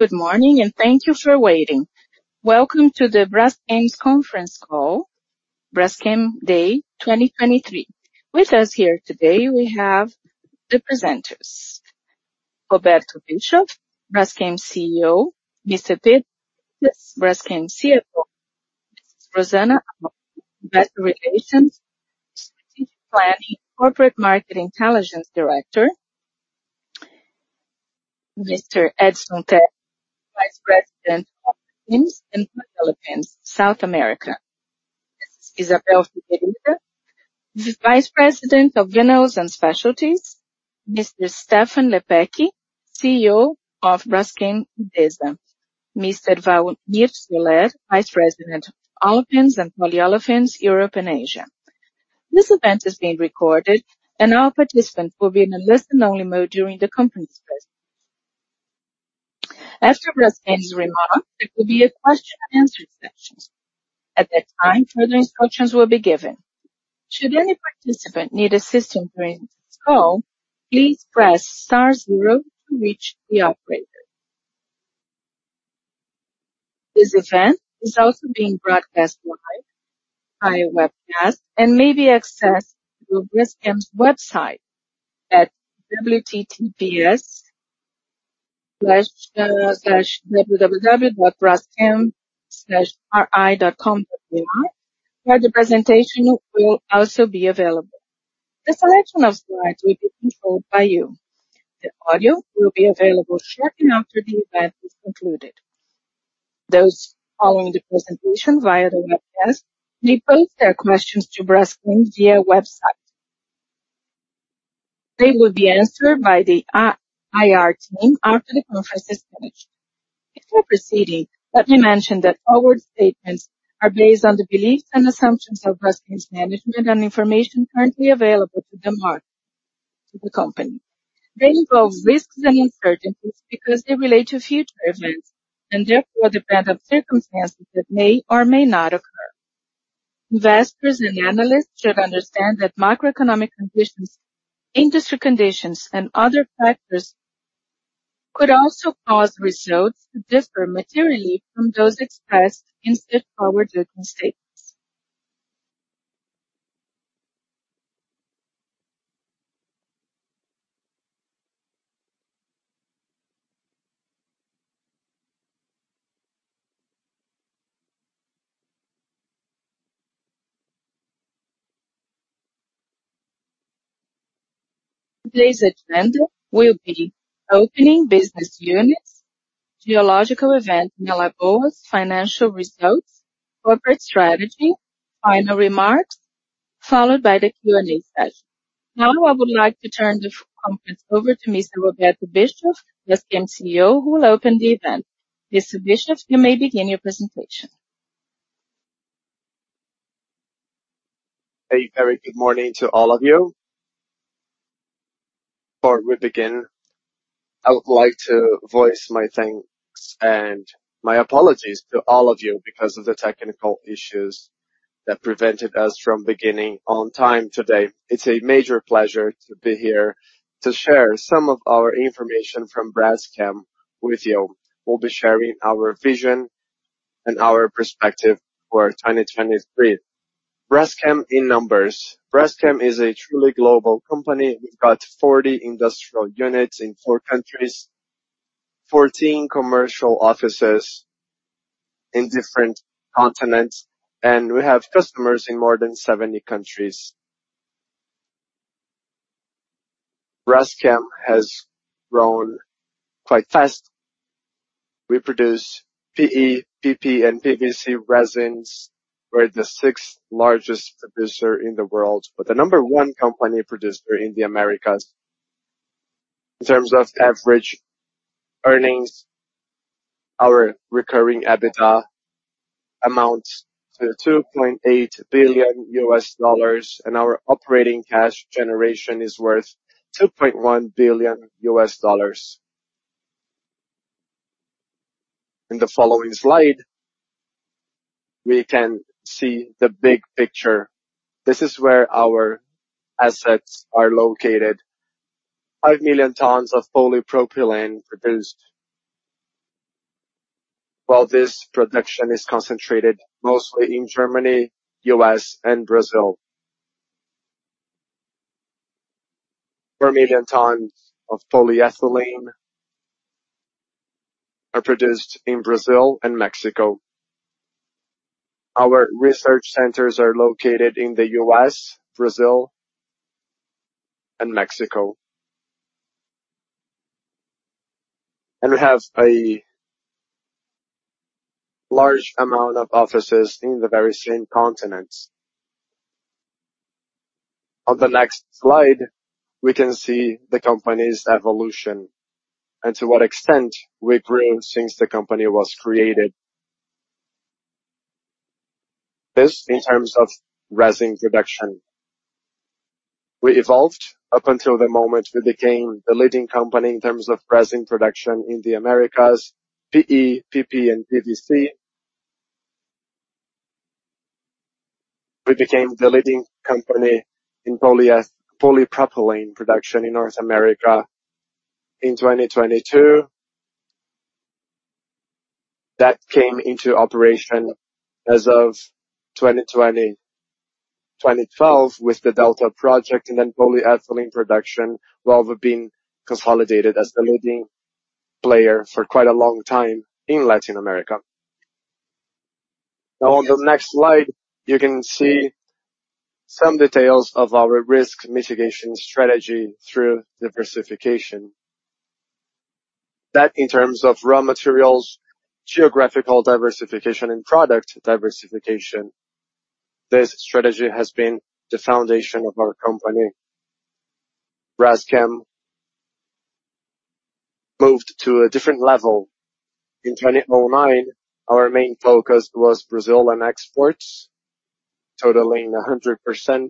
Good morning, and thank you for waiting. Welcome to the Braskem's conference call, Braskem Day 2023. With us here today, we have the presenters, Roberto Bischoff, Braskem CEO; Mr. Pedro Freitas, Braskem CFO; Rosana Avolio, Investor Relations, Strategic Planning, Corporate Market Intelligence Director; Mr. Edison Terra, Vice President of Olefins and Polyolefins, South America; Isabel Figueiredo, the Vice President of Vinyls and Specialties; Mr. Stefan Lepecki, CEO of Braskem Idesa; Mr. Walmir Soller, Vice President, Olefins and Polyolefins, Europe and Asia. This event is being recorded, and all participants will be in a listen-only mode during the conference presentation. After Braskem's remarks, there will be a question and answer session. At that time, further instructions will be given. Should any participant need assistance during this call, please press star zero to reach the operator. This event is also being broadcast live via webcast and may be accessed through Braskem's website at https://www.braskem-ri.com.br, where the presentation will also be available. The selection of slides will be controlled by you. The audio will be available shortly after the event is concluded. Those following the presentation via the webcast may post their questions to Braskem via website. They will be answered by the IR team after the conference is finished. Before proceeding, let me mention that forward statements are based on the beliefs and assumptions of Braskem's management and information currently available to the market, to the company. They involve risks and uncertainties because they relate to future events and therefore are dependent on circumstances that may or may not occur. Investors and analysts should understand that macroeconomic conditions, industry conditions, and other factors could also cause results to differ materially from those expressed in such forward-looking statements. Today's agenda will be opening business units, geological event in Alagoas, financial results, corporate strategy, final remarks, followed by the Q&A session. Now, I would like to turn the conference over to Mr. Roberto Bischoff, Braskem CEO, who will open the event. Mr. Bischoff, you may begin your presentation. A very good morning to all of you. Before we begin, I would like to voice my thanks and my apologies to all of you because of the technical issues that prevented us from beginning on time today. It's a major pleasure to be here to share some of our information from Braskem with you. We'll be sharing our vision and our perspective for 2023. Braskem in numbers. Braskem is a truly global company. We've got 40 industrial units in 4 countries, 14 commercial offices in different continents, and we have customers in more than 70 countries. Braskem has grown quite fast. We produce PE, PP, and PVC resins. We're the sixth largest producer in the world, but the number one company producer in the Americas. In terms of average earnings, our recurring EBITDA amounts to $2.8 billion, and our operating cash generation is worth $2.1 billion. In the following slide, we can see the big picture. This is where our assets are located. 5 million tons of polypropylene produced, while this production is concentrated mostly in Germany, U.S., and Brazil. 4 million tons of polyethylene are produced in Brazil and Mexico. Our research centers are located in the U.S., Brazil, and Mexico. We have a large amount of offices in the very same continents. On the next slide, we can see the company's evolution and to what extent we've grown since the company was created. This, in terms of resin production, we evolved up until the moment we became the leading company in terms of resin production in the Americas, PE, PP, and PVC.... We became the leading company in polypropylene production in North America in 2022. That came into operation as of 2012, with the Delta project, and then polyethylene production, well, we've been consolidated as the leading player for quite a long time in Latin America. Now, on the next slide, you can see some details of our risk mitigation strategy through diversification. That in terms of raw materials, geographical diversification, and product diversification, this strategy has been the foundation of our company. Braskem moved to a different level. In 2009, our main focus was Brazil and exports, totaling 100%.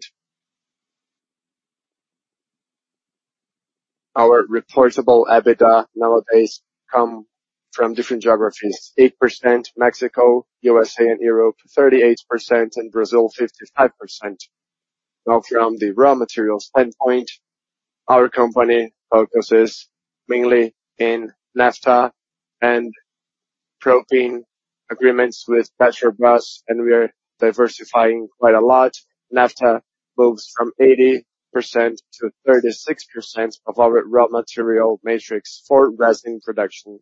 Our reportable EBITDA nowadays come from different geographies. 8% Mexico, USA and Europe 38%, and Brazil 55%. Now, from the raw materials standpoint, our company focuses mainly in naphtha and propane agreements with Petrobras, and we are diversifying quite a lot. Naphtha moves from 80%-36% of our raw material matrix for resin production.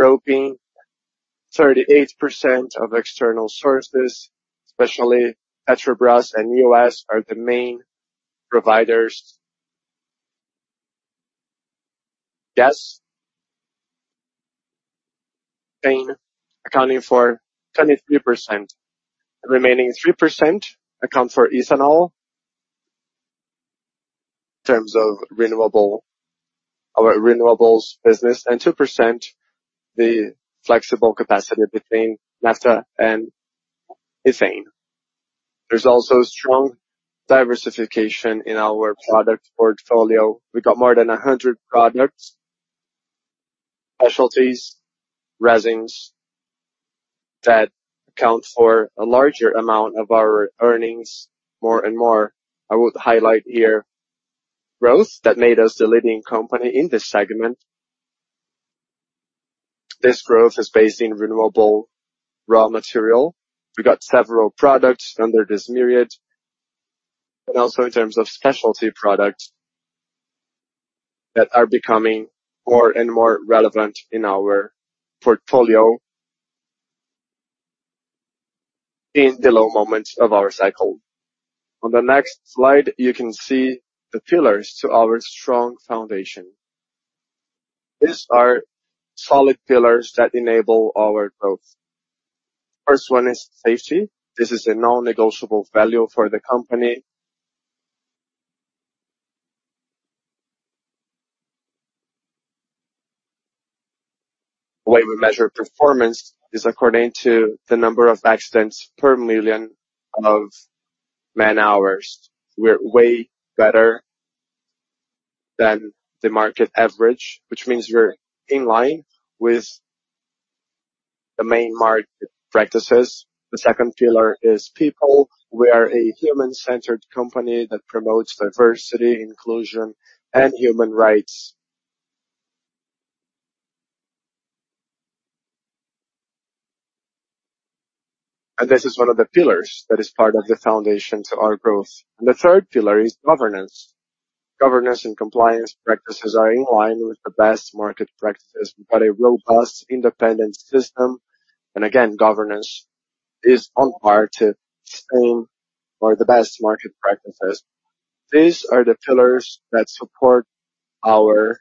Propane, 38% of external sources, especially Petrobras and U.S., are the main providers. Yes. Accounting for 23%. The remaining 3% account for ethanol in terms of renewable, our renewables business, and 2% the flexible capacity between naphtha and ethane. There's also strong diversification in our product portfolio. We got more than 100 products, specialties, resins, that account for a larger amount of our earnings, more and more. I would highlight here, growth that made us the leading company in this segment. This growth is based in renewable raw material. We got several products under this myriad, but also in terms of specialty products, that are becoming more and more relevant in our portfolio in the low moments of our cycle. On the next slide, you can see the pillars to our strong foundation. These are solid pillars that enable our growth. First one is safety. This is a non-negotiable value for the company. The way we measure performance is according to the number of accidents per million of man-hours. We're way better than the market average, which means we're in line with the main market practices. The second pillar is people. We are a human-centered company that promotes diversity, inclusion, and human rights. And this is one of the pillars that is part of the foundation to our growth. And the third pillar is governance. Governance and compliance practices are in line with the best market practices. We've got a robust independent system, and again, governance is on par to staying for the best market practices. These are the pillars that support our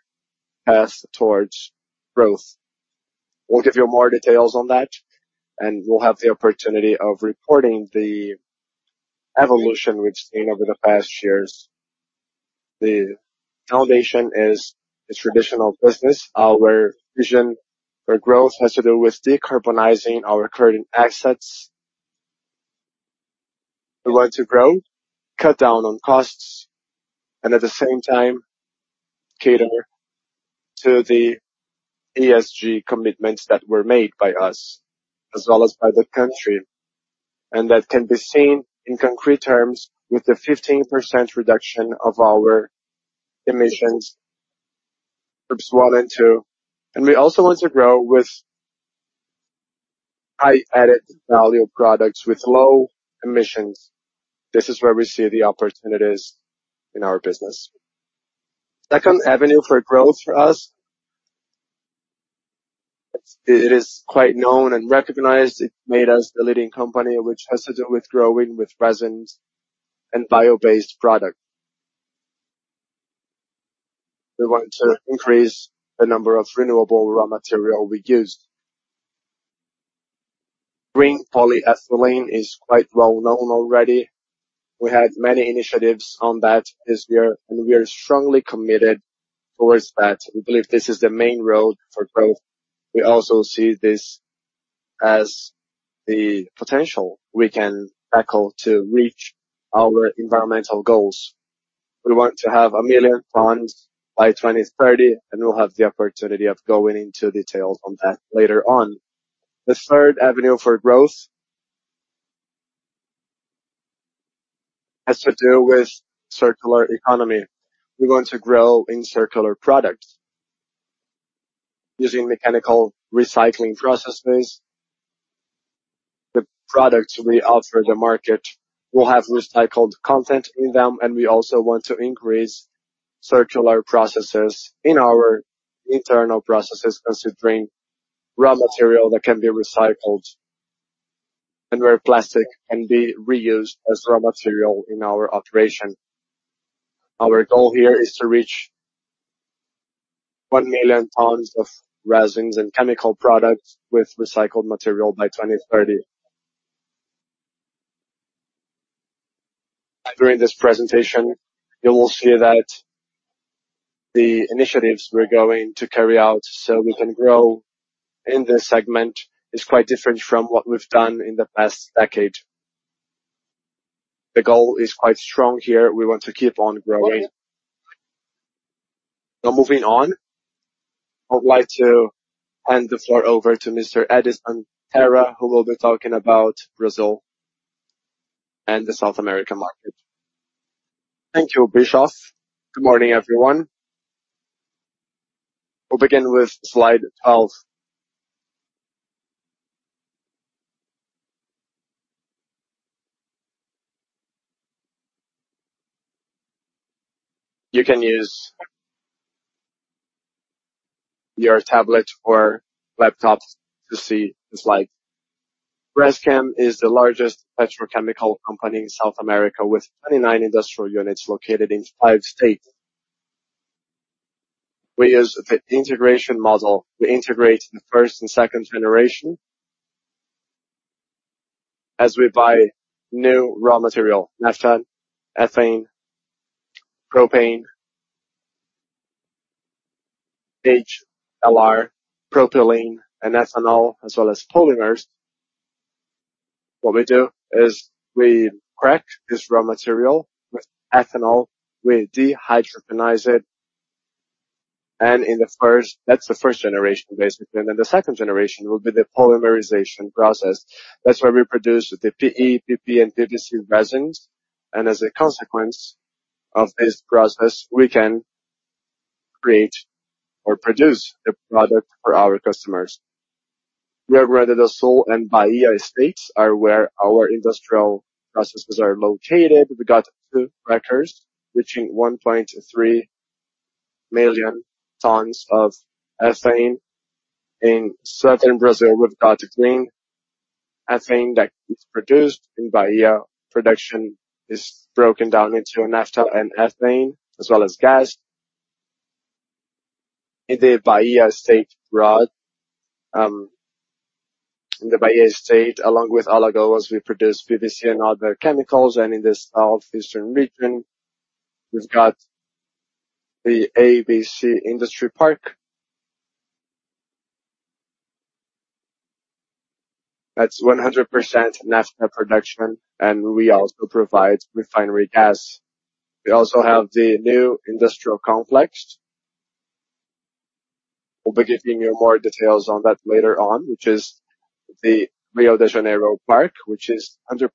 path towards growth. We'll give you more details on that, and we'll have the opportunity of reporting the evolution we've seen over the past years. The foundation is the traditional business. Our vision for growth has to do with decarbonizing our current assets. We want to grow, cut down on costs, and at the same time, cater to the ESG commitments that were made by us, as well as by the country. And that can be seen in concrete terms with the 15% reduction of our emissions, groups one and two. And we also want to grow with high added value products with low emissions. This is where we see the opportunities in our business. Second avenue for growth for us, it is quite known and recognized. It made us the leading company, which has to do with growing with resins and bio-based products. We want to increase the number of renewable raw material we use. Green polyethylene is quite well known already. We had many initiatives on that, as we are and we are strongly committed towards that. We believe this is the main road for growth. We also see this as the potential we can tackle to reach our environmental goals. We want to have 1 million tons by 2030, and we'll have the opportunity of going into details on that later on. The third avenue for growth has to do with circular economy. We want to grow in circular products using mechanical recycling processes. The products we offer the market will have recycled content in them, and we also want to increase circular processes in our internal processes, considering raw material that can be recycled and where plastic can be reused as raw material in our operation. Our goal here is to reach 1 million tons of resins and chemical products with recycled material by 2030. During this presentation, you will see that the initiatives we're going to carry out so we can grow in this segment is quite different from what we've done in the past decade. The goal is quite strong here. We want to keep on growing. Now, moving on, I would like to hand the floor over to Mr. Edison Terra, who will be talking about Brazil and the South American market. Thank you, Bischoff. Good morning, everyone. We'll begin with slide 12. You can use your tablet or laptop to see the slide. Braskem is the largest petrochemical company in South America, with 29 industrial units located in 5 states. We use the integration model. We integrate the First and Second Generation as we buy new raw material, naphtha, ethane, propane, HGL, propylene, and ethanol, as well as polymers. What we do is we crack this raw material with ethanol, we dehydrogenate it, and in the first... That's the First Generation, basically, and then the Second Generation will be the polymerization process. That's where we produce the PE, PP, and PVC resins, and as a consequence of this process, we can create or produce the product for our customers. Rio Grande do Sul and Bahia states are where our industrial processes are located. We got two crackers, reaching 1.3 million tons of ethane in southern Brazil. We've got the clean ethane that is produced in Bahia. Production is broken down into naphtha and ethane, as well as gas. In the Bahia state, along with Alagoas, we produce PVC and other chemicals, and in the southeastern region, we've got the ABC Industry Park. That's 100% naphtha production, and we also provide refinery gas. We also have the new industrial complex. We'll be giving you more details on that later on, which is the Rio de Janeiro Park, which is 100%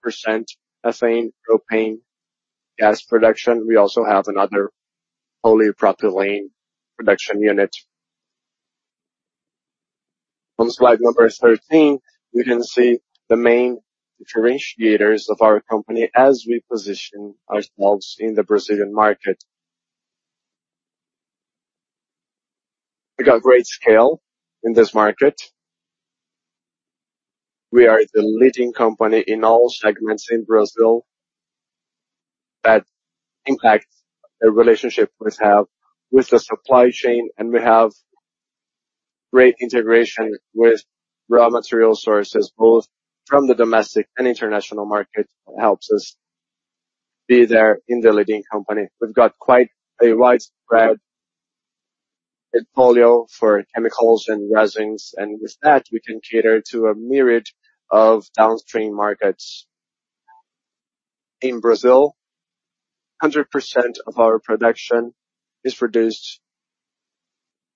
ethane, propane, gas production. We also have another polypropylene production unit. On slide number 13, we can see the main differentiators of our company as we position ourselves in the Brazilian market. We got great scale in this market. We are the leading company in all segments in Brazil. That impacts the relationship we have with the supply chain, and we have great integration with raw material sources, both from the domestic and international market. It helps us be there in the leading company. We've got quite a widespread portfolio for chemicals and resins, and with that, we can cater to a myriad of downstream markets. In Brazil, 100% of our production is produced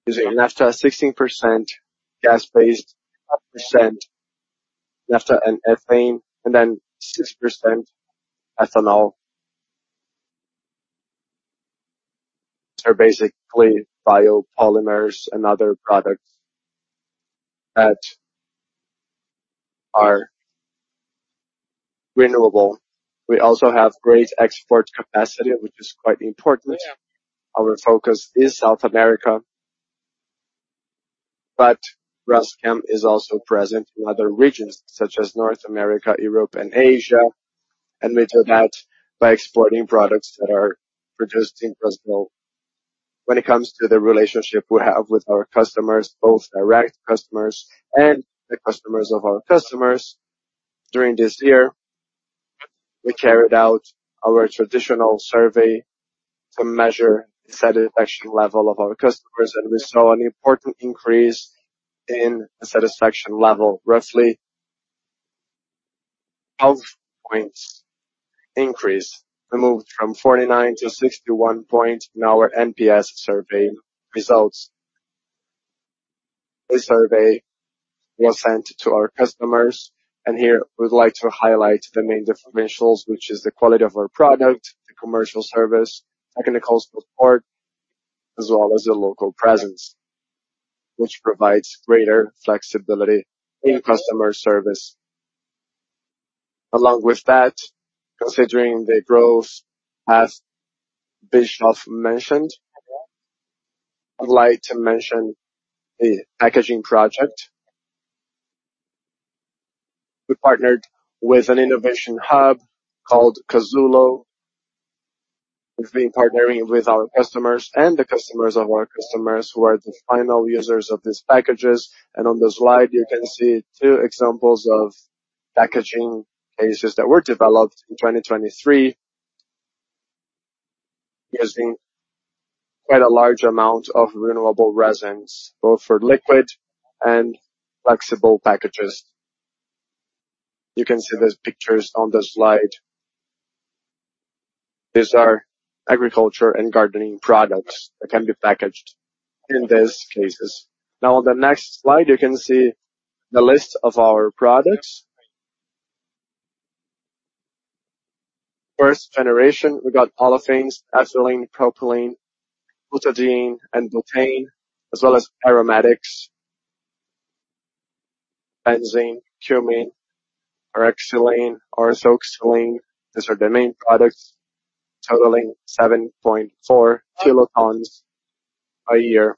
using naphtha, 16% gas-based, 5% naphtha and ethane, and then 6% ethanol. They're basically biopolymers and other products that are renewable. We also have great export capacity, which is quite important. Our focus is South America, but Braskem is also present in other regions such as North America, Europe, and Asia, and we do that by exporting products that are produced in Brazil. When it comes to the relationship we have with our customers, both direct customers and the customers of our customers, during this year, we carried out our traditional survey to measure the satisfaction level of our customers, and we saw an important increase in the satisfaction level, 12-point increase. We moved from 49 to 61 points in our NPS survey results. The survey was sent to our customers, and here we'd like to highlight the main differentials, which is the quality of our product, the commercial service, technical support, as well as the local presence, which provides greater flexibility in customer service. Along with that, considering the growth, as Bischoff mentioned, I'd like to mention the packaging project. We partnered with an innovation hub called Cazulo. We've been partnering with our customers and the customers of our customers, who are the final users of these packages. On the slide, you can see two examples of packaging cases that were developed in 2023, using quite a large amount of renewable resins, both for liquid and flexible packages. You can see those pictures on the slide. These are agriculture and gardening products that can be packaged in these cases. Now, on the next slide, you can see the list of our products. First generation, we got olefins, ethylene, propylene, butadiene, and butane, as well as aromatics, benzene, cumene, paraxylene, orthoxylene. These are the main products, totaling 7.4 kilotons a year.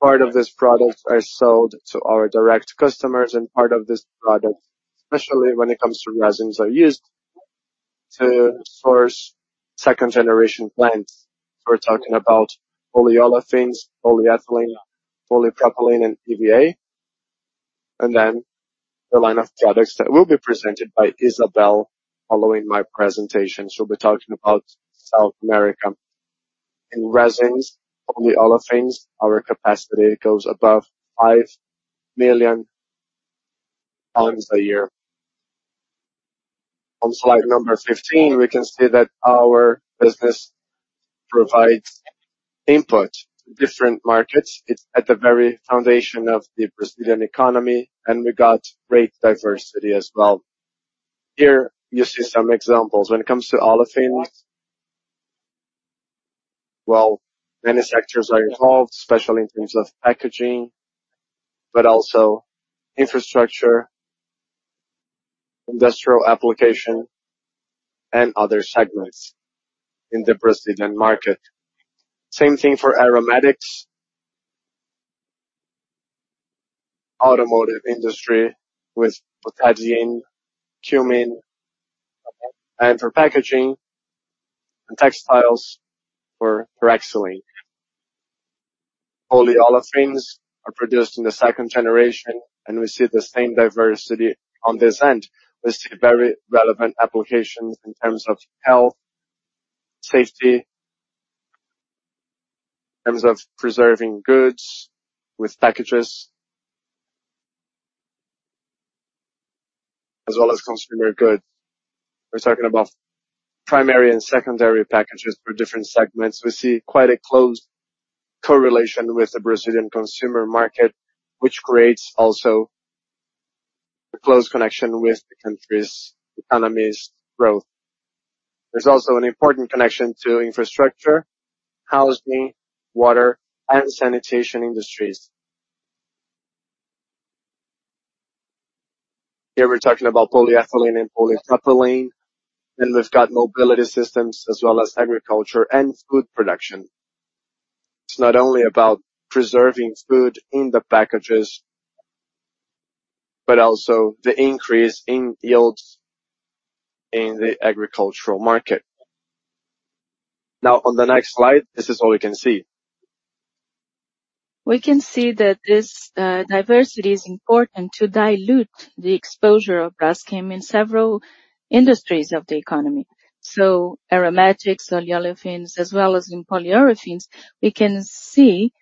Part of these products are sold to our direct customers, and part of this product, especially when it comes to resins, are used to source second-generation plants. We're talking about polyolefins, polyethylene, polypropylene, and EVA, and then the line of products that will be presented by Isabelle following my presentation. She'll be talking about South America. In resins, polyolefins, our capacity goes above 5 million tons a year. On slide number 15, we can see that our business provides input to different markets. It's at the very foundation of the Brazilian economy, and we got great diversity as well. Here you see some examples. When it comes to olefins, well, many sectors are involved, especially in terms of packaging, but also infrastructure, industrial application, and other segments in the Brazilian market. Same thing for aromatics. Automotive industry with butadiene, cumene, and for packaging and textiles for paraxylene. Polyolefins are produced in the second generation, and we see the same diversity on this end. We see very relevant applications in terms of health, safety, in terms of preserving goods with packages, as well as consumer goods. We're talking about primary and secondary packages for different segments. We see quite a close correlation with the Brazilian consumer market, which creates also a close connection with the country's economy's growth. There's also an important connection to infrastructure, housing, water, and sanitation industries. Here we're talking about polyethylene and polypropylene, then we've got mobility systems as well as agriculture and food production. It's not only about preserving food in the packages, but also the increase in yields in the agricultural market. Now, on the next slide, this is all we can see. We can see that this diversity is important to dilute the exposure of Braskem in several industries of the economy. So aromatics, olefins, as well as in polyolefins, we can see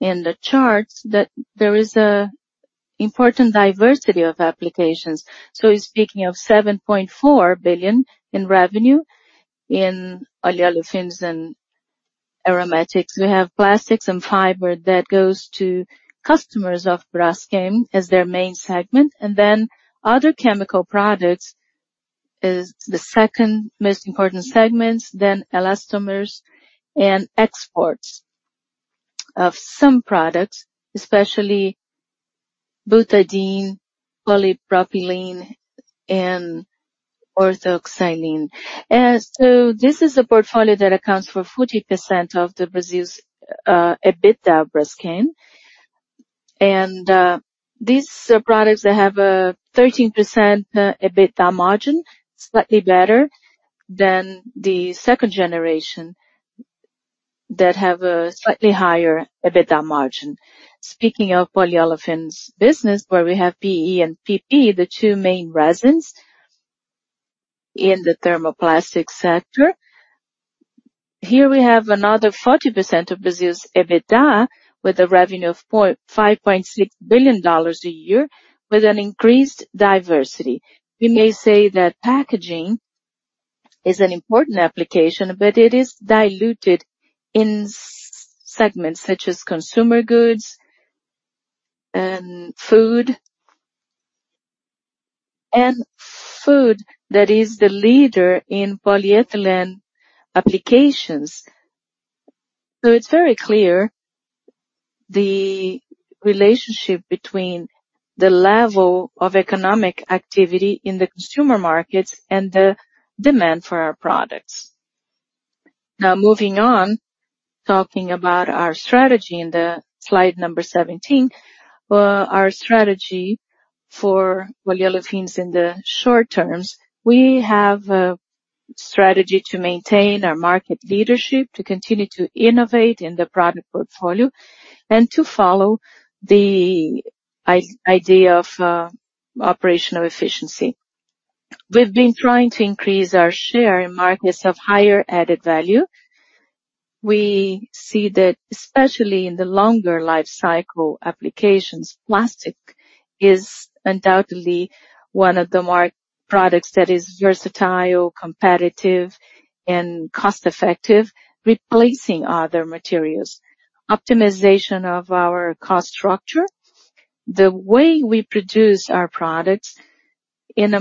in the charts that there is a important diversity of applications. So in speaking of 7.4 billion in revenue in olefins and aromatics, we have plastics and fiber that goes to customers of Braskem as their main segment, and then other chemical products is the second most important segment, then elastomers and exports of some products, especially butadiene, polypropylene, and orthoxylene. So this is a portfolio that accounts for 40% of the Brazil's EBITDA Braskem. And these products, they have a 13% EBITDA margin, slightly better than the second generation, that have a slightly higher EBITDA margin. Speaking of polyolefins business, where we have PE and PP, the two main resins in the thermoplastic sector. Here we have another 40% of Brazil's EBITDA, with a revenue of $5.6 billion a year, with an increased diversity. We may say that packaging is an important application, but it is diluted in segments such as consumer goods and food. Food, that is the leader in polyethylene applications. So it's very clear, the relationship between the level of economic activity in the consumer markets and the demand for our products. Now, moving on, talking about our strategy in the slide number 17. Our strategy for polyolefins in the short term, we have a strategy to maintain our market leadership, to continue to innovate in the product portfolio, and to follow the idea of operational efficiency. We've been trying to increase our share in markets of higher added value. We see that, especially in the longer life cycle applications, plastic is undoubtedly one of the market products that is versatile, competitive, and cost-effective, replacing other materials. Optimization of our cost structure. The way we produce our products in a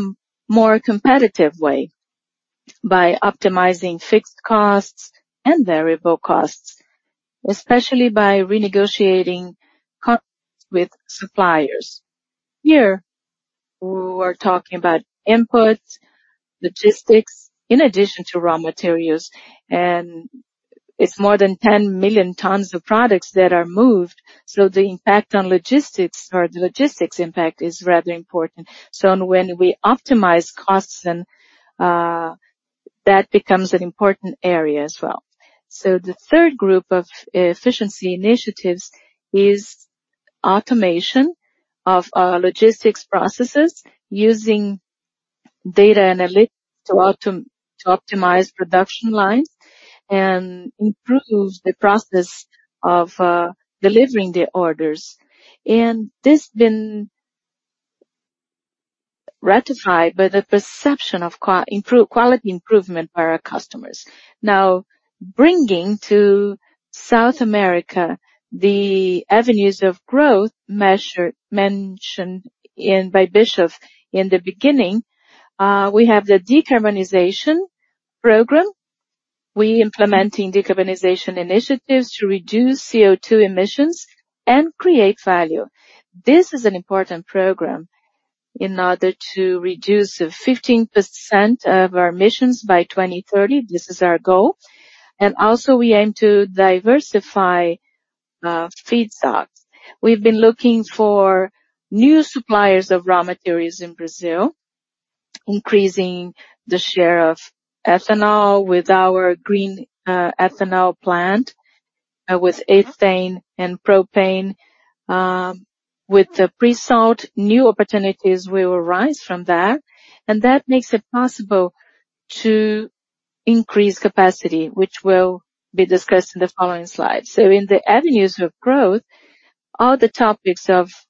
more competitive way, by optimizing fixed costs and variable costs, especially by renegotiating with suppliers. Here, we're talking about input, logistics, in addition to raw materials, and it's more than 10 million tons of products that are moved, so the impact on logistics or the logistics impact is rather important. So when we optimize costs, then, that becomes an important area as well. So the third group of efficiency initiatives is automation of our logistics processes using data analytics to optimize production lines and improve the process of delivering the orders. This has been ratified by the perception of quality improvement by our customers. Now, bringing to South America, the avenues of growth measures mentioned by Bischoff in the beginning, we have the decarbonization program. We are implementing decarbonization initiatives to reduce CO2 emissions and create value. This is an important program in order to reduce 15% of our emissions by 2030. This is our goal. Also, we aim to diversify feedstocks. We've been looking for new suppliers of raw materials in Brazil, increasing the share of ethanol with our green ethanol plant, with ethane and propane, with the pre-salt, new opportunities will arise from that, and that makes it possible to increase capacity, which will be discussed in the following slide. So in the avenues of growth, all the topics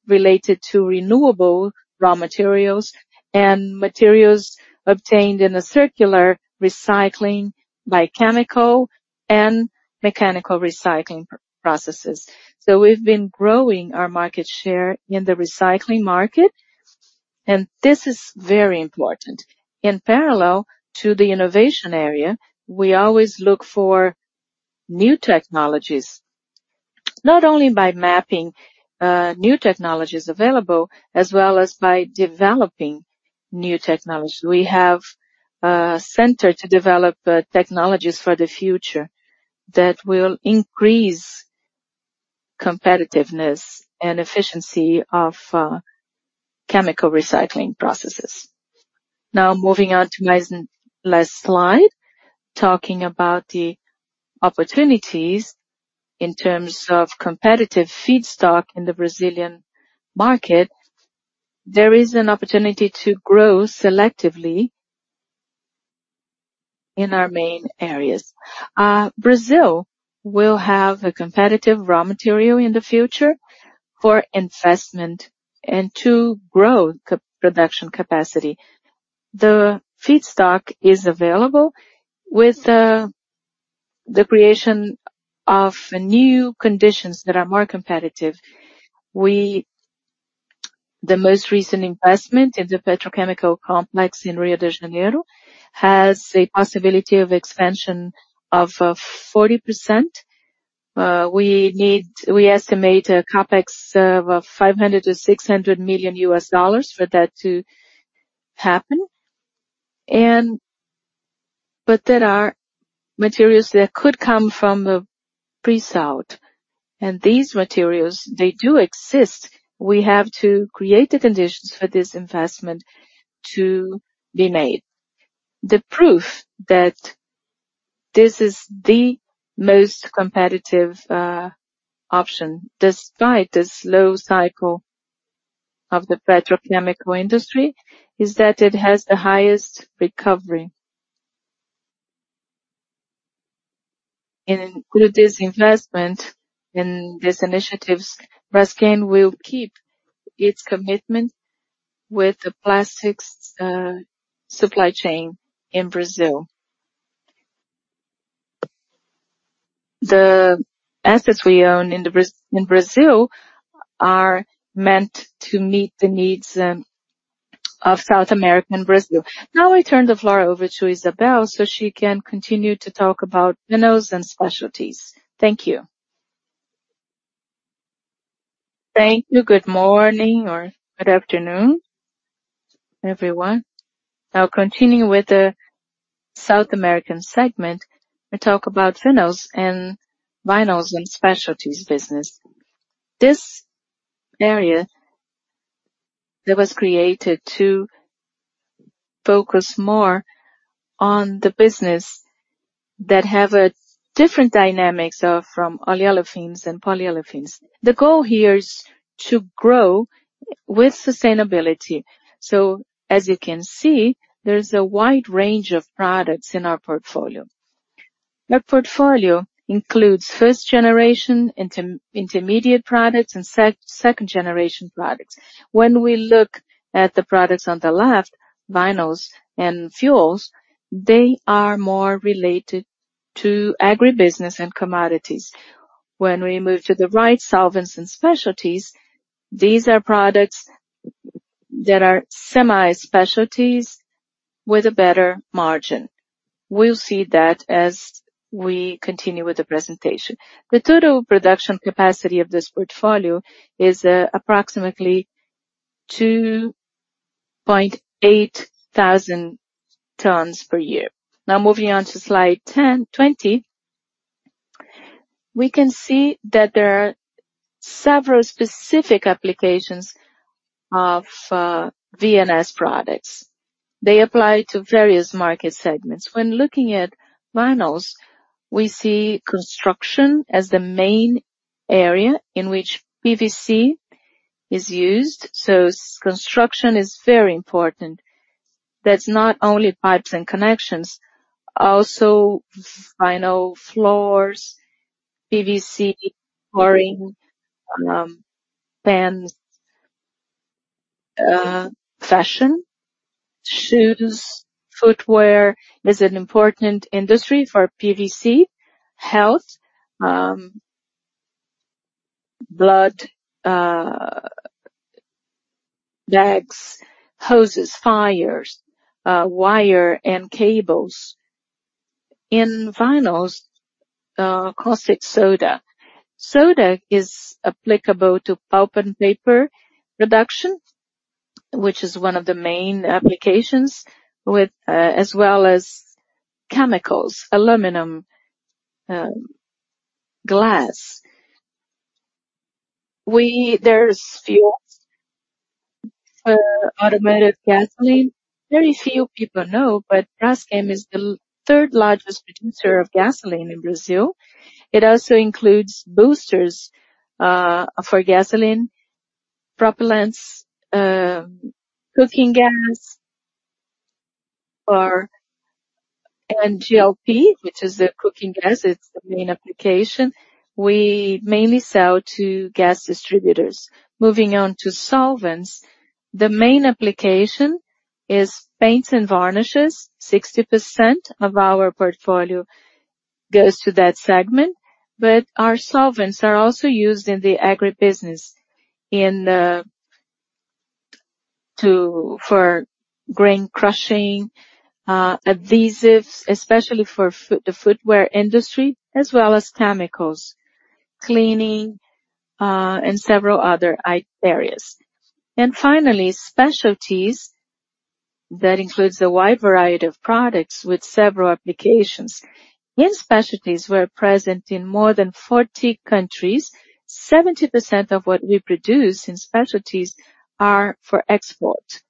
related to renewable raw materials and materials obtained in a circular recycling by chemical and mechanical recycling processes. So we've been growing our market share in the recycling market, and this is very important. In parallel to the innovation area, we always look for new technologies, not only by mapping new technologies available, as well as by developing new technologies. We have a center to develop technologies for the future that will increase competitiveness and efficiency of chemical recycling processes. Now, moving on to my last slide, talking about the opportunities in terms of competitive feedstock in the Brazilian market. There is an opportunity to grow selectively in our main areas. Brazil will have a competitive raw material in the future for investment and to grow production capacity. The feedstock is available with the creation of new conditions that are more competitive. The most recent investment in the petrochemical complex in Rio de Janeiro has a possibility of expansion of 40%. We estimate a CapEx of $500 million-$600 million for that to happen. And but there are materials that could come from the pre-salt, and these materials, they do exist. We have to create the conditions for this investment to be made. The proof that this is the most competitive option, despite the slow cycle of the petrochemical industry, is that it has the highest recovery. And include this investment in these initiatives, Braskem will keep its commitment with the plastics supply chain in Brazil. The assets we own in Brazil are meant to meet the needs of South America and Brazil. Now, I turn the floor over to Isabel, so she can continue to talk about vinyls and specialties. Thank you. Thank you. Good morning or good afternoon, everyone. I'll continue with the South American segment and talk about vinyls and specialties business. This area that was created to focus more on the business that have a different dynamics from olefins and polyolefins. The goal here is to grow with sustainability. So as you can see, there's a wide range of products in our portfolio. That portfolio includes first generation intermediate products and second generation products. When we look at the products on the left, vinyls and fuels, they are more related to agribusiness and commodities. When we move to the right, solvents and specialties, these are products that are semi-specialties with a better margin. We'll see that as we continue with the presentation. The total production capacity of this portfolio is approximately 2,800 tons per year. Now, moving on to slide 20. We can see that there are several specific applications of VNS products. They apply to various market segments. When looking at vinyls, we see construction as the main area in which PVC is used, so construction is very important. That's not only pipes and connections, also vinyl floors, PVC flooring, pans, fashion, shoes. Footwear is an important industry for PVC. Health, blood bags, hoses, fires, wire and cables. In vinyls, caustic soda. Soda is applicable to pulp and paper production, which is one of the main applications, with as well as chemicals, aluminum, glass. There's fuels, automotive gasoline. Very few people know, but Braskem is the third largest producer of gasoline in Brazil. It also includes boosters, for gasoline, propellants, cooking gas, or NGLP, which is a cooking gas. It's the main application. We mainly sell to gas distributors. Moving on to solvents. The main application is paints and varnishes. 60% of our portfolio goes to that segment, but our solvents are also used in the agribusiness for grain crushing, adhesives, especially for the footwear industry, as well as chemicals, cleaning, and several other areas. And finally, specialties. That includes a wide variety of products with several applications. In specialties, we're present in more than 40 countries. 70% of what we produce in specialties are for export,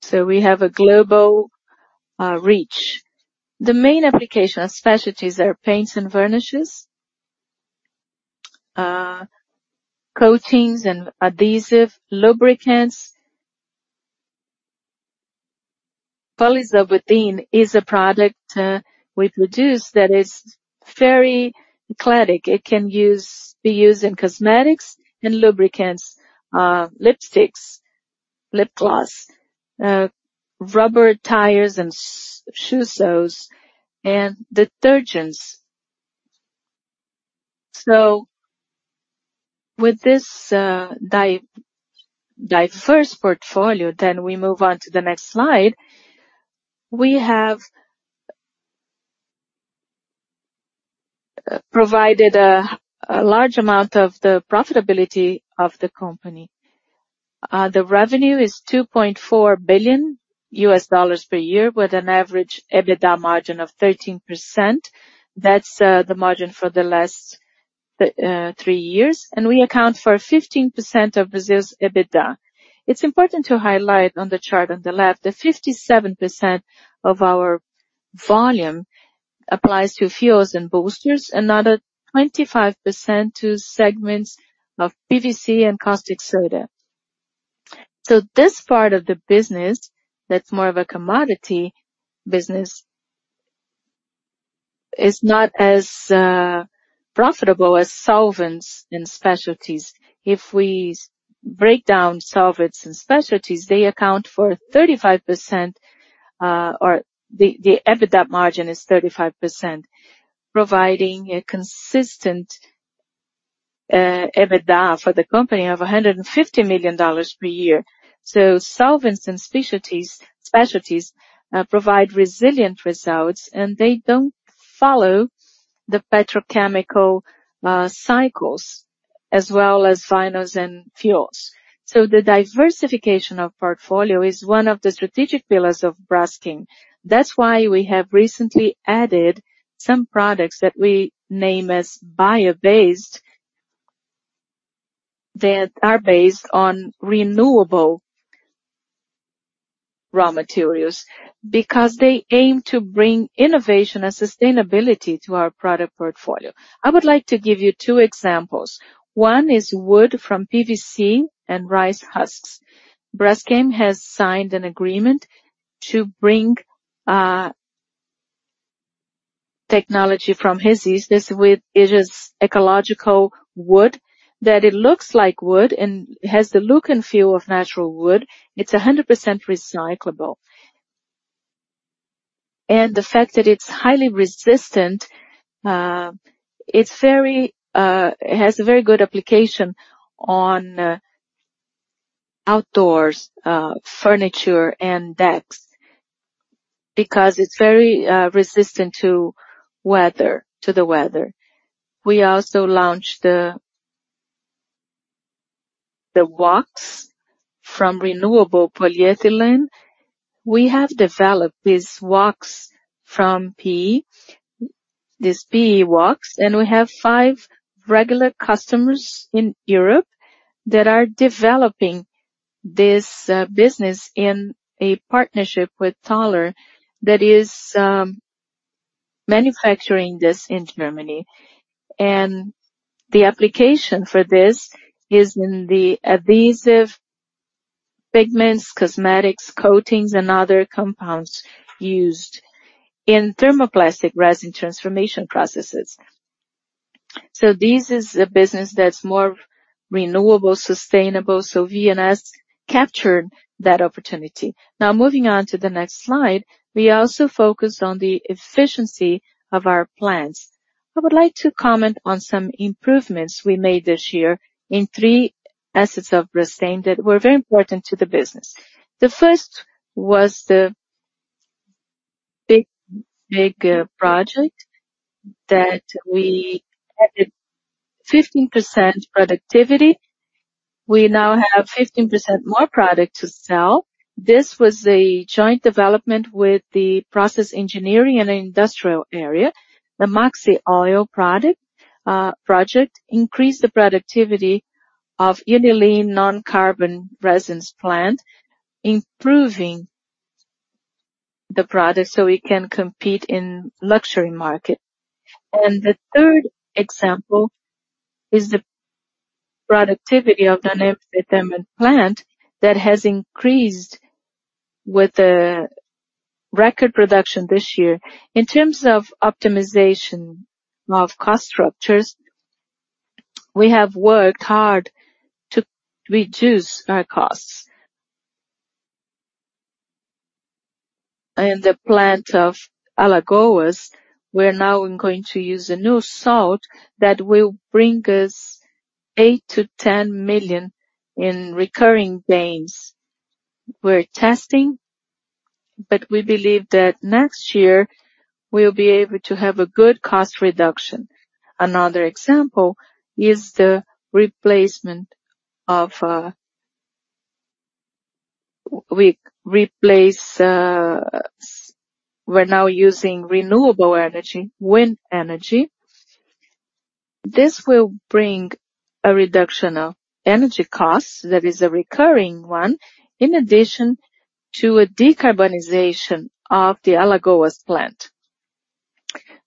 so we have a global reach. The main application of specialties are paints and varnishes, coatings and adhesive, lubricants. Polysiloxane is a product we produce that is very eclectic. It can be used in cosmetics and lubricants, lipsticks, lip gloss, rubber tires and shoe soles and detergents. So with this diverse portfolio, then we move on to the next slide. We have provided a large amount of the profitability of the company. The revenue is $2.4 billion per year, with an average EBITDA margin of 13%. That's the margin for the last 3 years, and we account for 15% of Brazil's EBITDA. It's important to highlight on the chart on the left, that 57% of our profits... Volume applies to fuels and boosters, another 25% to segments of PVC and caustic soda. So this part of the business, that's more of a commodity business, is not as profitable as solvents and specialties. If we break down solvents and specialties, they account for 35%, or the EBITDA margin is 35%, providing a consistent EBITDA for the company of $150 million per year. So solvents and specialties provide resilient results, and they don't follow the petrochemical cycles as well as vinyls and fuels. So the diversification of portfolio is one of the strategic pillars of Braskem. That's why we have recently added some products that we name as bio-based, that are based on renewable raw materials, because they aim to bring innovation and sustainability to our product portfolio. I would like to give you two examples. One is wood from PVC and rice husks. Braskem has signed an agreement to bring technology from Resysta. This is ecological wood that looks like wood and has the look and feel of natural wood. It's 100% recyclable. And the fact that it's highly resistant, it's very. It has a very good application in outdoor furniture and decks, because it's very resistant to weather, to the weather. We also launched the wax from renewable polyethylene. We have developed this wax from PE, this PE wax, and we have five regular customers in Europe that are developing this business in a partnership with a toller that is manufacturing this in Germany. And the application for this is in adhesives, pigments, cosmetics, coatings, and other compounds used in thermoplastic resin transformation processes. So this is a business that's more renewable, sustainable, so V&S captured that opportunity. Now, moving on to the next slide. We also focus on the efficiency of our plants. I would like to comment on some improvements we made this year in three assets of Braskem that were very important to the business. The first was the big, big project that we added 15% productivity. We now have 15% more product to sell. This was a joint development with the process engineering and industrial area. The Maxio product project increased the productivity of low carbon resins plant, improving the product so it can compete in luxury market. And the third example is the productivity of the neopentyl glycol plant that has increased with a record production this year. In terms of optimization of cost structures, we have worked hard to reduce our costs. In the plant of Alagoas, we're now going to use a new salt that will bring us 8-10 million in recurring gains. We're testing, but we believe that next year, we'll be able to have a good cost reduction. Another example is the replacement of. We're now using renewable energy, wind energy. This will bring a reduction of energy costs, that is a recurring one, in addition to a decarbonization of the Alagoas plant.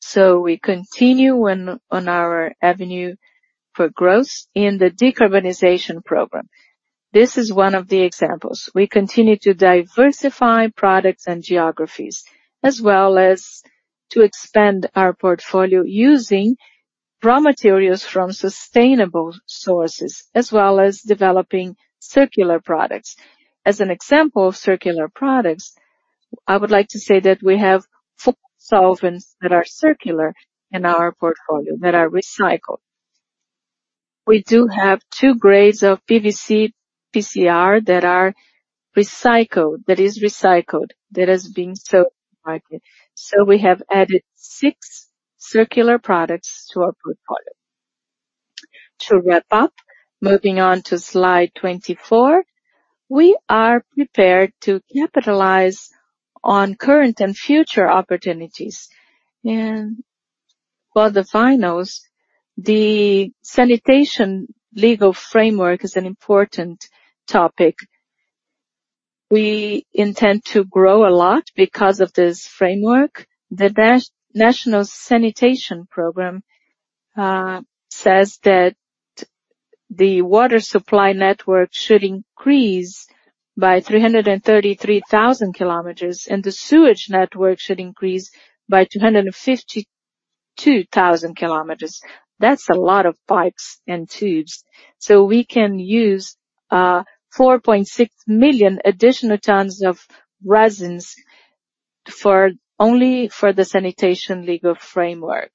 So we continue on our avenue for growth in the decarbonization program. This is one of the examples. We continue to diversify products and geographies, as well as to expand our portfolio using raw materials from sustainable sources, as well as developing circular products. As an example of circular products, I would like to say that we have four solvents that are circular in our portfolio, that are recycled. We do have two grades of PVC, PCR, that are recycled, that is recycled, that has been sold in the market. So we have added six circular products to our portfolio. To wrap up, moving on to slide 24, we are prepared to capitalize on current and future opportunities. For the finals, the sanitation legal framework is an important topic. We intend to grow a lot because of this framework. The National Sanitation Program says that the water supply network should increase by 333,000 kilometers, and the sewage network should increase by 252,000 kilometers. That's a lot of pipes and tubes. So we can use 4.6 million additional tons of resins for only for the sanitation legal framework.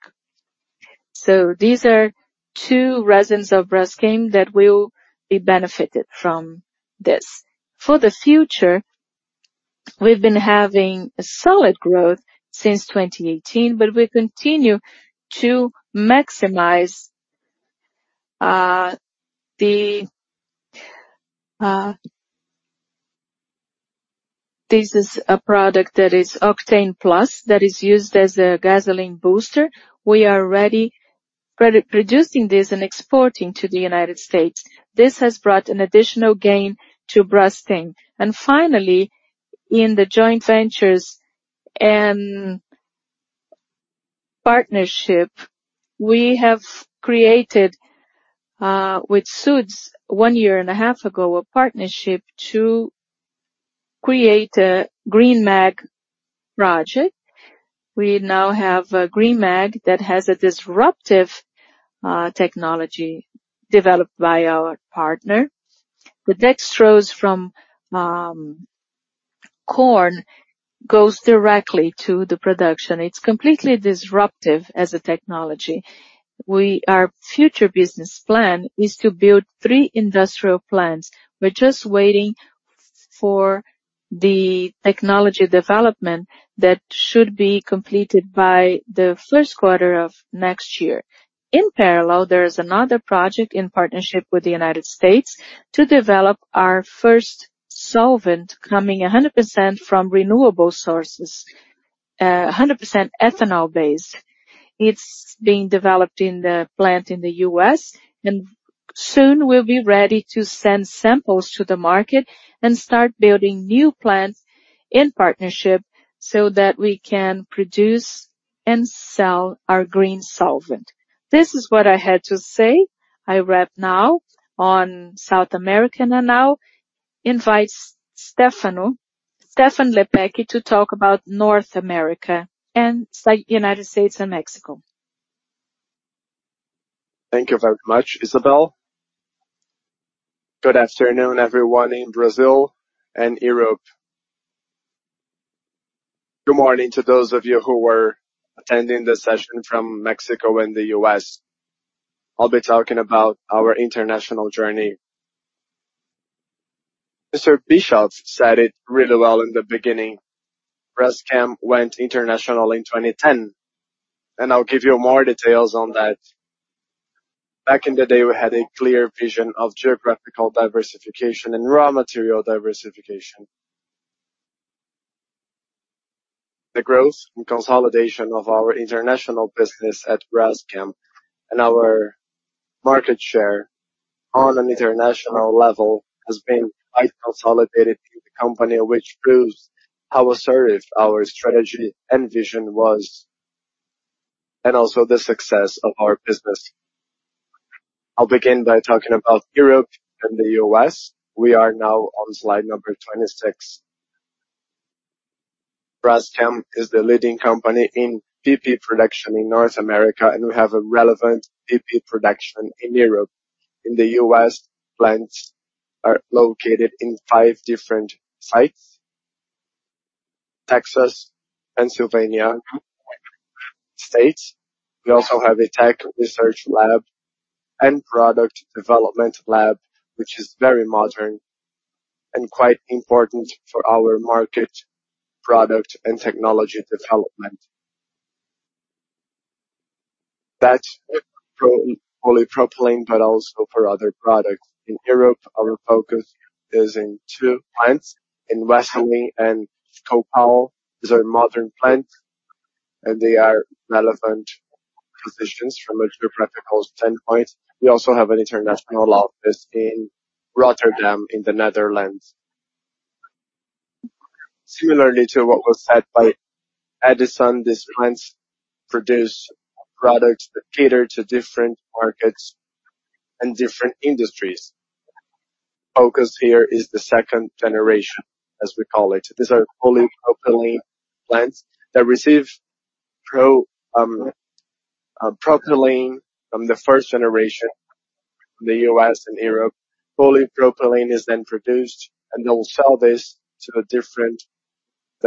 So these are two resins of Braskem that will be benefited from this. For the future, we've been having a solid growth since 2018, but we continue to maximize. This is a product that is Octane Plus, that is used as a gasoline booster. We are already producing this and exporting to the United States. This has brought an additional gain to Braskem. And finally, in the joint ventures and partnership, we have created with Sojitz 1.5 years ago, a partnership to create a Green MEG project. We now have a Green MEG that has a disruptive technology developed by our partner. The dextrose from corn goes directly to the production. It's completely disruptive as a technology. Our future business plan is to build three industrial plants. We're just waiting for the technology development that should be completed by the first quarter of next year. In parallel, there is another project in partnership with the United States to develop our first solvent, coming 100% from renewable sources, 100% ethanol-based. It's being developed in the plant in the US, and soon we'll be ready to send samples to the market and start building new plants in partnership so that we can produce and sell our green solvent. This is what I had to say. I wrap now on South America, and now invite Stefan, Stefan Lepecki, to talk about North America and United States and Mexico. Thank you very much, Isabelle. Good afternoon, everyone in Brazil and Europe. Good morning to those of you who were attending the session from Mexico and the US. I'll be talking about our international journey. Mr. Bischoff said it really well in the beginning, Braskem went international in 2010, and I'll give you more details on that. Back in the day, we had a clear vision of geographical diversification and raw material diversification. The growth and consolidation of our international business at Braskem and our market share on an international level has been quite consolidated through the company, which proves how assertive our strategy and vision was, and also the success of our business. I'll begin by talking about Europe and the US. We are now on slide number 26. Braskem is the leading company in PP production in North America, and we have a relevant PP production in Europe. In the U.S., plants are located in five different sites: Texas, Pennsylvania, States. We also have a tech research lab and product development lab, which is very modern and quite important for our market, product, and technology development. That's polypropylene, but also for other products. In Europe, our focus is in two plants, in Wesseling and Kallo. These are modern plants, and they are relevant positions from a geographical standpoint. We also have an international office in Rotterdam, in the Netherlands. Similarly to what was said by Edison, these plants produce products that cater to different markets and different industries. Focus here is the second generation, as we call it. These are polypropylene plants that receive propylene from the first generation, the U.S. and Europe. Polypropylene is then produced, and they'll sell this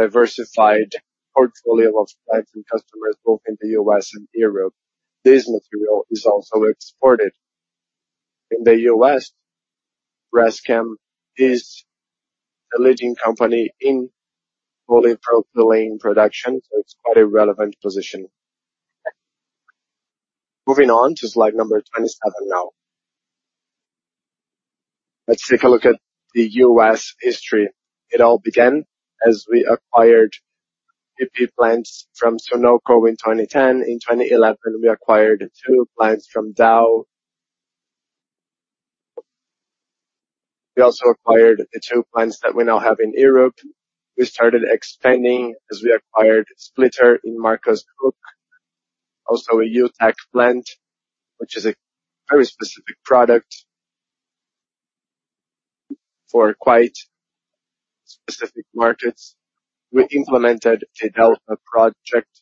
to a different diversified portfolio of clients and customers, both in the U.S. and Europe. This material is also exported. In the U.S., Braskem is the leading company in polypropylene production, so it's quite a relevant position. Moving on to slide number 27 now. Let's take a look at the U.S. history. It all began as we acquired PP plants from Sunoco in 2010. In 2011, we acquired two plants from Dow. We also acquired the two plants that we now have in Europe. We started expanding as we acquired Splitter in Marcus Hook, also a UTEC plant, which is a very specific product for quite specific markets. We implemented the Delta project.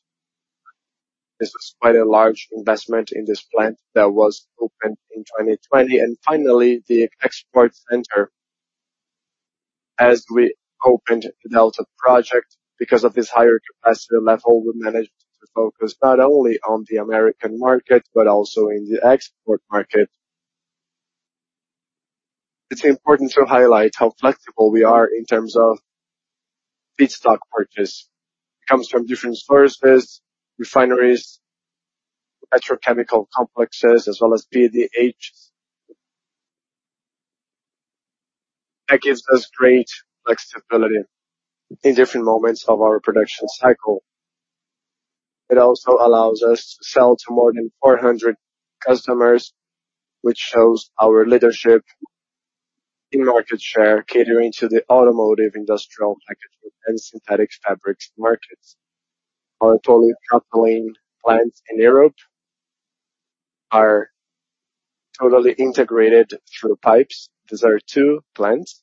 This was quite a large investment in this plant that was opened in 2020, and finally, the export center, as we opened the Delta project. Because of this higher capacity level, we managed to focus not only on the American market, but also in the export market. It's important to highlight how flexible we are in terms of feedstock purchase. It comes from different sources, refineries, petrochemical complexes, as well as PDH. That gives us great flexibility in different moments of our production cycle. It also allows us to sell to more than 400 customers, which shows our leadership in market share, catering to the automotive, industrial, packaging, and synthetic fabrics markets. Our totally coupled plants in Europe are totally integrated through pipes. These are two plants,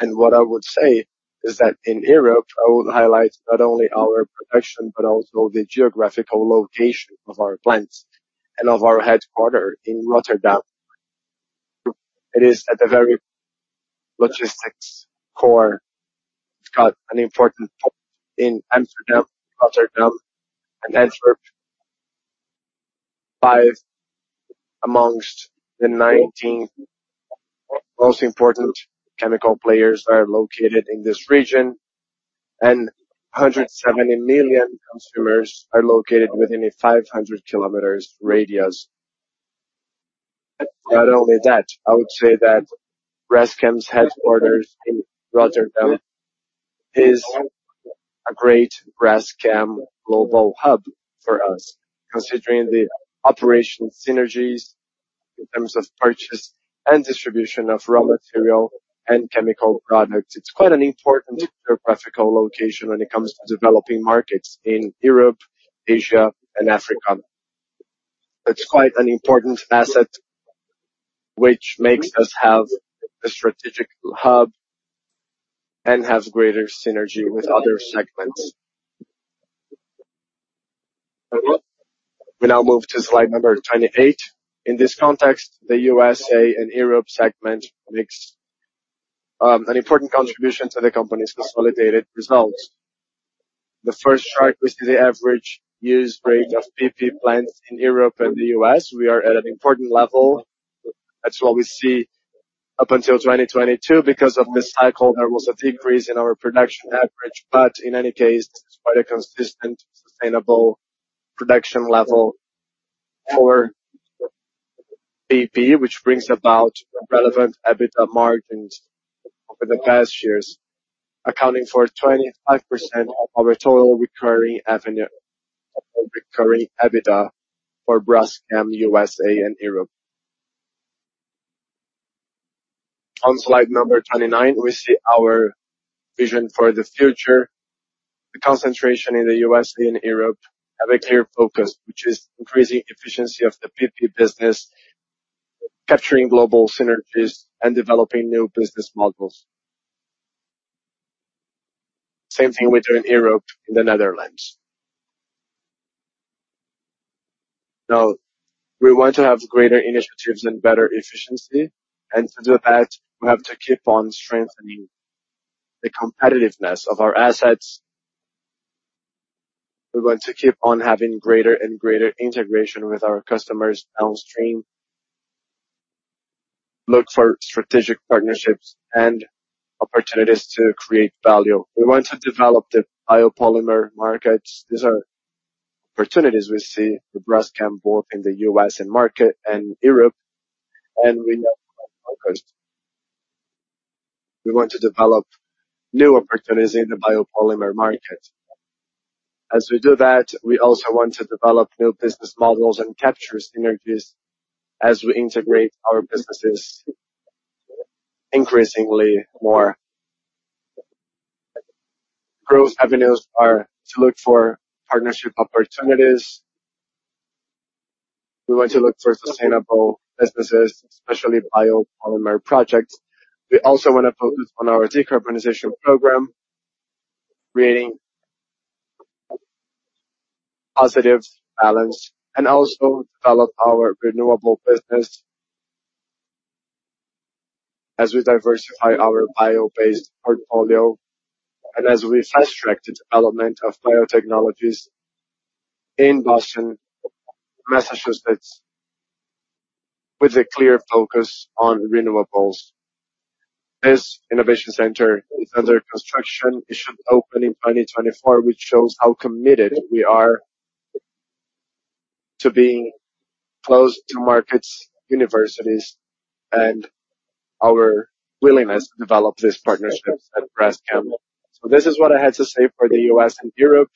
and what I would say is that in Europe, I would highlight not only our production, but also the geographical location of our plants and of our headquarters in Rotterdam. It is at the very logistics core. It's got an important point in Amsterdam, Rotterdam, and Antwerp. five among the 19 most important chemical players are located in this region, and 170 million consumers are located within a 500-kilometers radius. Not only that, I would say that Braskem's headquarters in Rotterdam is a great Braskem global hub for us, considering the operation synergies in terms of purchase and distribution of raw material and chemical products. It's quite an important geographical location when it comes to developing markets in Europe, Asia, and Africa. It's quite an important asset which makes us have a strategic hub and has greater synergy with other segments. We now move to slide number 28. In this context, the USA and Europe segment makes an important contribution to the company's consolidated results. The first chart, we see the average use rate of PP plants in Europe and the US. We are at an important level. That's what we see up until 2022. Because of this cycle, there was a decrease in our production average, but in any case, it's quite a consistent, sustainable production level for PP, which brings about relevant EBITDA margins over the past years, accounting for 25% of our total recurring revenue, recurring EBITDA for Braskem, U.S., and Europe. On slide number 29, we see our vision for the future. The concentration in the U.S. and Europe have a clear focus, which is increasing efficiency of the PP business, capturing global synergies, and developing new business models. Same thing we do in Europe, in the Netherlands. Now, we want to have greater initiatives and better efficiency, and to do that, we have to keep on strengthening the competitiveness of our assets. We want to keep on having greater and greater integration with our customers downstream, look for strategic partnerships and opportunities to create value. We want to develop the biopolymer markets. These are opportunities we see with Braskem, both in the U.S. and market- and Europe, and we know... We want to develop new opportunities in the biopolymer market. As we do that, we also want to develop new business models and capture synergies as we integrate our businesses increasingly more. Growth avenues are to look for partnership opportunities. We want to look for sustainable businesses, especially biopolymer projects. We also want to focus on our decarbonization program, creating positive balance, and also develop our renewable business as we diversify our bio-based portfolio and as we fast-track the development of biotechnologies in Boston, Massachusetts, with a clear focus on renewables. This innovation center is under construction. It should open in 2024, which shows how committed we are to being close to markets, universities, and our willingness to develop these partnerships at Braskem. This is what I had to say for the U.S. and Europe.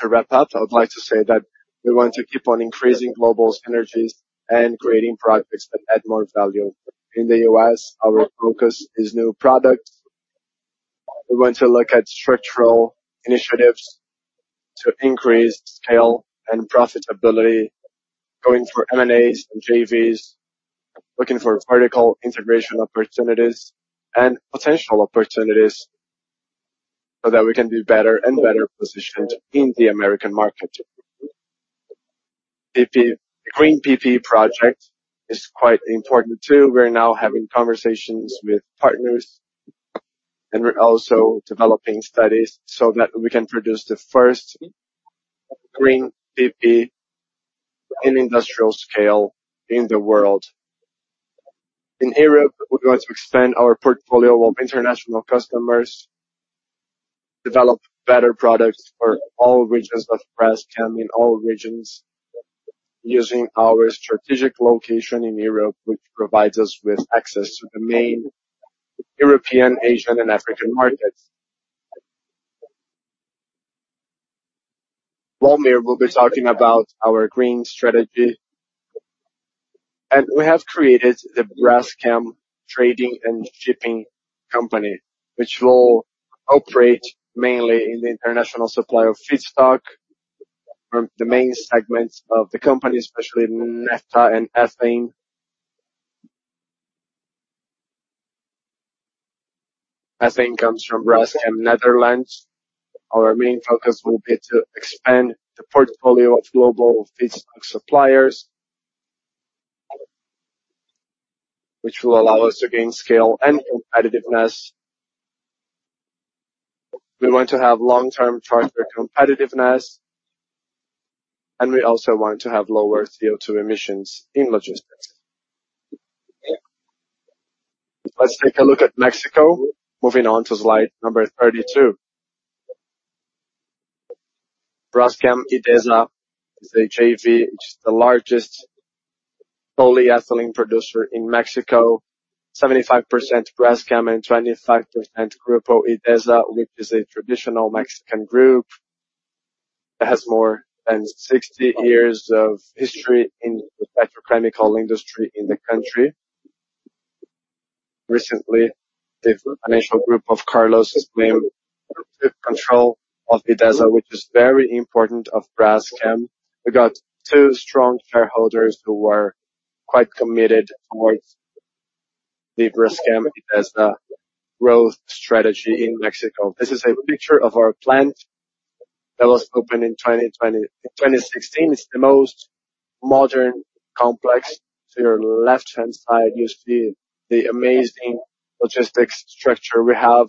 To wrap up, I would like to say that we want to keep on increasing global synergies and creating products that add more value. In the U.S., our focus is new products. We're going to look at structural initiatives to increase scale and profitability, going for M&As and JVs, looking for vertical integration opportunities and potential opportunities, so that we can be better and better positioned in the American market. PP, Green PP project is quite important, too. We're now having conversations with partners, and we're also developing studies so that we can produce the first green PP in industrial scale in the world. In Europe, we're going to expand our portfolio of international customers, develop better products for all regions of Braskem in all regions, using our strategic location in Europe, which provides us with access to the main European, Asian and African markets. Walmir will be talking about our green strategy, and we have created the Braskem Trading and Shipping Company, which will operate mainly in the international supply of feedstock from the main segments of the company, especially naphtha and ethane. Ethane comes from Braskem, Netherlands. Our main focus will be to expand the portfolio of global feedstock suppliers, which will allow us to gain scale and competitiveness. We want to have long-term charter competitiveness, and we also want to have lower CO2 emissions in logistics. Let's take a look at Mexico. Moving on to slide number 32. Braskem Idesa is a JV. It's the largest polyethylene producer in Mexico. 75% Braskem and 25% Grupo IDESA, which is a traditional Mexican group that has more than 60 years of history in the petrochemical industry in the country. Recently, the financial group of Carlos Slim took control of IDESA, which is very important of Braskem. We got two strong shareholders who are quite committed towards the Braskem Idesa growth strategy in Mexico. This is a picture of our plant that was opened in 2016. It's the most modern complex. To your left-hand side, you see the amazing logistics structure we have,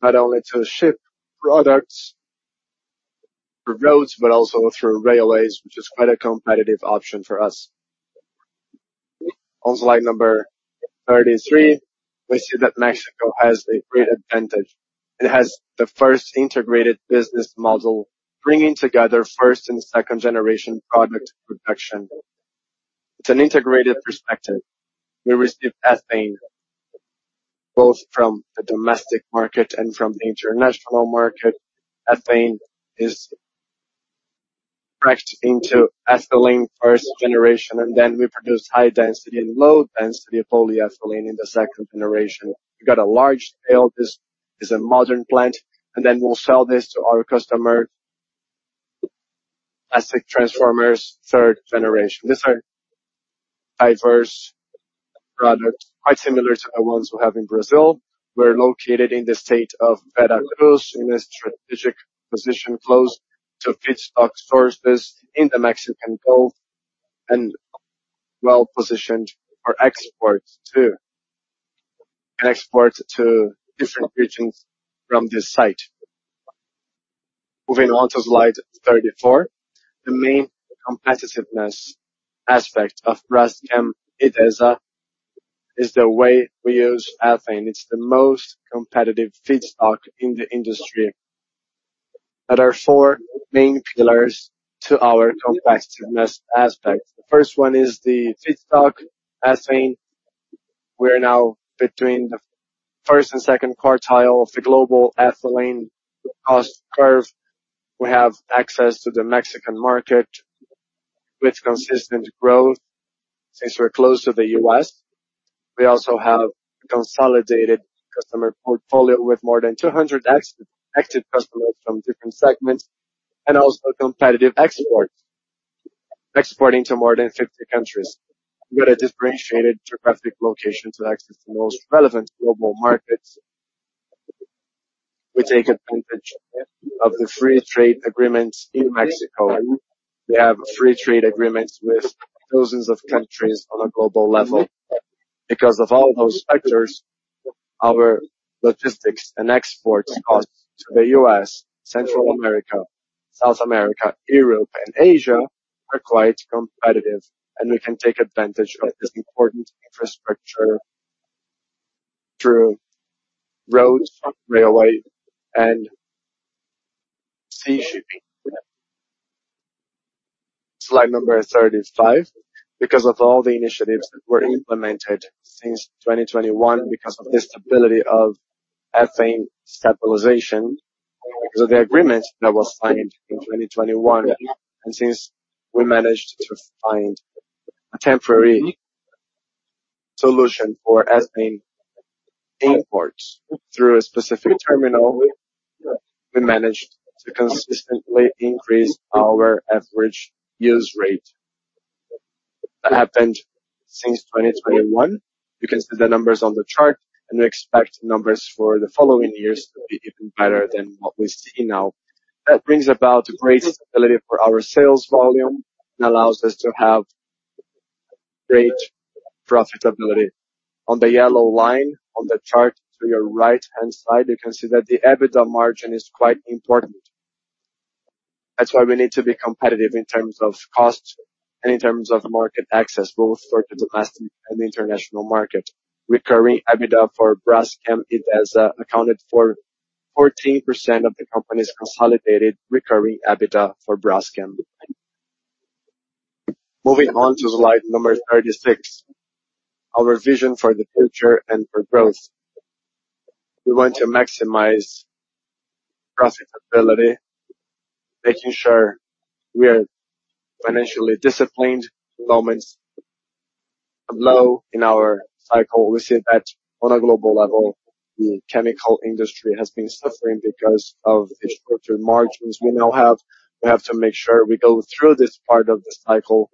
not only to ship products through roads, but also through railways, which is quite a competitive option for us. On slide number 33, we see that Mexico has a great advantage. It has the first integrated business model, bringing together first and second generation product production. It's an integrated perspective. We receive ethane, both from the domestic market and from the international market. Ethane is cracked into ethylene first generation, and then we produce high density and low density polyethylene in the second generation. We got a large scale. This is a modern plant, and then we'll sell this to our customer, plastic transformers, third generation. These are diverse products, quite similar to the ones we have in Brazil. We're located in the state of Veracruz, in a strategic position, close to feedstock sources in the Mexican Gulf and well-positioned for exports, too. Exports to different regions from this site. Moving on to slide 34. The main competitiveness aspect of Braskem Idesa is the way we use ethane. It's the most competitive feedstock in the industry. There are four main pillars to our competitiveness aspect. The first one is the feedstock, ethane. We're now between the first and second quartile of the global ethylene cost curve. We have access to the Mexican market with consistent growth. Since we're close to the U.S., we also have a consolidated customer portfolio with more than 200 ex-active customers from different segments and also competitive exports. Exporting to more than 50 countries. We've got a differentiated geographic location to access the most relevant global markets. We take advantage of the free trade agreements in Mexico. We have free trade agreements with dozens of countries on a global level. Because of all those factors, our logistics and exports costs to the U.S., Central America, South America, Europe and Asia, are quite competitive, and we can take advantage of this important infrastructure through road, railway, and sea shipping. Slide number 35. Because of all the initiatives that were implemented since 2021, because of the stability of ethane stabilization, because of the agreement that was signed in 2021, and since we managed to find a temporary solution for ethane imports through a specific terminal, we managed to consistently increase our average use rate. That happened since 2021. You can see the numbers on the chart, and we expect numbers for the following years to be even better than what we see now. That brings about great stability for our sales volume and allows us to have great profitability. On the yellow line, on the chart to your right-hand side, you can see that the EBITDA margin is quite important. That's why we need to be competitive in terms of cost and in terms of market access, both for the domestic and the international market. Recurring EBITDA for Braskem Idesa accounted for 14% of the company's consolidated recurring EBITDA for Braskem. Moving on to slide number 36, our vision for the future and for growth. We want to maximize profitability, making sure we are financially disciplined. Moments are low in our cycle. We see that on a global level, the chemical industry has been suffering because of the structured margins we now have. We have to make sure we go through this part of the cycle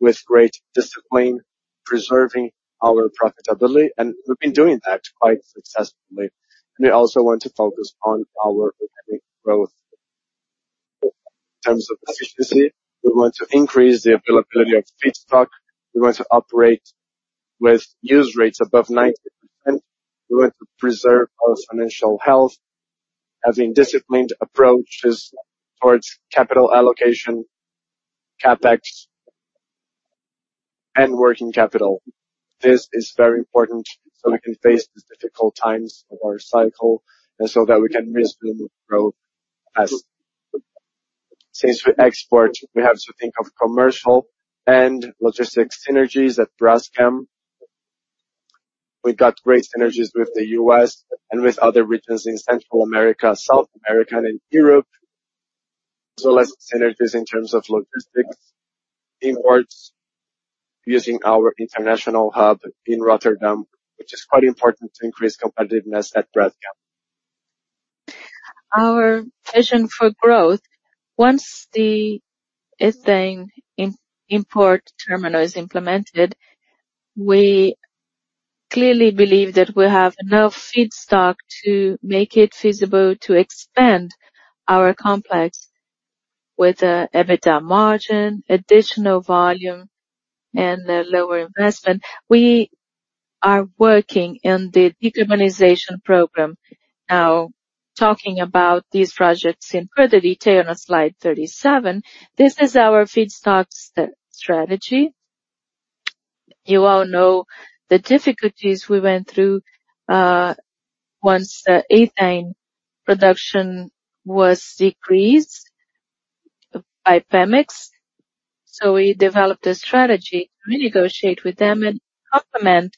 with great discipline, preserving our profitability, and we've been doing that quite successfully. We also want to focus on our organic growth. In terms of efficiency, we want to increase the availability of feedstock. We want to operate with use rates above 90%. We want to preserve our financial health, having disciplined approaches towards capital allocation, CapEx, and working capital. This is very important so we can face these difficult times of our cycle, and so that we can resume growth. As since we export, we have to think of commercial and logistics synergies at Braskem. We've got great synergies with the U.S. and with other regions in Central America, South America, and Europe, as well as synergies in terms of logistics imports, using our international hub in Rotterdam, which is quite important to increase competitiveness at Braskem. Our vision for growth. Once the ethane import terminal is implemented, we clearly believe that we have enough feedstock to make it feasible to expand our complex with the EBITDA margin, additional volume, and a lower investment. We are working in the decarbonization program. Now, talking about these projects in further detail on slide 37. This is our feedstocks strategy. You all know the difficulties we went through once the ethane production was decreased by Pemex. So we developed a strategy to renegotiate with them and complement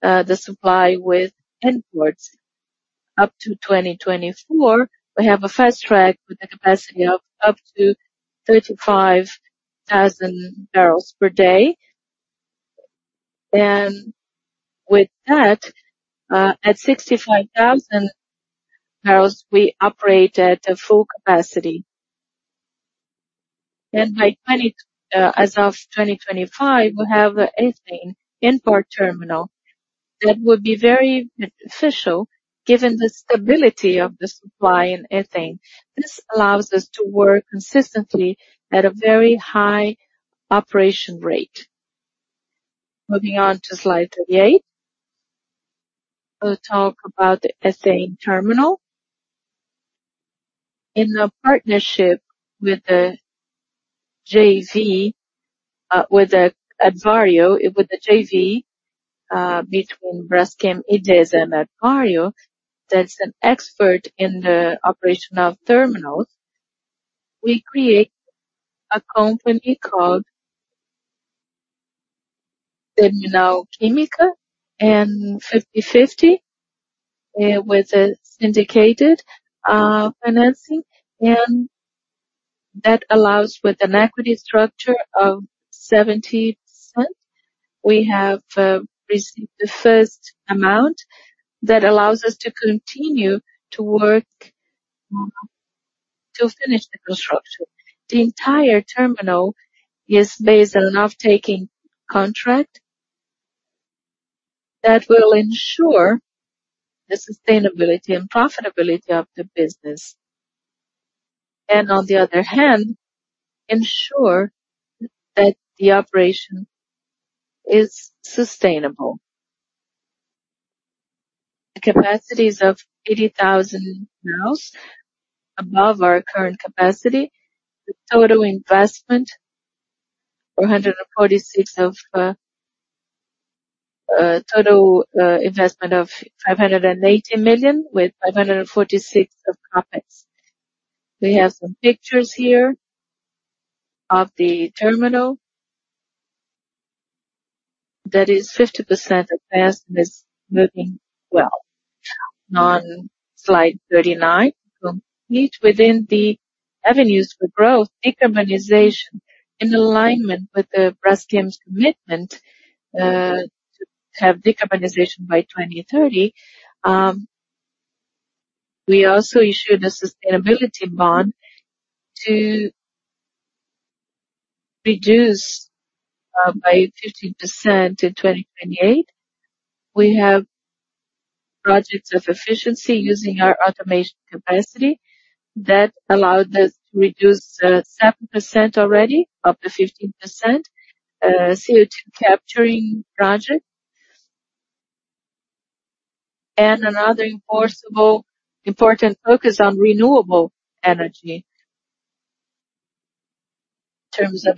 the supply with imports. Up to 2024, we have a fast track with a capacity of up to 35,000 barrels per day, and with that, at 65,000 barrels, we operate at a full capacity. Then by twenty. As of 2025, we have ethane import terminal. That would be very beneficial given the stability of the supply in ethane. This allows us to work consistently at a very high operation rate. Moving on to slide 38. We'll talk about the ethane terminal. In a partnership with the JV, with the Advario, with the JV, between Braskem, Idesa, and Advario, that's an expert in the operation of terminals, we create a company called Terminal Química Puerto México, with a syndicated financing, and that allows with an equity structure of 70%. We have received the first amount that allows us to continue to work, to finish the construction. The entire terminal is based on an off-taking contract that will ensure the sustainability and profitability of the business. And on the other hand, ensure that the operation is sustainable. The capacities of 80,000 barrels above our current capacity, the total investment-... 446 of a total investment of $580 million, with 546 of CapEx. We have some pictures here of the terminal. That is 50% investment is moving well. On slide 39, complete within the avenues for growth, decarbonization, in alignment with Braskem's commitment to have decarbonization by 2030. We also issued a sustainability bond to reduce by 15% in 2028. We have projects of efficiency using our automation capacity that allowed us to reduce 7% already, up to 15%, CO2 capturing project. And another enforceable, important focus on renewable energy in terms of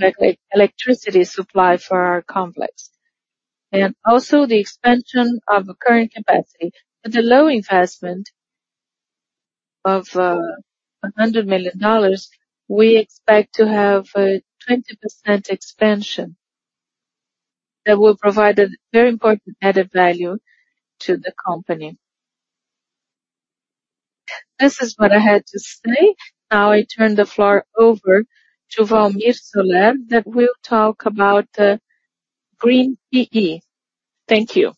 electricity supply for our complex, and also the expansion of current capacity. With a low investment of $100 million, we expect to have a 20% expansion that will provide a very important added value to the company. This is what I had to say. Now, I turn the floor over to Walmir Soller, that will talk about the Green PE. Thank you.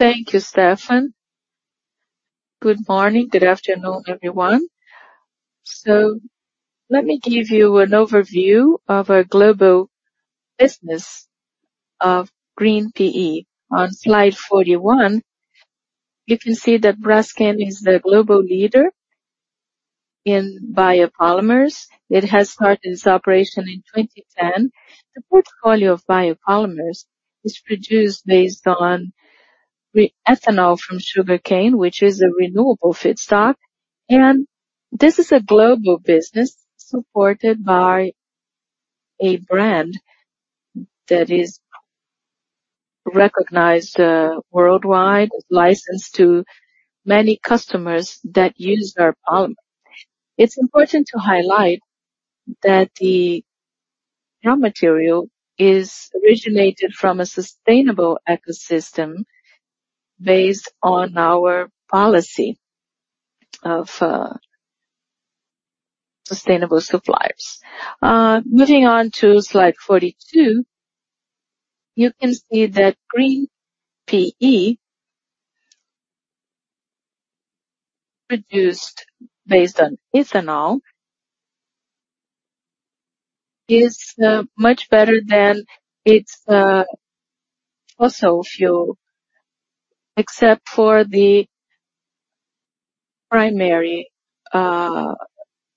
Thank you, Stefan. Good morning. Good afternoon, everyone. So let me give you an overview of our global business of Green PE. On slide 41, you can see that Braskem is the global leader in biopolymers. It has started its operation in 2010. The portfolio of biopolymers is produced based on the ethanol from sugarcane, which is a renewable feedstock, and this is a global business supported by a brand that is recognized worldwide, licensed to many customers that use our polymer. It's important to highlight that the raw material is originated from a sustainable ecosystem based on our policy of sustainable suppliers. Moving on to slide 42, you can see that Green PE, produced based on ethanol, is much better than its fossil fuel, except for the primary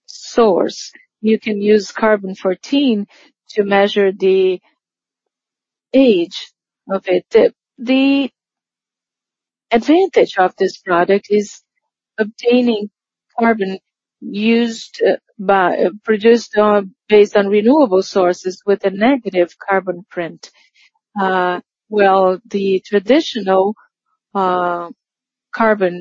source. You can use carbon-14 to measure the age of it. The advantage of this product is obtaining carbon produced based on renewable sources with a negative carbon footprint. Well, the traditional carbon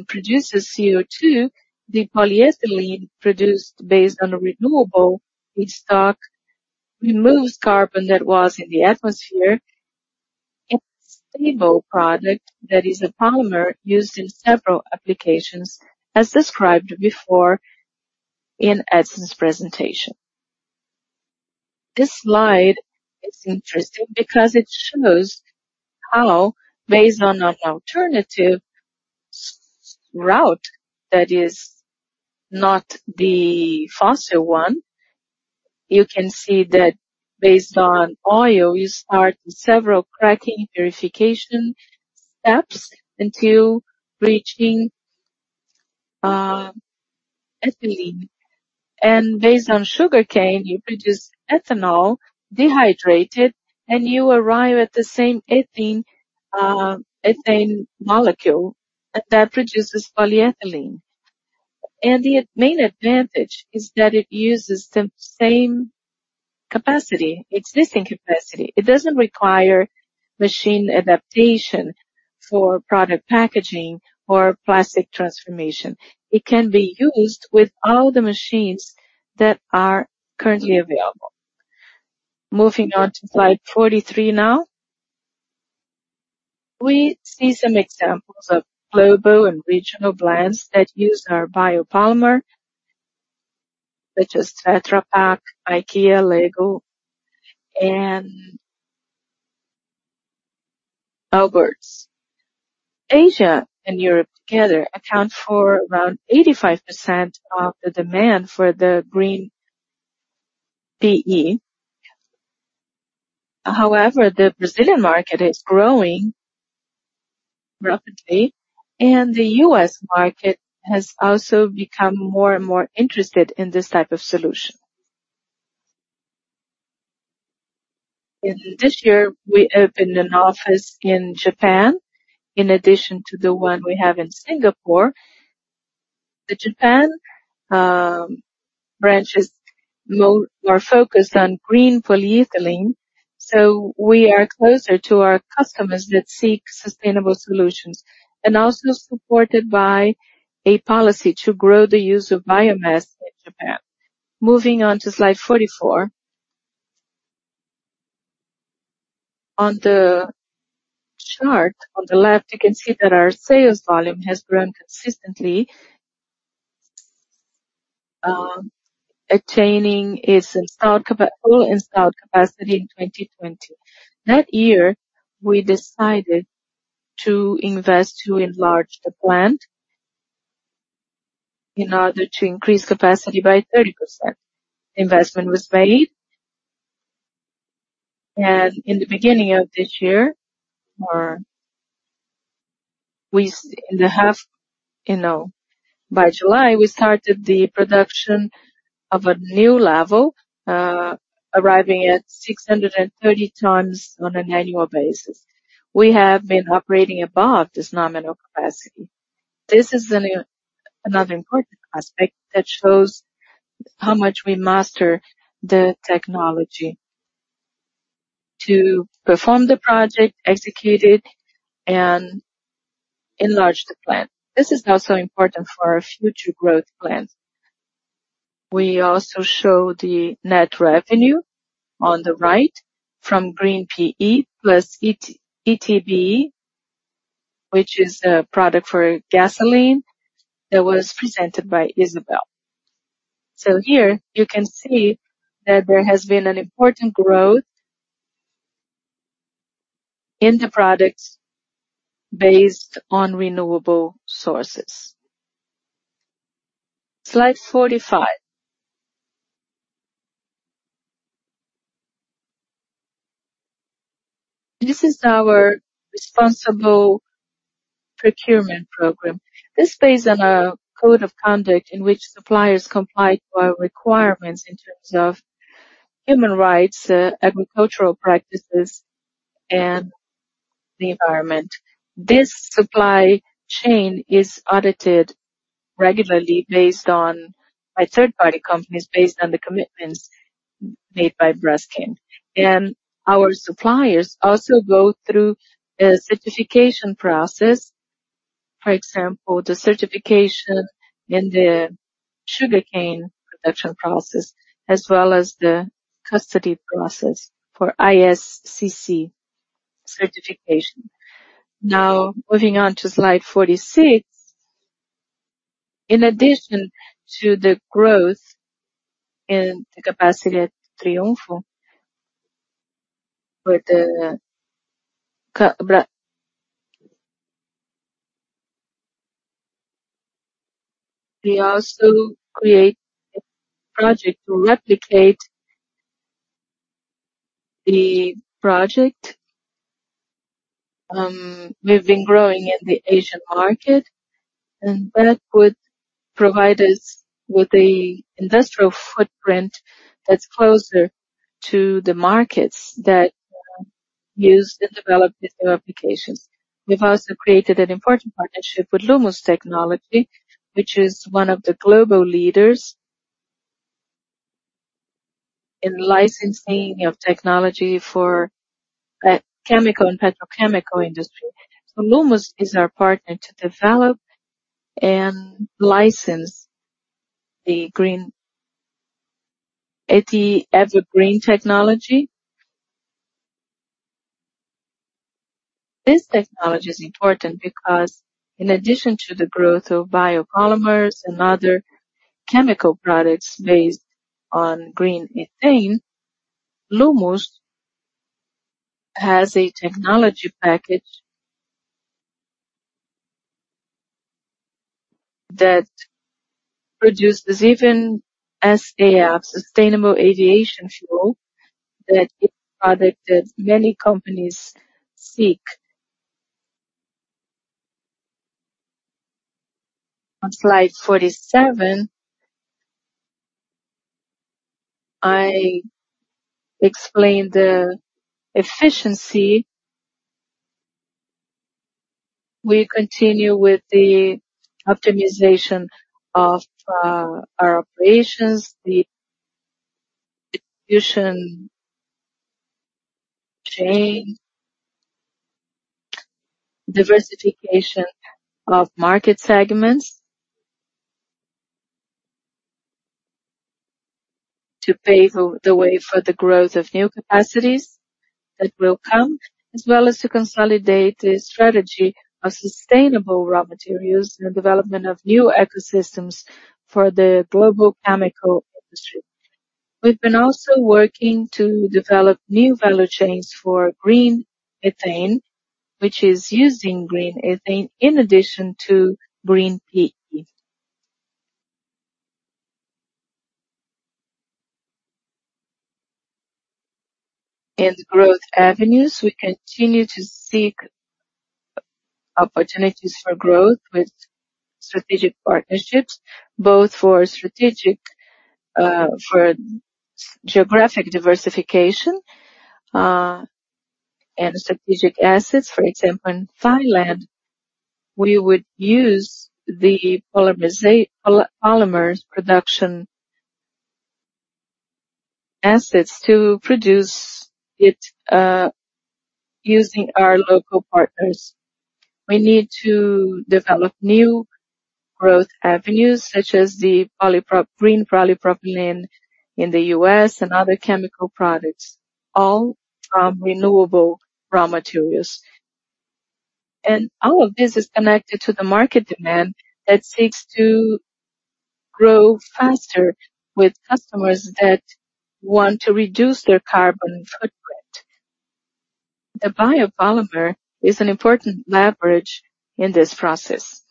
produces CO2, the polyethylene produced based on a renewable feedstock, removes carbon that was in the atmosphere. It's a stable product that is a polymer used in several applications, as described before in Edison's presentation. This slide is interesting because it shows how, based on an alternative s-route that is not the fossil one, you can see that based on oil, you start several cracking purification steps until reaching ethylene. And based on sugarcane, you produce ethanol, dehydrate it, and you arrive at the same ethylene molecule, and that produces polyethylene. And the main advantage is that it uses the same capacity, existing capacity. It doesn't require machine adaptation for product packaging or plastic transformation. It can be used with all the machines that are currently available. Moving on to slide 43 now. We see some examples of global and regional brands that use our biopolymer, such as Tetra Pak, IKEA, LEGO, and Allbirds. Asia and Europe together account for around 85% of the demand for the Green PE. However, the Brazilian market is growing rapidly, and the U.S. market has also become more and more interested in this type of solution. In this year, we opened an office in Japan, in addition to the one we have in Singapore. The Japan branch is more focused on green polyethylene, so we are closer to our customers that seek sustainable solutions, and also supported by a policy to grow the use of biomass in Japan. Moving on to slide 44. On the chart on the left, you can see that our sales volume has grown consistently, attaining its full installed capacity in 2020. That year, we decided to invest to enlarge the plant in order to increase capacity by 30%. Investment was made, and in the beginning of this year, or in the half, you know, by July, we started the production of a new level, arriving at 630 times on an annual basis. We have been operating above this nominal capacity. This is another important aspect that shows how much we master the technology to perform the project, execute it, and enlarge the plant. This is also important for our future growth plans. We also show the net revenue on the right from Green PE plus ET, ETBE, which is a product for gasoline that was presented by Isabel. So here you can see that there has been an important growth in the products based on renewable sources. Slide 45. This is our responsible procurement program. This is based on a code of conduct in which suppliers comply to our requirements in terms of human rights, agricultural practices, and the environment. This supply chain is audited regularly by third-party companies, based on the commitments made by Braskem. Our suppliers also go through a certification process. For example, the certification in the sugarcane production process, as well as the custody process for ISCC certification. Now, moving on to slide 46. In addition to the growth in the capacity at Triunfo, with, we also create a project to replicate the project, we've been growing in the Asian market, and that would provide us with a industrial footprint that's closer to the markets that use and develop digital applications. We've also created an important partnership with Lummus Technology, which is one of the global leaders in licensing of technology for chemical and petrochemical industry. So Lummus is our partner to develop and license the green ethylene technology. This technology is important because in addition to the growth of biopolymers and other chemical products based on green ethylene, Lummus has a technology package that produces even SAF, sustainable aviation fuel, that is a product that many companies seek. On slide 47, I explained the efficiency. We continue with the optimization of our operations, the distribution chain, diversification of market segments, to pave the way for the growth of new capacities that will come, as well as to consolidate a strategy of sustainable raw materials and the development of new ecosystems for the global chemical industry. We've been also working to develop new value chains for green ethylene, which is using green ethylene in addition to Green PE. Growth avenues, we continue to seek-... opportunities for growth with strategic partnerships, both for strategic, for geographic diversification, and strategic assets. For example, in Finland, we would use the polymers production assets to produce it, using our local partners. We need to develop new growth avenues, such as the green polypropylene in the U.S. and other chemical products, all from renewable raw materials. And all of this is connected to the market demand that seeks to grow faster with customers that want to reduce their carbon footprint. The biopolymer is an important leverage in this process.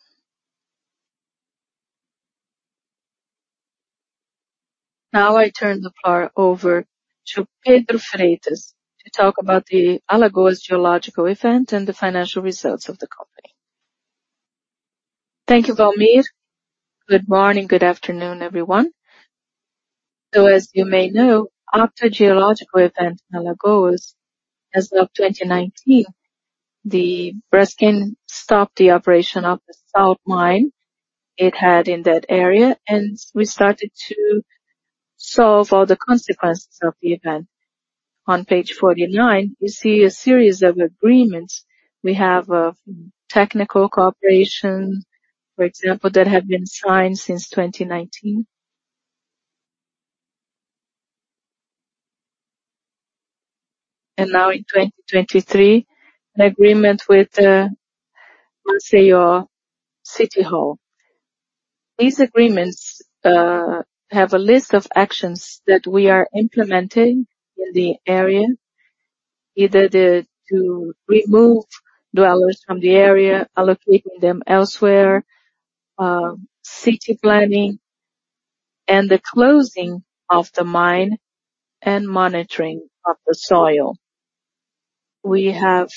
Now I turn the floor over to Pedro Freitas to talk about the Alagoas geological event and the financial results of the company. Thank you, Walmir. Good morning, good afternoon, everyone. So as you may know, after geological event in Alagoas, as of 2019, the Braskem stopped the operation of the south mine it had in that area, and we started to solve all the consequences of the event. On page 49, you see a series of agreements. We have technical cooperation, for example, that have been signed since 2019. And now in 2023, an agreement with Maceió City Hall. These agreements have a list of actions that we are implementing in the area, either the to remove dwellers from the area, allocating them elsewhere, city planning, and the closing of the mine and monitoring of the soil. We have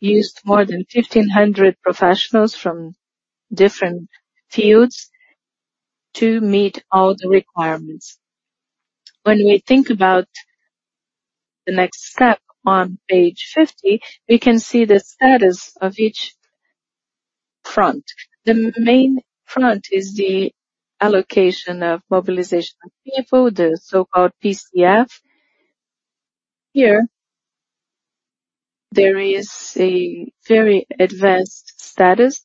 used more than 1,500 professionals from different fields to meet all the requirements. When we think about the next step on page 50, we can see the status of each front. The main front is the allocation of mobilization of people, the so-called PCF. Here, there is a very advanced status.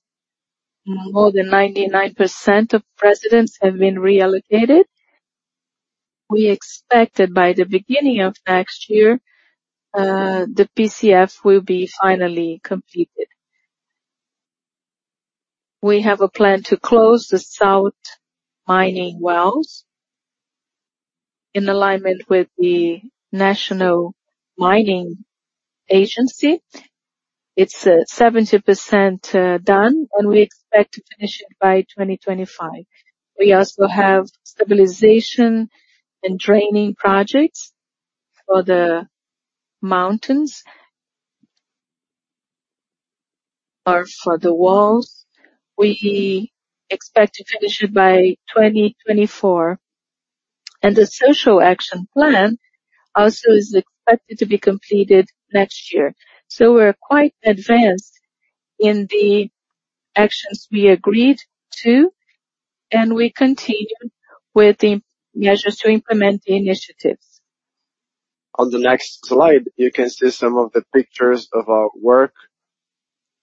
More than 99% of presidents have been reallocated. We expect that by the beginning of next year, the PCF will be finally completed. We have a plan to close the south mining wells in alignment with the National Mining Agency. It's 70% done, and we expect to finish it by 2025. We also have stabilization and draining projects for the mountains or for the walls. We expect to finish it by 2024, and the social action plan also is expected to be completed next year. So we're quite advanced in the actions we agreed to, and we continue with the measures to implement the initiatives. On the next slide, you can see some of the pictures of our work.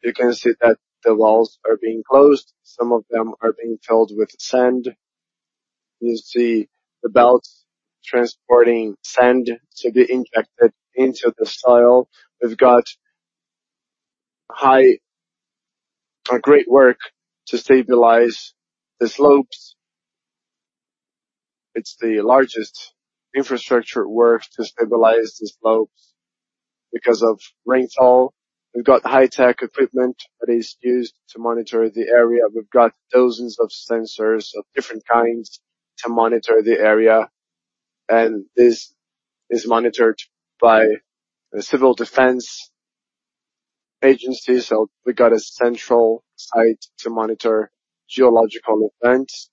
You can see that the walls are being closed. Some of them are being filled with sand. You see the belts transporting sand to be injected into the soil. We've got a great work to stabilize the slopes. It's the largest infrastructure work to stabilize the slopes because of rainfall. We've got high-tech equipment that is used to monitor the area. We've got dozens of sensors of different kinds to monitor the area, and this is monitored by a civil defense agency, so we got a central site to monitor geological events.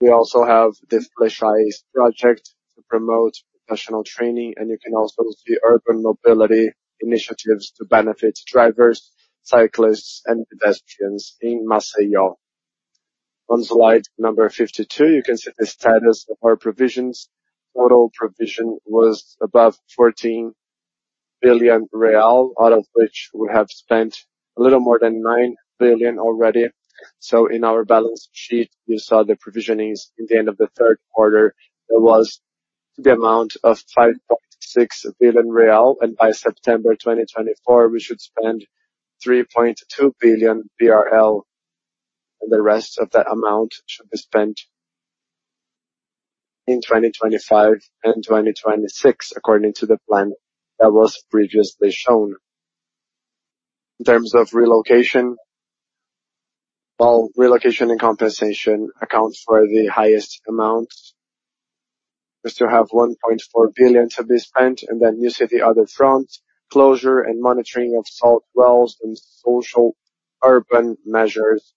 We also have this project to promote professional training, and you can also see urban mobility initiatives to benefit drivers, cyclists, and pedestrians in Maceió. On slide number 52, you can see the status of our provisions. Total provision was above 14 billion real, out of which we have spent a little more than 9 billion already. So in our balance sheet, you saw the provisionings in the end of the third quarter. It was the amount of 5.6 billion real, and by September 2024, we should spend 3.2 billion BRL, and the rest of that amount should be spent in 2025 and 2026, according to the plan that was previously shown. In terms of relocation. Well, relocation and compensation accounts for the highest amounts. We still have 1.4 billion to be spent, and then you see the other front, closure and monitoring of salt wells and social urban measures,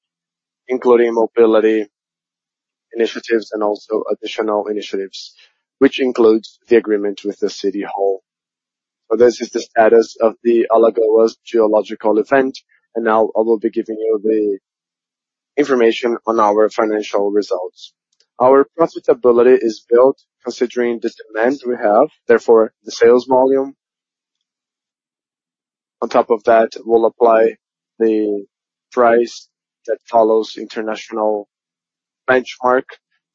including mobility initiatives and also additional initiatives, which includes the agreement with the city hall. So this is the status of the Alagoas geological event, and now I will be giving you the information on our financial results. Our profitability is built considering the demand we have, therefore, the sales volume. On top of that, we'll apply the price that follows international benchmark.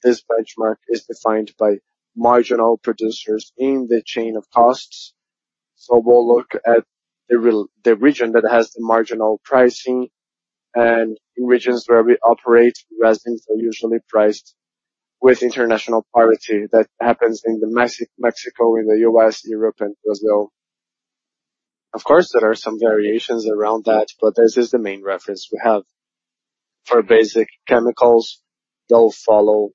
This benchmark is defined by marginal producers in the chain of costs. So we'll look at the region that has the marginal pricing and in regions where we operate, resins are usually priced with international parity. That happens in the Mexico, in the U.S., Europe, and Brazil. Of course, there are some variations around that, but this is the main reference we have. For basic chemicals, they'll follow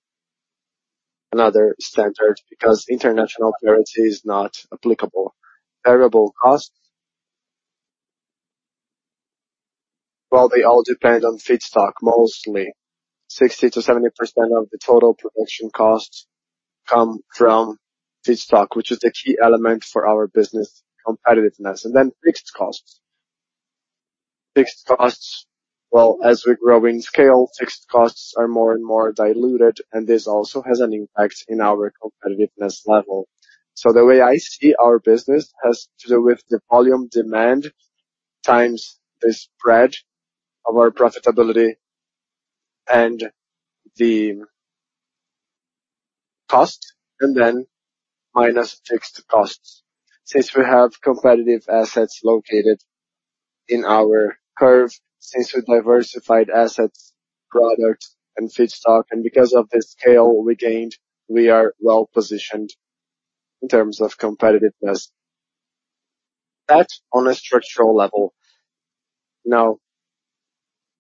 another standard because international parity is not applicable. Variable costs, well, they all depend on feedstock, mostly. 60%-70% of the total production costs come from feedstock, which is the key element for our business competitiveness. Then fixed costs. Fixed costs, well, as we grow in scale, fixed costs are more and more diluted, and this also has an impact in our competitiveness level. The way I see our business has to do with the volume demand, times the spread of our profitability and the cost, and then minus fixed costs. Since we have competitive assets located in our curve, since we've diversified assets, products, and feedstock, and because of the scale we gained, we are well-positioned in terms of competitiveness. That's on a structural level. Now,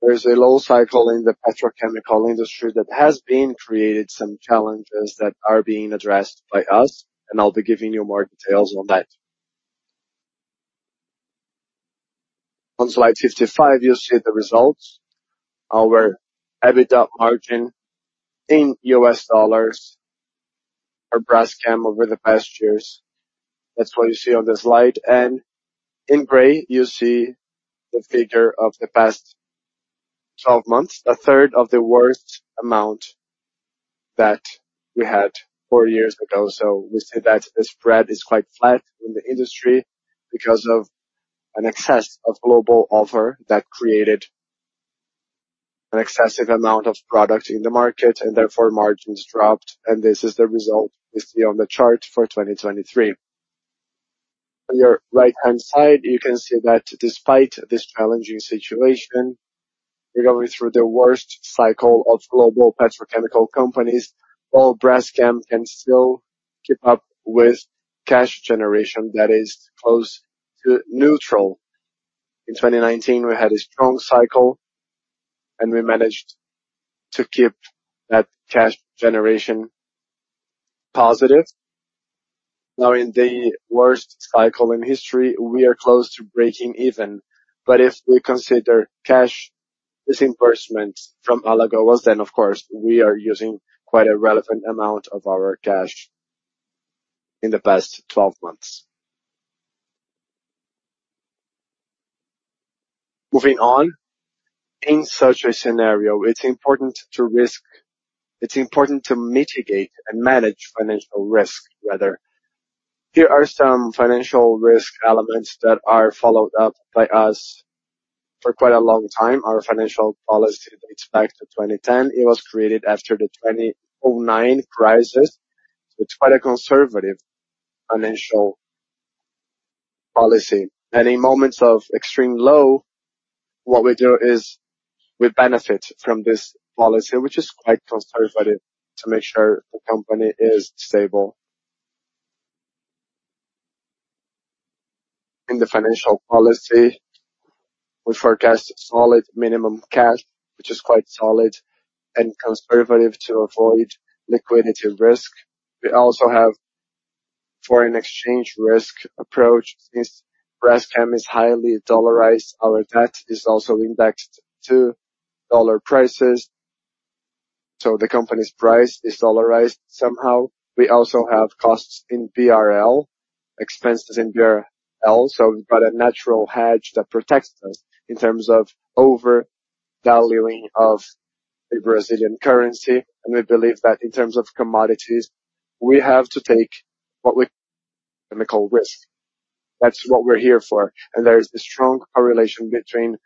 there's a low cycle in the petrochemical industry that has been created some challenges that are being addressed by us, and I'll be giving you more details on that. On slide 55, you see the results. Our EBITDA margin in U.S. dollars for Braskem over the past years. That's what you see on the slide. And in gray, you see the figure of the past 12 months, a third of the worst amount that we had four years ago. So we see that the spread is quite flat in the industry because of an excess of global offer that created an excessive amount of product in the market, and therefore, margins dropped, and this is the result you see on the chart for 2023. On your right-hand side, you can see that despite this challenging situation, we're going through the worst cycle of global petrochemical companies, while Braskem can still keep up with cash generation that is close to neutral. In 2019, we had a strong cycle, and we managed to keep that cash generation positive. Now, in the worst cycle in history, we are close to breaking even. But if we consider cash disbursements from Alagoas, then of course, we are using quite a relevant amount of our cash in the past 12 months. Moving on, in such a scenario, it's important to mitigate and manage financial risk, rather. Here are some financial risk elements that are followed up by us for quite a long time. Our financial policy dates back to 2010. It was created after the 2009 crisis. It's quite a conservative financial policy. In moments of extreme low, what we do is we benefit from this policy, which is quite conservative, to make sure the company is stable. In the financial policy, we forecast a solid minimum cash, which is quite solid and conservative to avoid liquidity risk. We also have foreign exchange risk approach. Since Braskem is highly dollarized, our debt is also indexed to dollar prices, so the company's price is dollarized somehow. We also have costs in BRL, expenses in BRL, so we've got a natural hedge that protects us in terms of overvaluing of the Brazilian currency. And we believe that in terms of commodities, we have to take what we call risk. That's what we're here for, and there is a strong correlation between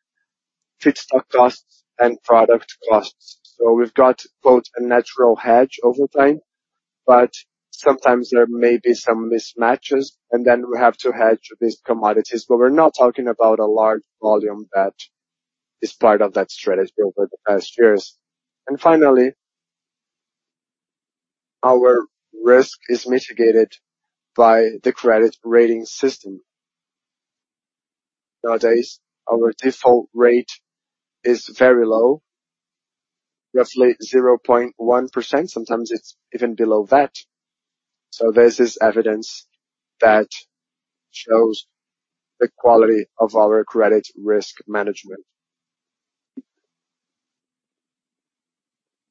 feedstock costs and product costs. So we've got both a natural hedge over time, but sometimes there may be some mismatches, and then we have to hedge these commodities. But we're not talking about a large volume that is part of that strategy over the past years. And finally, our risk is mitigated by the credit rating system. Nowadays, our default rate is very low, roughly 0.1%, sometimes it's even below that. So this is evidence that shows the quality of our credit risk management.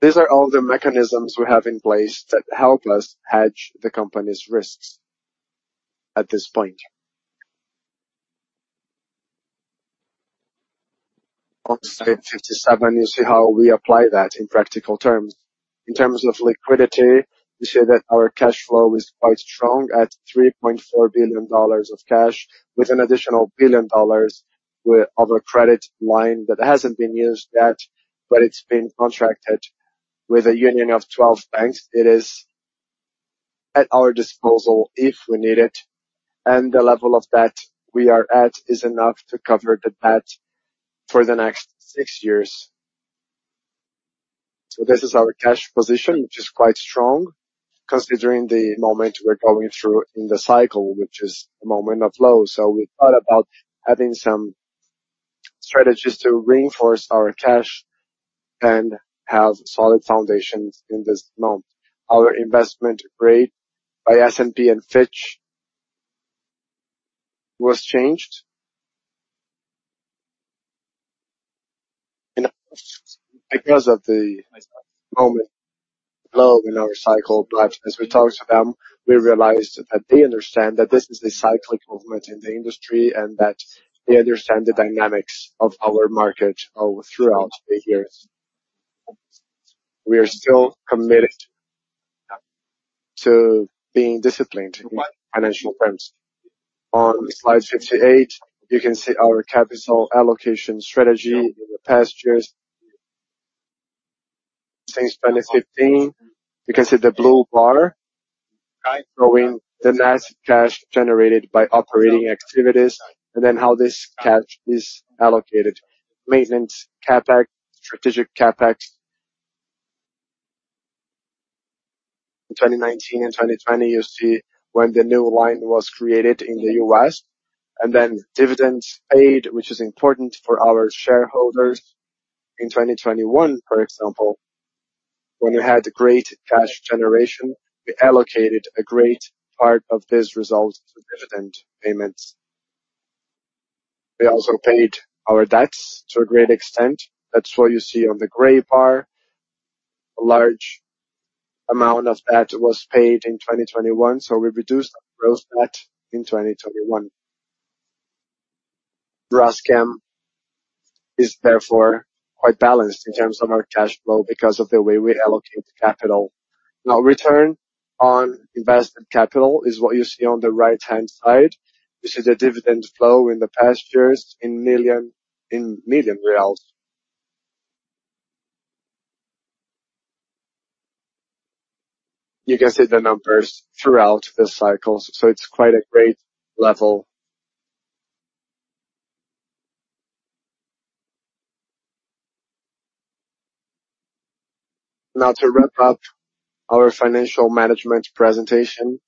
These are all the mechanisms we have in place that help us hedge the company's risks at this point. On slide 57, you see how we apply that in practical terms. In terms of liquidity, you see that our cash flow is quite strong at $3.4 billion of cash, with an additional $1 billion worth of a credit line that hasn't been used yet, but it's been contracted with a union of 12 banks. It is at our disposal if we need it, and the level of that we are at is enough to cover the debt for the next six years. So this is our cash position, which is quite strong considering the moment we're going through in the cycle, which is a moment of low. So we thought about having some strategies to reinforce our cash and have solid foundations in this month. Our investment grade by S&P and Fitch was changed, and because of the moment low in our cycle, but as we talked to them, we realized that they understand that this is a cyclic movement in the industry and that they understand the dynamics of our market all throughout the years. We are still committed to being disciplined in financial terms. On slide 58, you can see our capital allocation strategy in the past years. Since 2015, you can see the blue bar showing the net cash generated by operating activities, and then how this cash is allocated. Maintenance, CapEx, strategic CapEx. In 2019 and 2020, you see when the new line was created in the US, and then dividends paid, which is important for our shareholders. In 2021, for example, when we had great cash generation, we allocated a great part of this result to dividend payments. We also paid our debts to a great extent. That's what you see on the gray bar. A large amount of that was paid in 2021, so we reduced gross debt in 2021. Braskem is therefore quite balanced in terms of our cash flow because of the way we allocate the capital. Now, return on investment capital is what you see on the right-hand side. This is a dividend flow in the past years in millions, in millions of BRL. You can see the numbers throughout the cycles, so it's quite a great level. Now, to wrap up our financial management presentation,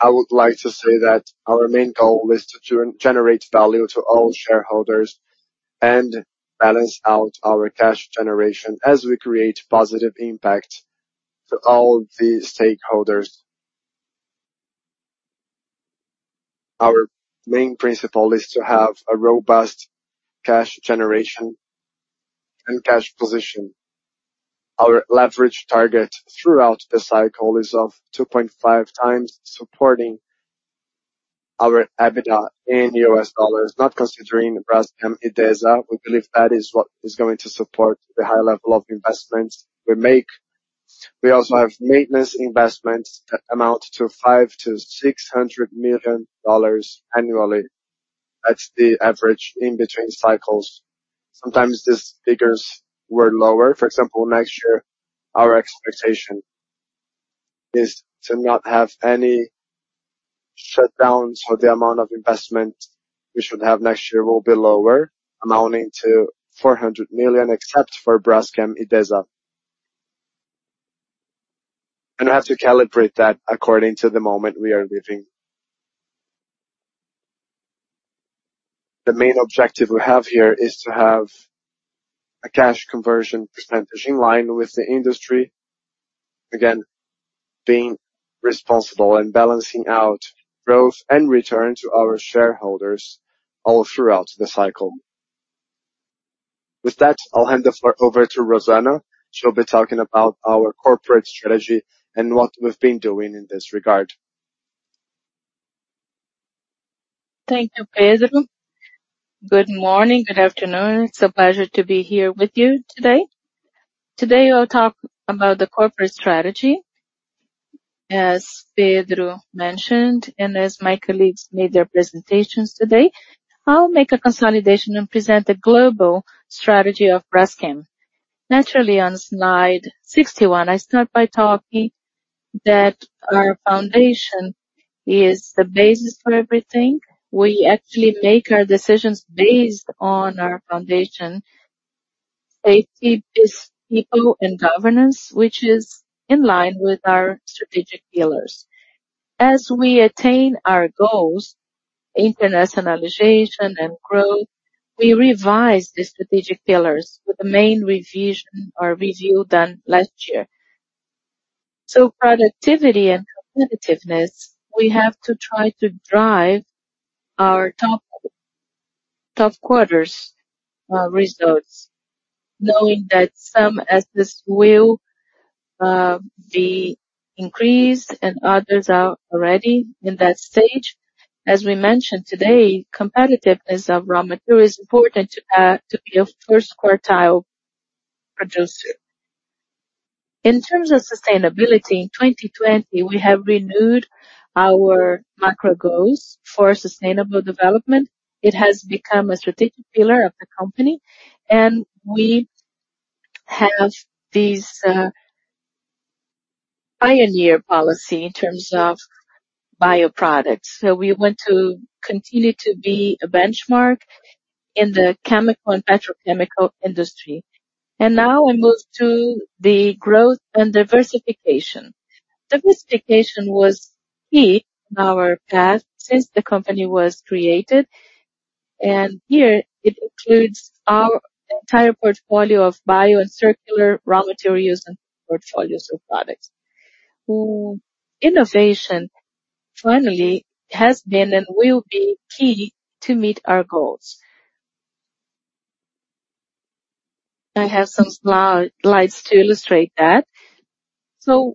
I would like to say that our main goal is to generate value to all shareholders and balance out our cash generation as we create positive impact to all the stakeholders. Our main principle is to have a robust cash generation and cash position. Our leverage target throughout the cycle is of 2.5 times supporting our EBITDA in U.S. dollars, not considering Braskem Idesa. We believe that is what is going to support the high level of investments we make. We also have maintenance investments that amount to $500 million-$600 million annually. That's the average in between cycles. Sometimes these figures were lower. For example, next year, our expectation is to not have any shutdowns, so the amount of investment we should have next year will be lower, amounting to $400 million, except for Braskem Idesa. We have to calibrate that according to the moment we are living. The main objective we have here is to have a cash conversion percentage in line with the industry. Again, being responsible and balancing out growth and return to our shareholders all throughout the cycle. With that, I'll hand the floor over to Rosana. She'll be talking about our corporate strategy and what we've been doing in this regard. Thank you, Pedro. Good morning, good afternoon. It's a pleasure to be here with you today. Today, I'll talk about the corporate strategy. As Pedro mentioned, and as my colleagues made their presentations today, I'll make a consolidation and present the global strategy of Braskem. Naturally, on slide 61, I start by talking that our foundation is the basis for everything. We actually make our decisions based on our foundation. Safety is people and governance, which is in line with our strategic pillars. As we attain our goals, internationalization and growth, we revise the strategic pillars with the main revision or review done last year. So productivity and competitiveness, we have to try to drive our top, top quarters results, knowing that some assets will be increased and others are already in that stage. As we mentioned today, competitiveness of raw material is important to be a first quartile producer. In terms of sustainability, in 2020, we have renewed our macro goals for sustainable development. It has become a strategic pillar of the company, and we have this pioneer policy in terms of bioproducts. So we want to continue to be a benchmark in the chemical and petrochemical industry. And now I move to the growth and diversification. Diversification was key in our path since the company was created, and here it includes our entire portfolio of bio and circular raw materials and portfolios of products. Innovation, finally, has been and will be key to meet our goals. I have some slides to illustrate that. So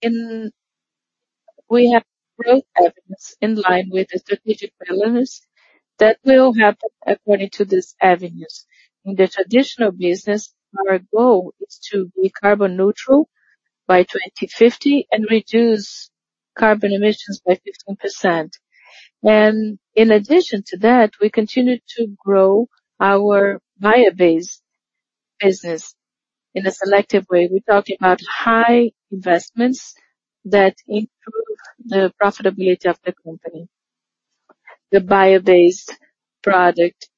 in... We have growth evidence in line with the strategic pillars that will happen according to these avenues. In the traditional business, our goal is to be carbon neutral by 2050 and reduce carbon emissions by 15%. In addition to that, we continue to grow our bio-based business in a selective way. We're talking about high investments that improve the profitability of the company. The bio-based product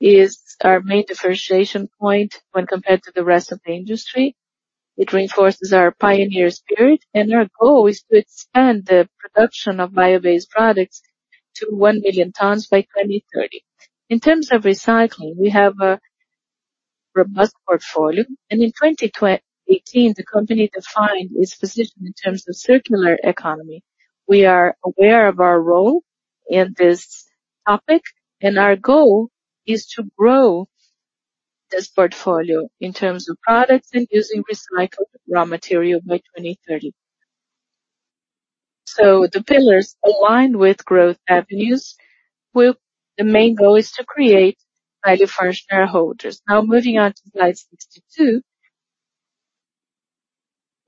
is our main differentiation point when compared to the rest of the industry. It reinforces our pioneer spirit, and our goal is to expand the production of bio-based products to one million tons by 2030. In terms of recycling, we have a robust portfolio, and in 2018, the company defined its position in terms of circular economy. We are aware of our role in this topic, and our goal is to grow this portfolio in terms of products and using recycled raw material by 2030. So the pillars align with growth avenues, where the main goal is to create value for our shareholders. Now, moving on to slide 62.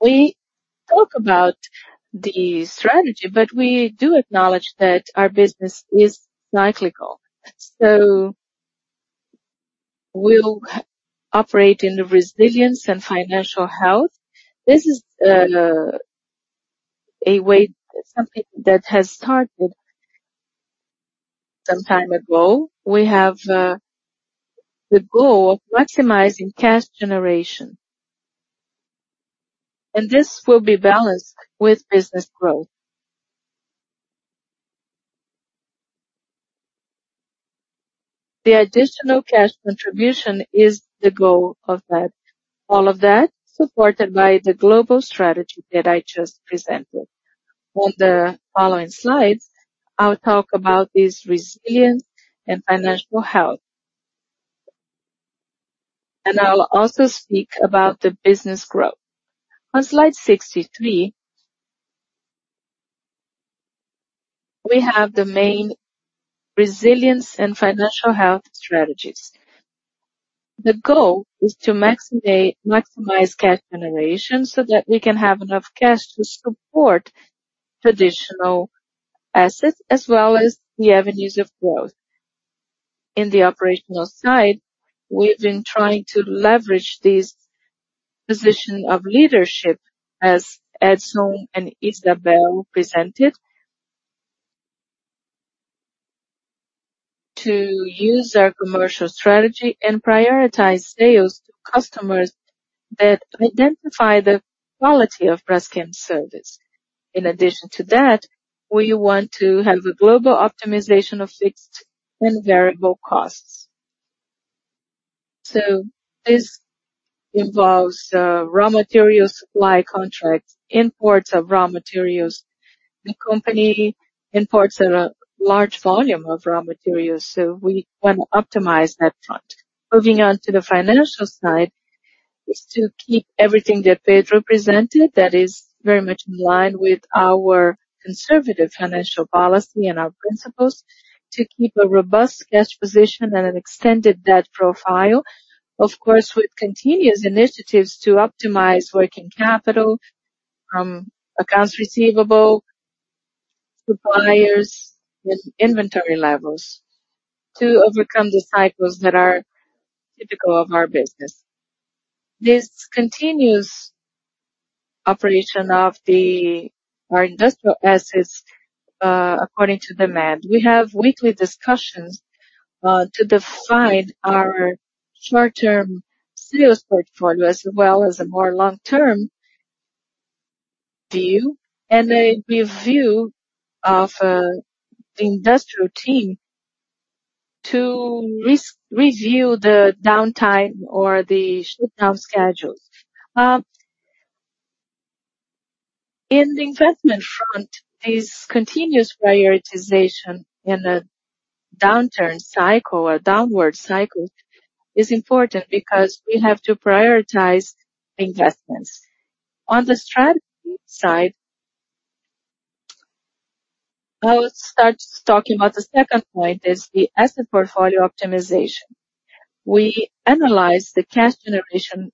We talk about the strategy, but we do acknowledge that our business is cyclical, so we'll operate in the resilience and financial health. This is a way, something that has started some time ago. We have the goal of maximizing cash generation, and this will be balanced with business growth. The additional cash contribution is the goal of that. All of that supported by the global strategy that I just presented. On the following slides, I'll talk about this resilience and financial health. I'll also speak about the business growth. On slide 63, we have the main resilience and financial health strategies. The goal is to maximize cash generation, so that we can have enough cash to support traditional assets as well as the avenues of growth. In the operational side, we've been trying to leverage this position of leadership, as Edson and Isabel presented, to use our commercial strategy and prioritize sales to customers that identify the quality of Braskem service. In addition to that, we want to have a global optimization of fixed and variable costs. So this involves raw material supply contracts, imports of raw materials. The company imports a large volume of raw materials, so we want to optimize that front. Moving on to the financial side, is to keep everything that Pedro presented, that is very much in line with our conservative financial policy and our principles, to keep a robust cash position and an extended debt profile. Of course, with continuous initiatives to optimize working capital from accounts receivable suppliers with inventory levels to overcome the cycles that are typical of our business. This continuous operation of our industrial assets according to demand, we have weekly discussions to define our short-term sales portfolio, as well as a more long-term view, and a review of the industrial team to review the downtime or the shutdown schedules. In the investment front, this continuous prioritization in a downturn cycle or downward cycle is important because we have to prioritize investments. On the strategy side, I will start talking about the second point, is the asset portfolio optimization. We analyze the cash generation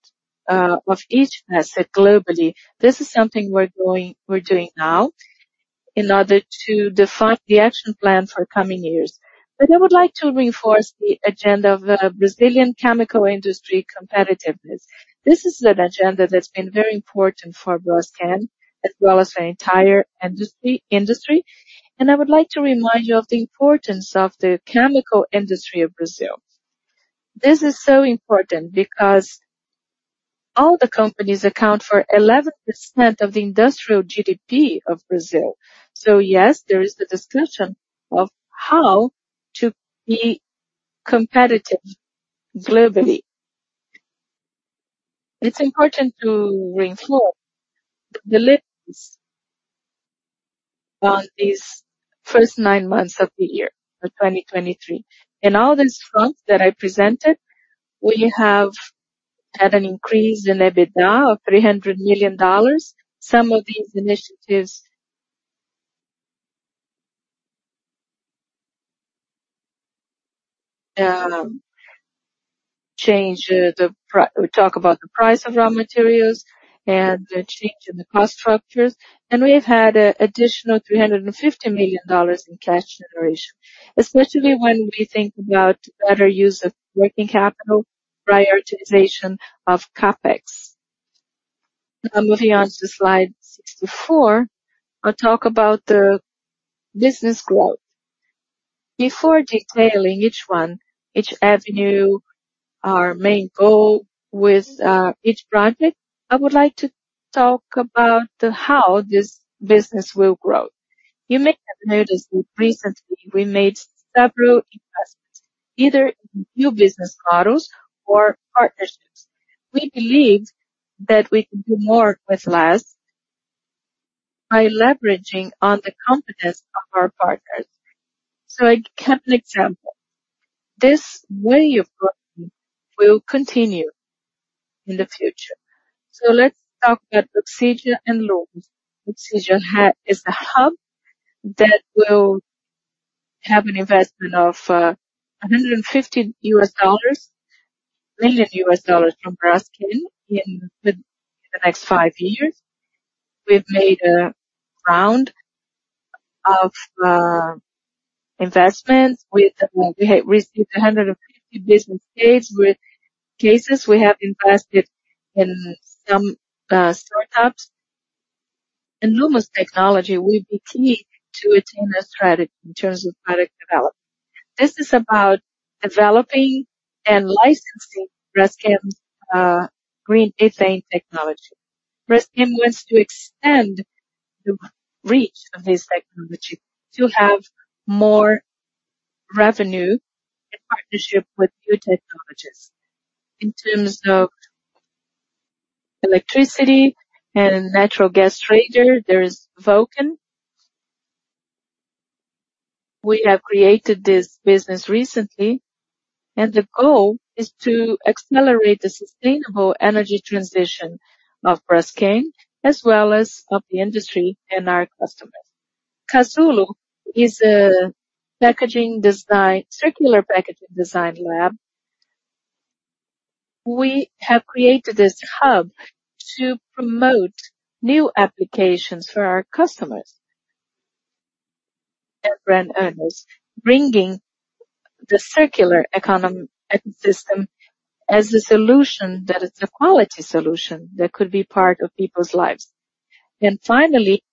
of each asset globally. This is something we're doing now in order to define the action plan for coming years. But I would like to reinforce the agenda of the Brazilian chemical industry competitiveness. This is an agenda that's been very important for Braskem, as well as the entire industry. I would like to remind you of the importance of the chemical industry of Brazil. This is so important because all the companies account for 11% of the industrial GDP of Brazil. So yes, there is the discussion of how to be competitive globally. It's important to reinforce the on these first nine months of the year, of 2023. In all these fronts that I presented, we have had an increase in EBITDA of $300 million. Some of these initiatives change the pri... We talk about the price of raw materials and the change in the cost structures, and we've had an additional $350 million in cash generation, especially when we think about better use of working capital, prioritization of CapEx. Now, moving on to slide 64, I'll talk about the business growth. Before detailing each one, each avenue, our main goal with each project, I would like to talk about the how this business will grow. You may have noticed recently, we made several investments, either in new business models or partnerships. We believe that we can do more with less by leveraging on the competence of our partners. So I give an example. This way of working will continue in the future. So let's talk about Oxygea and Lummus. Oxygea is a hub that will have an investment of $150 million from Braskem in the next five years. We've made a round of investments with, we have received 150 business stage with cases we have invested in some startups. In Lummus Technology, we'll be key to attain the strategy in terms of product development. This is about developing and licensing Braskem green ethylene technology. Braskem wants to extend the reach of this technology to have more revenue and partnership with new technologies. In terms of electricity and natural gas trader, there is Voqen. We have created this business recently, and the goal is to accelerate the sustainable energy transition of Braskem, as well as of the industry and our customers. Kazulo is a packaging design, circular packaging design lab. We have created this hub to promote new applications for our customers and brand owners, bringing the circular economy ecosystem as a solution that is a quality solution that could be part of people's lives. And finally,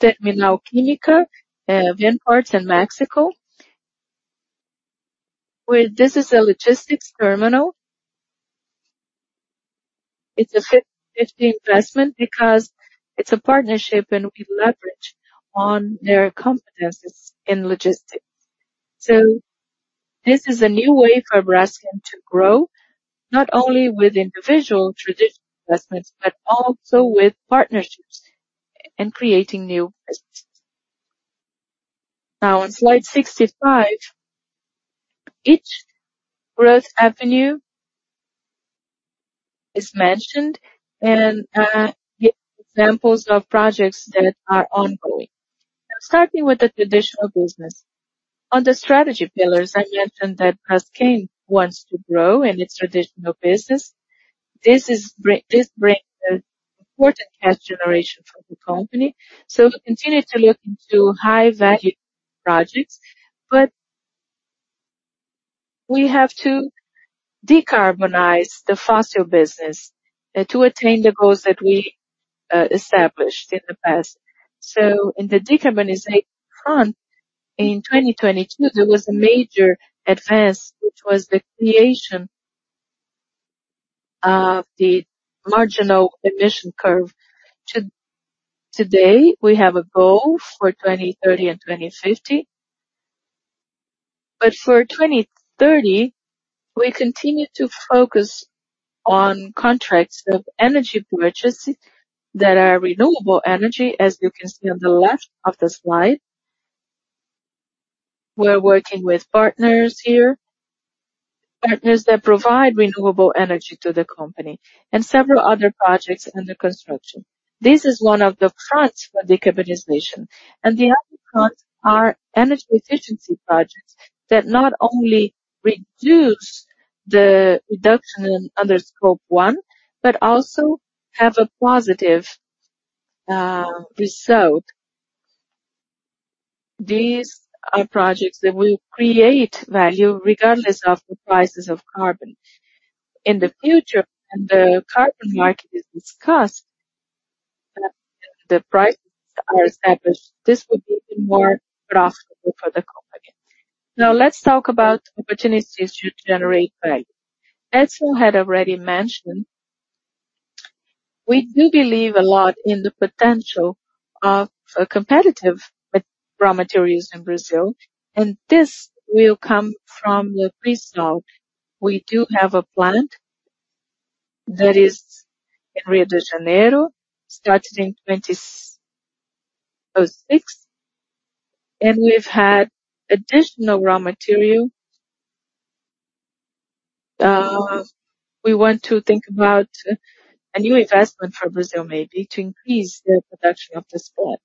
Terminal Química, in ports in Mexico, where this is a logistics terminal. It's a 50/50 investment because it's a partnership, and we leverage on their competencies in logistics. So this is a new way for Braskem to grow, not only with individual traditional investments, but also with partnerships and creating new businesses. Now, on slide 65, each growth avenue is mentioned and, the examples of projects that are ongoing. Starting with the traditional business. On the strategy pillars, I mentioned that Braskem wants to grow in its traditional business. This brings an important cash generation for the company, so we continue to look into high value projects, but we have to decarbonize the fossil business to attain the goals that we established in the past. So in the decarbonization front, in 2022, there was a major advance, which was the creation of the marginal abatement cost curve. Today, we have a goal for 2030 and 2050, but for 2030, we continue to focus on contracts of energy purchases that are renewable energy, as you can see on the left of the slide. We're working with partners here, partners that provide renewable energy to the company and several other projects under construction. This is one of the fronts for decarbonization, and the other fronts are energy efficiency projects that not only reduce the reduction under Scope 1, but also have a positive result. These are projects that will create value regardless of the prices of carbon. In the future, when the carbon market is discussed, and the prices are established, this will be even more profitable for the company. Now, let's talk about opportunities to generate value. As we had already mentioned, we do believe a lot in the potential of competitive raw materials in Brazil, and this will come from the pre-salt. We do have a plant that is in Rio de Janeiro, started in 2066, and we've had additional raw material. We want to think about a new investment for Brazil, maybe to increase the production of this plant.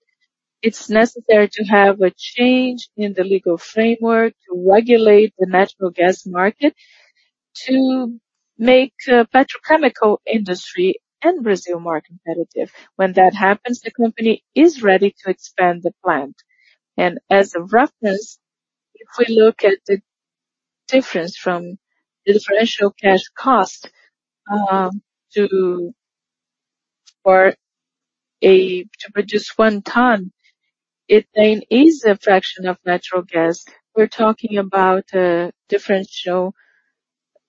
It's necessary to have a change in the legal framework to regulate the natural gas market, to make petrochemical industry and Brazil more competitive. When that happens, the company is ready to expand the plant. As a reference, if we look at the difference from the differential cash cost to produce 1 ton, it is a fraction of natural gas. We're talking about a differential,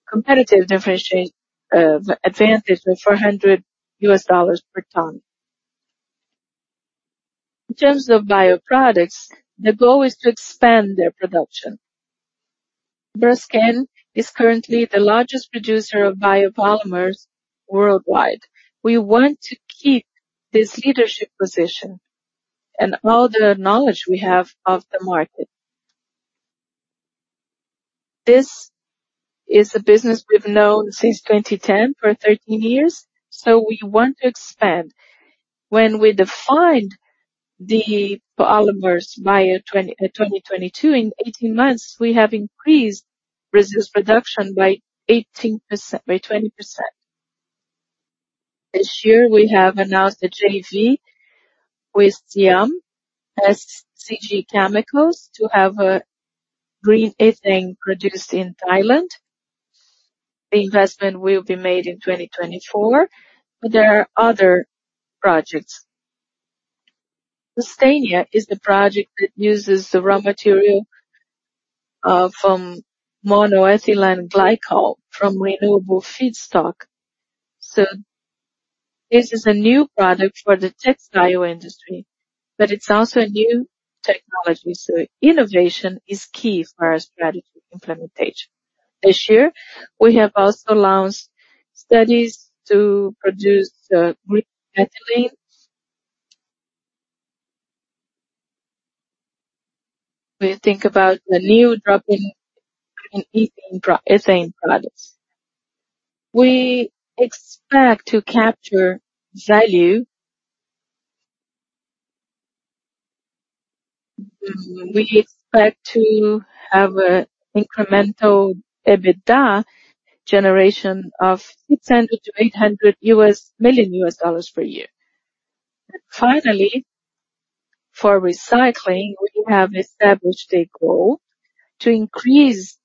competitive differentiate advantage of $400 per ton. In terms of bioproducts, the goal is to expand their production. Braskem is currently the largest producer of biopolymers worldwide. We want to keep this leadership position and all the knowledge we have of the market. This is a business we've known since 2010 for 13 years, so we want to expand. When we defined the polymers by 2022, in 18 months, we have increased Brazil's production by 18%-20%. This year, we have announced a JV with SCG Chemicals, to have a green ethylene produced in Thailand. The investment will be made in 2024, but there are other projects. Sustainea is the project that uses the raw material from monoethylene glycol from renewable feedstock. So this is a new product for the textile industry, but it's also a new technology, so innovation is key for our strategy implementation. This year, we have also launched studies to produce green ethylene. We think about the new drop-in ethane products. We expect to capture value. We expect to have an incremental EBITDA generation of $600 million-$800 million per year. Finally, for recycling, we have established a goal to increase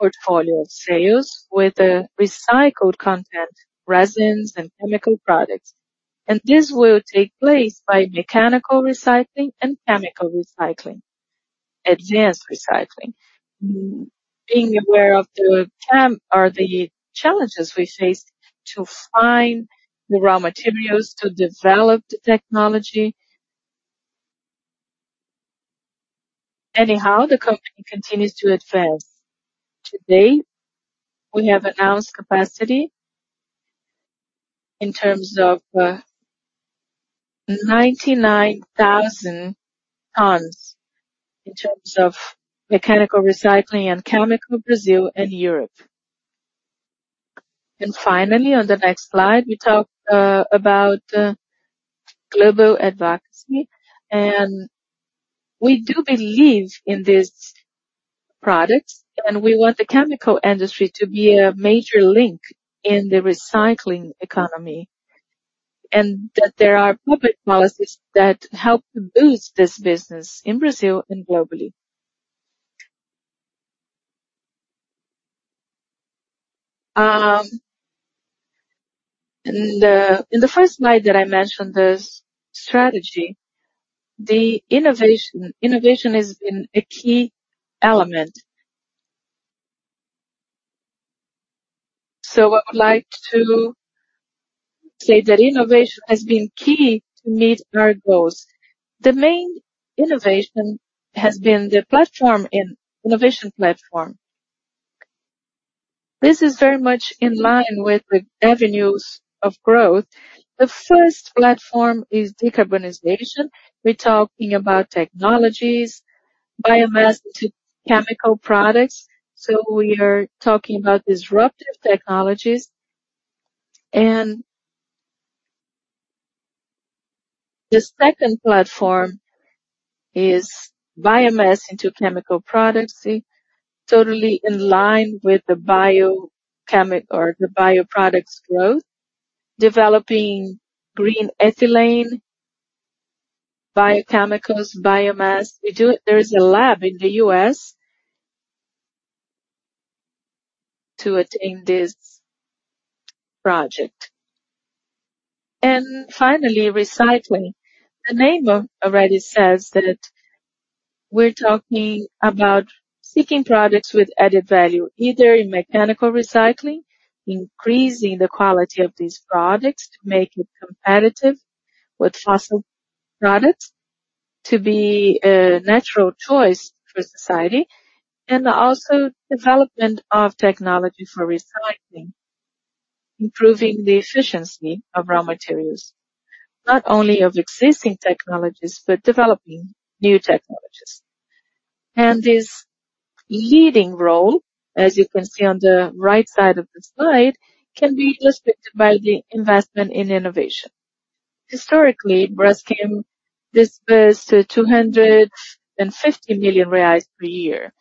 portfolio sales with a recycled content, resins and chemical products. This will take place by mechanical recycling and chemical recycling, advanced recycling. Being aware of the challenge or the challenges we face to find the raw materials to develop the technology. Anyhow, the company continues to advance. Today, we have announced capacity in terms of 99,000 tons, in terms of mechanical recycling and chemical, Brazil and Europe. Finally, on the next slide, we talk about global advocacy. We do believe in these products, and we want the chemical industry to be a major link in the recycling economy, and that there are public policies that help to boost this business in Brazil and globally. In the first slide that I mentioned, this strategy, the innovation, innovation is a key element. So I would like to say that innovation has been key to meet our goals. The main innovation has been the innovation platform. This is very much in line with the avenues of growth. The first platform is decarbonization. We're talking about technologies, biomass to chemical products, so we are talking about disruptive technologies. And the second platform is biomass into chemical products, totally in line with the biochemic or the bioproducts growth, developing green ethylene, biochemicals, biomass. We do it. There is a lab in the U.S. to attain this project. And finally, recycling. The name already says that we're talking about seeking products with added value, either in mechanical recycling, increasing the quality of these products to make it competitive with fossil products, to be a natural choice for society, and also development of technology for recycling, improving the efficiency of raw materials, not only of existing technologies, but developing new technologies. This leading role, as you can see on the right side of the slide, can be illustrated by the investment in innovation. Historically, Braskem dispersed 250 million reais per year.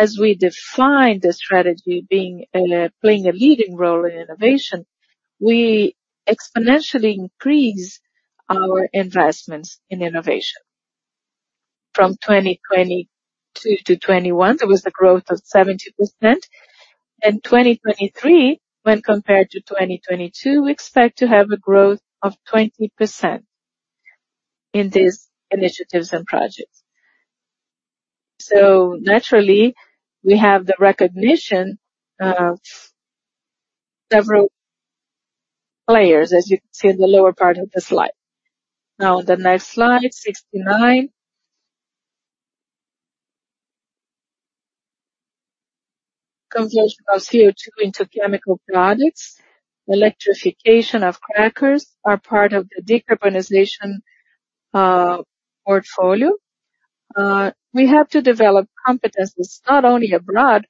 As we define the strategy being playing a leading role in innovation, we exponentially increase our investments in innovation. From 2022 to 2021, there was a growth of 70%. In 2023, when compared to 2022, we expect to have a growth of 20% in these initiatives and projects. So naturally, we have the recognition of several players, as you can see in the lower part of the slide. Now, the next slide, 69. Conversion of CO2 into chemical products. Electrification of crackers are part of the decarbonization portfolio. We have to develop competencies not only abroad,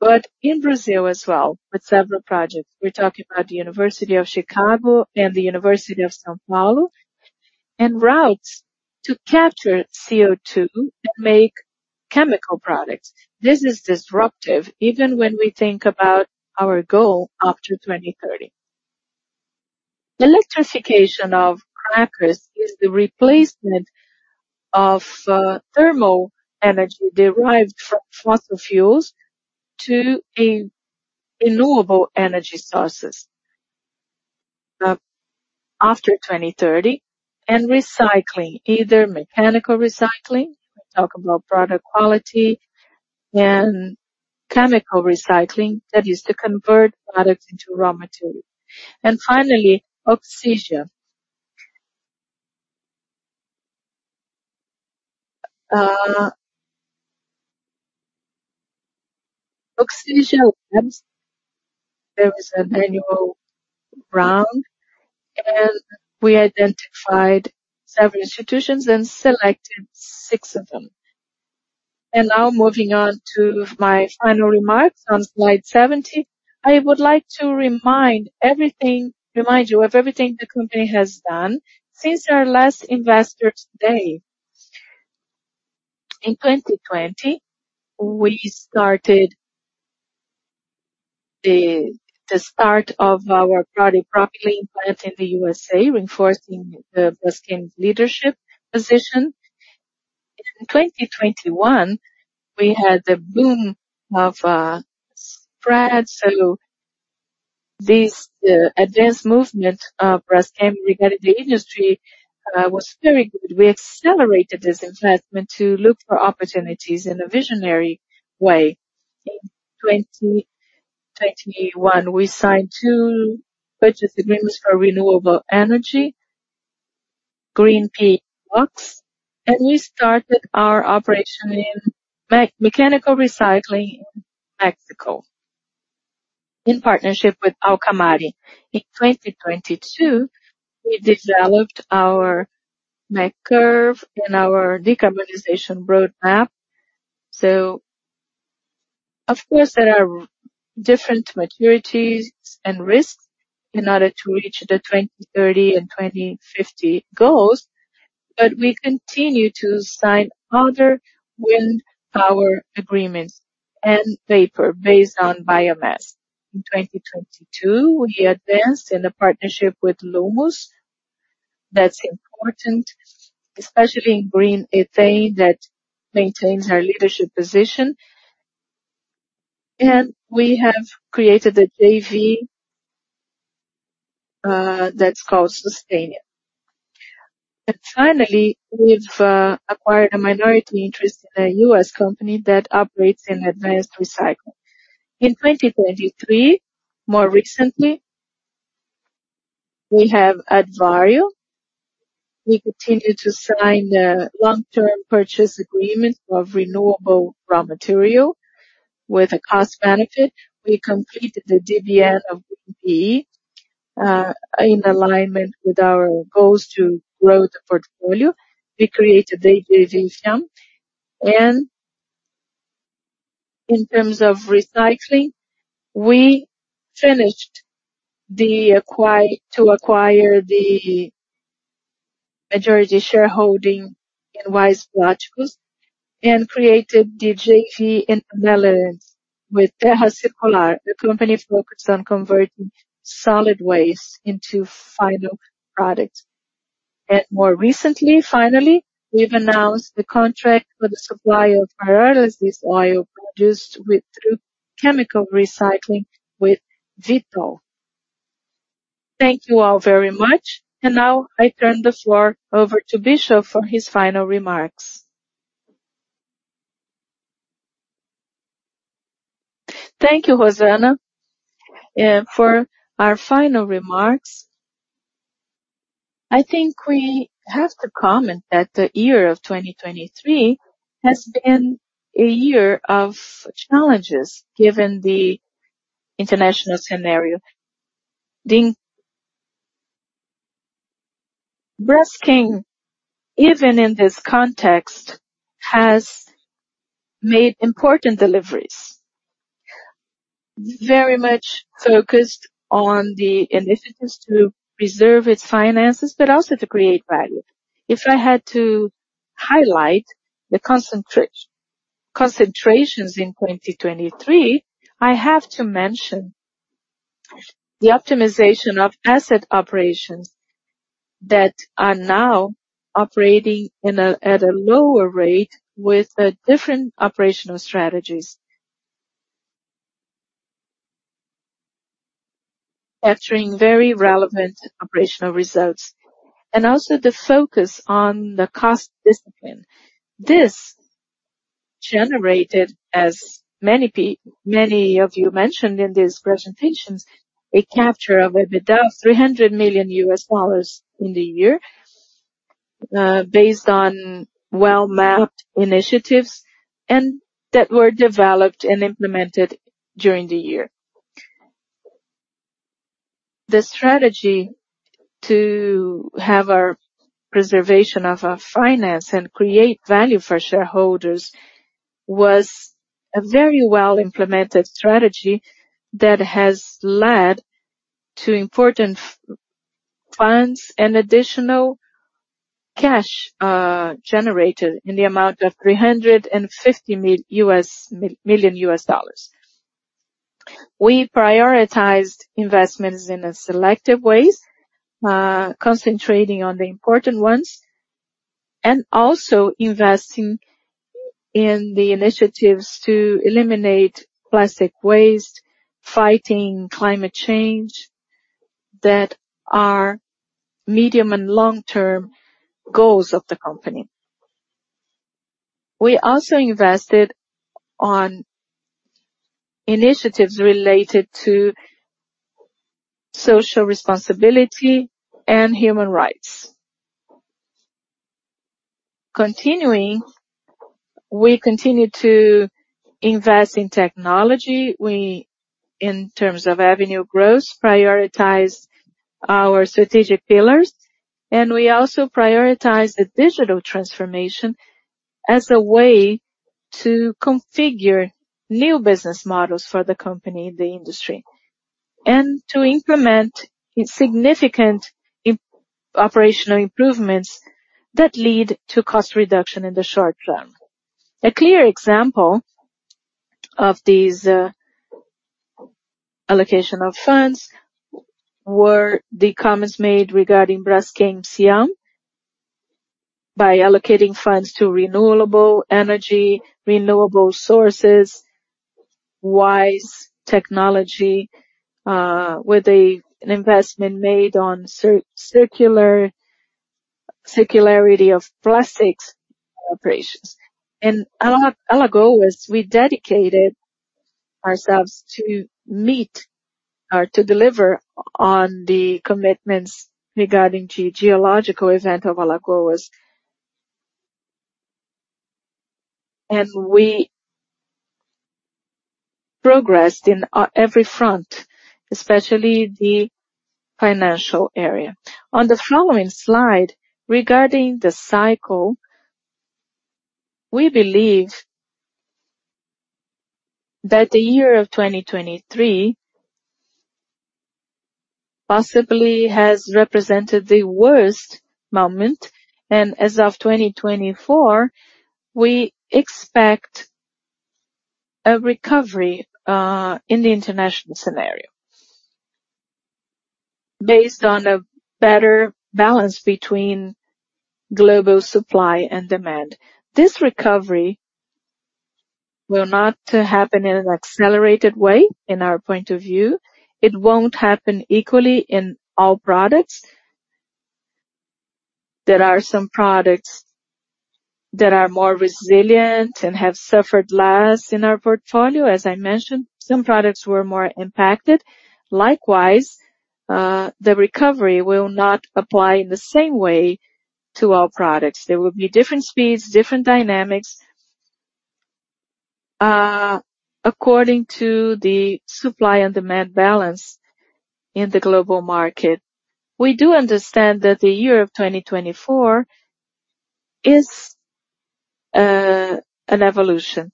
but in Brazil as well, with several projects. We're talking about the University of Chicago and the University of São Paulo, and routes to capture CO2 and make chemical products. This is disruptive, even when we think about our goal after 2030. Electrification of crackers is the replacement of thermal energy derived from fossil fuels to a renewable energy sources after 2030, and recycling, either mechanical recycling, we're talking about product quality, and chemical recycling, that is to convert products into raw material. And finally, Oxigen. Oxygea, there was an annual round, and we identified several institutions and selected six of them. Now moving on to my final remarks on slide 70. I would like to remind you of everything the company has done since our last Investor Day. In 2020, we started the start of our product propylene plant in the USA, reinforcing the Braskem leadership position. In 2021, we had the boom of spread. So this advanced movement of Braskem regarding the industry was very good. We accelerated this investment to look for opportunities in a visionary way. In 2021, we signed two purchase agreements for renewable energy, green PE locks, and we started our operation in mechanical recycling in Mexico, in partnership with Alcamare. In 2022, we developed our MAC curve and our decarbonization roadmap. So of course, there are different maturities and risks in order to reach the 2030 and 2050 goals, but we continue to sign other wind power agreements and power based on biomass. In 2022, we advanced in a partnership with Lummus. That's important, especially in green ethylene, that maintains our leadership position. And we have created a JV that's called Sustainea. And finally, we've acquired a minority interest in a U.S. company that operates in advanced recycling. In 2023, more recently, we have Advario. We continued to sign a long-term purchase agreement of renewable raw material with a cost benefit. We completed the ISCC of PE in alignment with our goals to grow the portfolio. We created the uncertain, and in terms of recycling, we finished to acquire the majority shareholding in Wise Plásticos, and created the JV in Netherlands with Terra Circular, a company focused on converting solid waste into final products. And more recently, finally, we've announced the contract for the supply of pyrolysis oil produced through chemical recycling with Vitol. Thank you all very much. And now I turn the floor over to Bischoff for his final remarks. Thank you, Rosana. For our final remarks, I think we have to comment that the year of 2023 has been a year of challenges, given the international scenario. Braskem, even in this context, has made important deliveries, very much focused on the initiatives to preserve its finances, but also to create value. If I had to highlight the concentrations in 2023, I have to mention the optimization of asset operations that are now operating in a, at a lower rate with different operational strategies, capturing very relevant operational results, and also the focus on the cost discipline. This generated, as many of you mentioned in these presentations, a capture of EBITDA $300 million in the year, based on well-mapped initiatives and that were developed and implemented during the year. The strategy to have our preservation of our finance and create value for shareholders was a very well-implemented strategy that has led to important funds and additional cash generated in the amount of $350 million. We prioritized investments in a selective ways, concentrating on the important ones, and also investing in the initiatives to eliminate plastic waste, fighting climate change that are medium and long-term goals of the company. We also invested on initiatives related to social responsibility and human rights. Continuing, we continued to invest in technology. We, in terms of revenue growth, prioritize our strategic pillars, and we also prioritize the digital transformation as a way to configure new business models for the company, the industry, and to implement significant operational improvements that lead to cost reduction in the short term. A clear example of these allocation of funds were the comments made regarding Braskem Idesa. By allocating funds to renewable energy, renewable sources, ISCC technology, with an investment made on circularity of plastics operations. And Alagoas, we dedicated ourselves to meet or to deliver on the commitments regarding geological event of Alagoas. We progressed in every front, especially the financial area. On the following slide, regarding the cycle, we believe that the year of 2023 possibly has represented the worst moment, and as of 2024, we expect a recovery in the international scenario. Based on a better balance between global supply and demand. This recovery will not happen in an accelerated way, in our point of view. It won't happen equally in all products. There are some products that are more resilient and have suffered less in our portfolio. As I mentioned, some products were more impacted. Likewise, the recovery will not apply in the same way to all products. There will be different speeds, different dynamics, according to the supply and demand balance in the global market. We do understand that the year of 2024 is an evolution,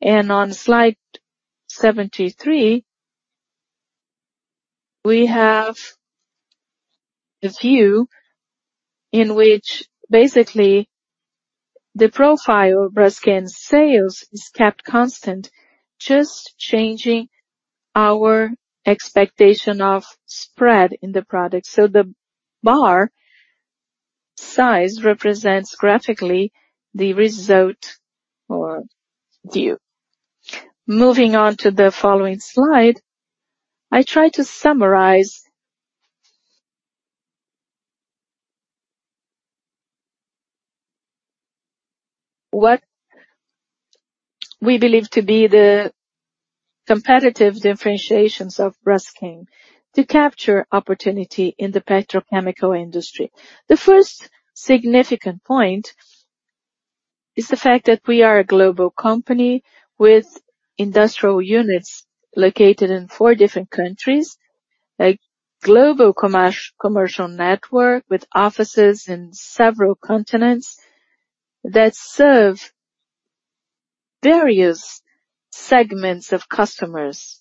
and on slide 73, we have a view in which basically the profile of Braskem sales is kept constant, just changing our expectation of spread in the product. So the bar size represents graphically the result or view. Moving on to the following slide, I try to summarize what we believe to be the competitive differentiations of Braskem to capture opportunity in the petrochemical industry. The first significant point is the fact that we are a global company with industrial units located in four different countries, a global commercial network with offices in several continents that serve various segments of customers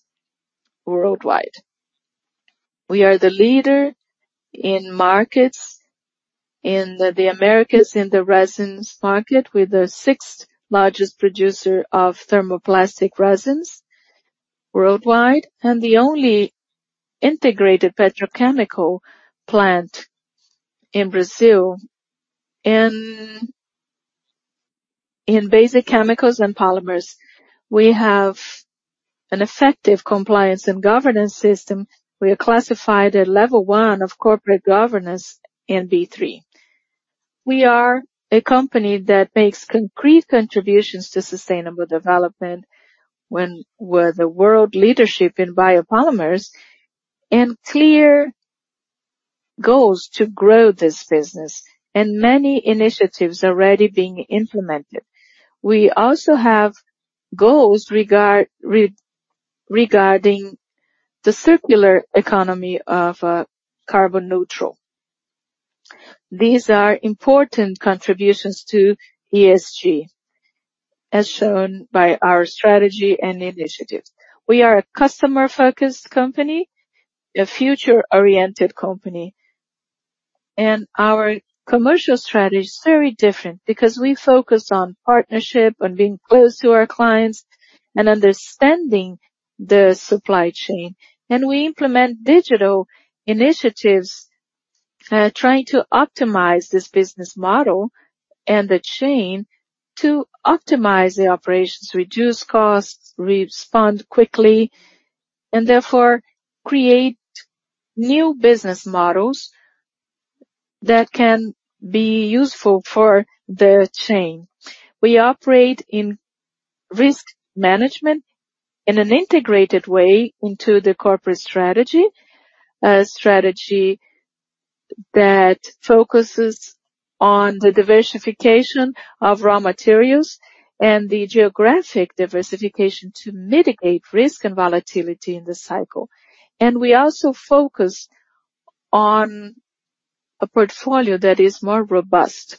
worldwide. We are the leader in markets in the Americas, in the resins market, we're the sixth largest producer of thermoplastic resins worldwide, and the only integrated petrochemical plant in Brazil. In basic chemicals and polymers, we have an effective compliance and governance system. We are classified at level one of corporate governance in B3. We are a company that makes concrete contributions to sustainable development, when we're the world leadership in biopolymers and clear goals to grow this business, and many initiatives already being implemented. We also have goals regarding the circular economy of carbon neutral. These are important contributions to ESG, as shown by our strategy and initiatives. We are a customer-focused company, a future-oriented company, and our commercial strategy is very different because we focus on partnership, on being close to our clients and understanding the supply chain. We implement digital initiatives, trying to optimize this business model and the chain to optimize the operations, reduce costs, respond quickly, and therefore create new business models that can be useful for the chain. We operate in risk management in an integrated way into the corporate strategy. A strategy that focuses on the diversification of raw materials and the geographic diversification to mitigate risk and volatility in this cycle. We also focus on a portfolio that is more robust.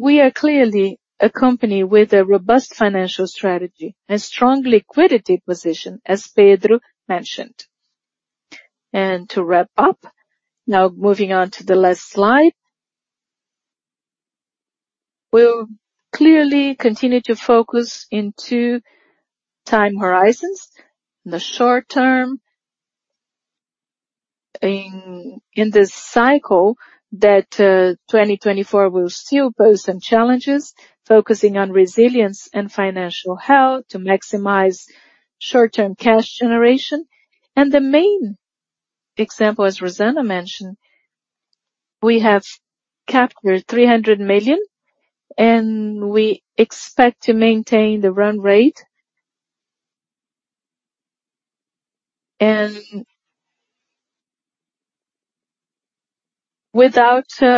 We are clearly a company with a robust financial strategy and strong liquidity position, as Pedro mentioned. To wrap up, now, moving on to the last slide. We'll clearly continue to focus in two time horizons. In the short term, in this cycle, that 2024 will still pose some challenges, focusing on resilience and financial health to maximize short-term cash generation. The main example, as Rosana mentioned, we have captured $300 million, and we expect to maintain the run rate. Without,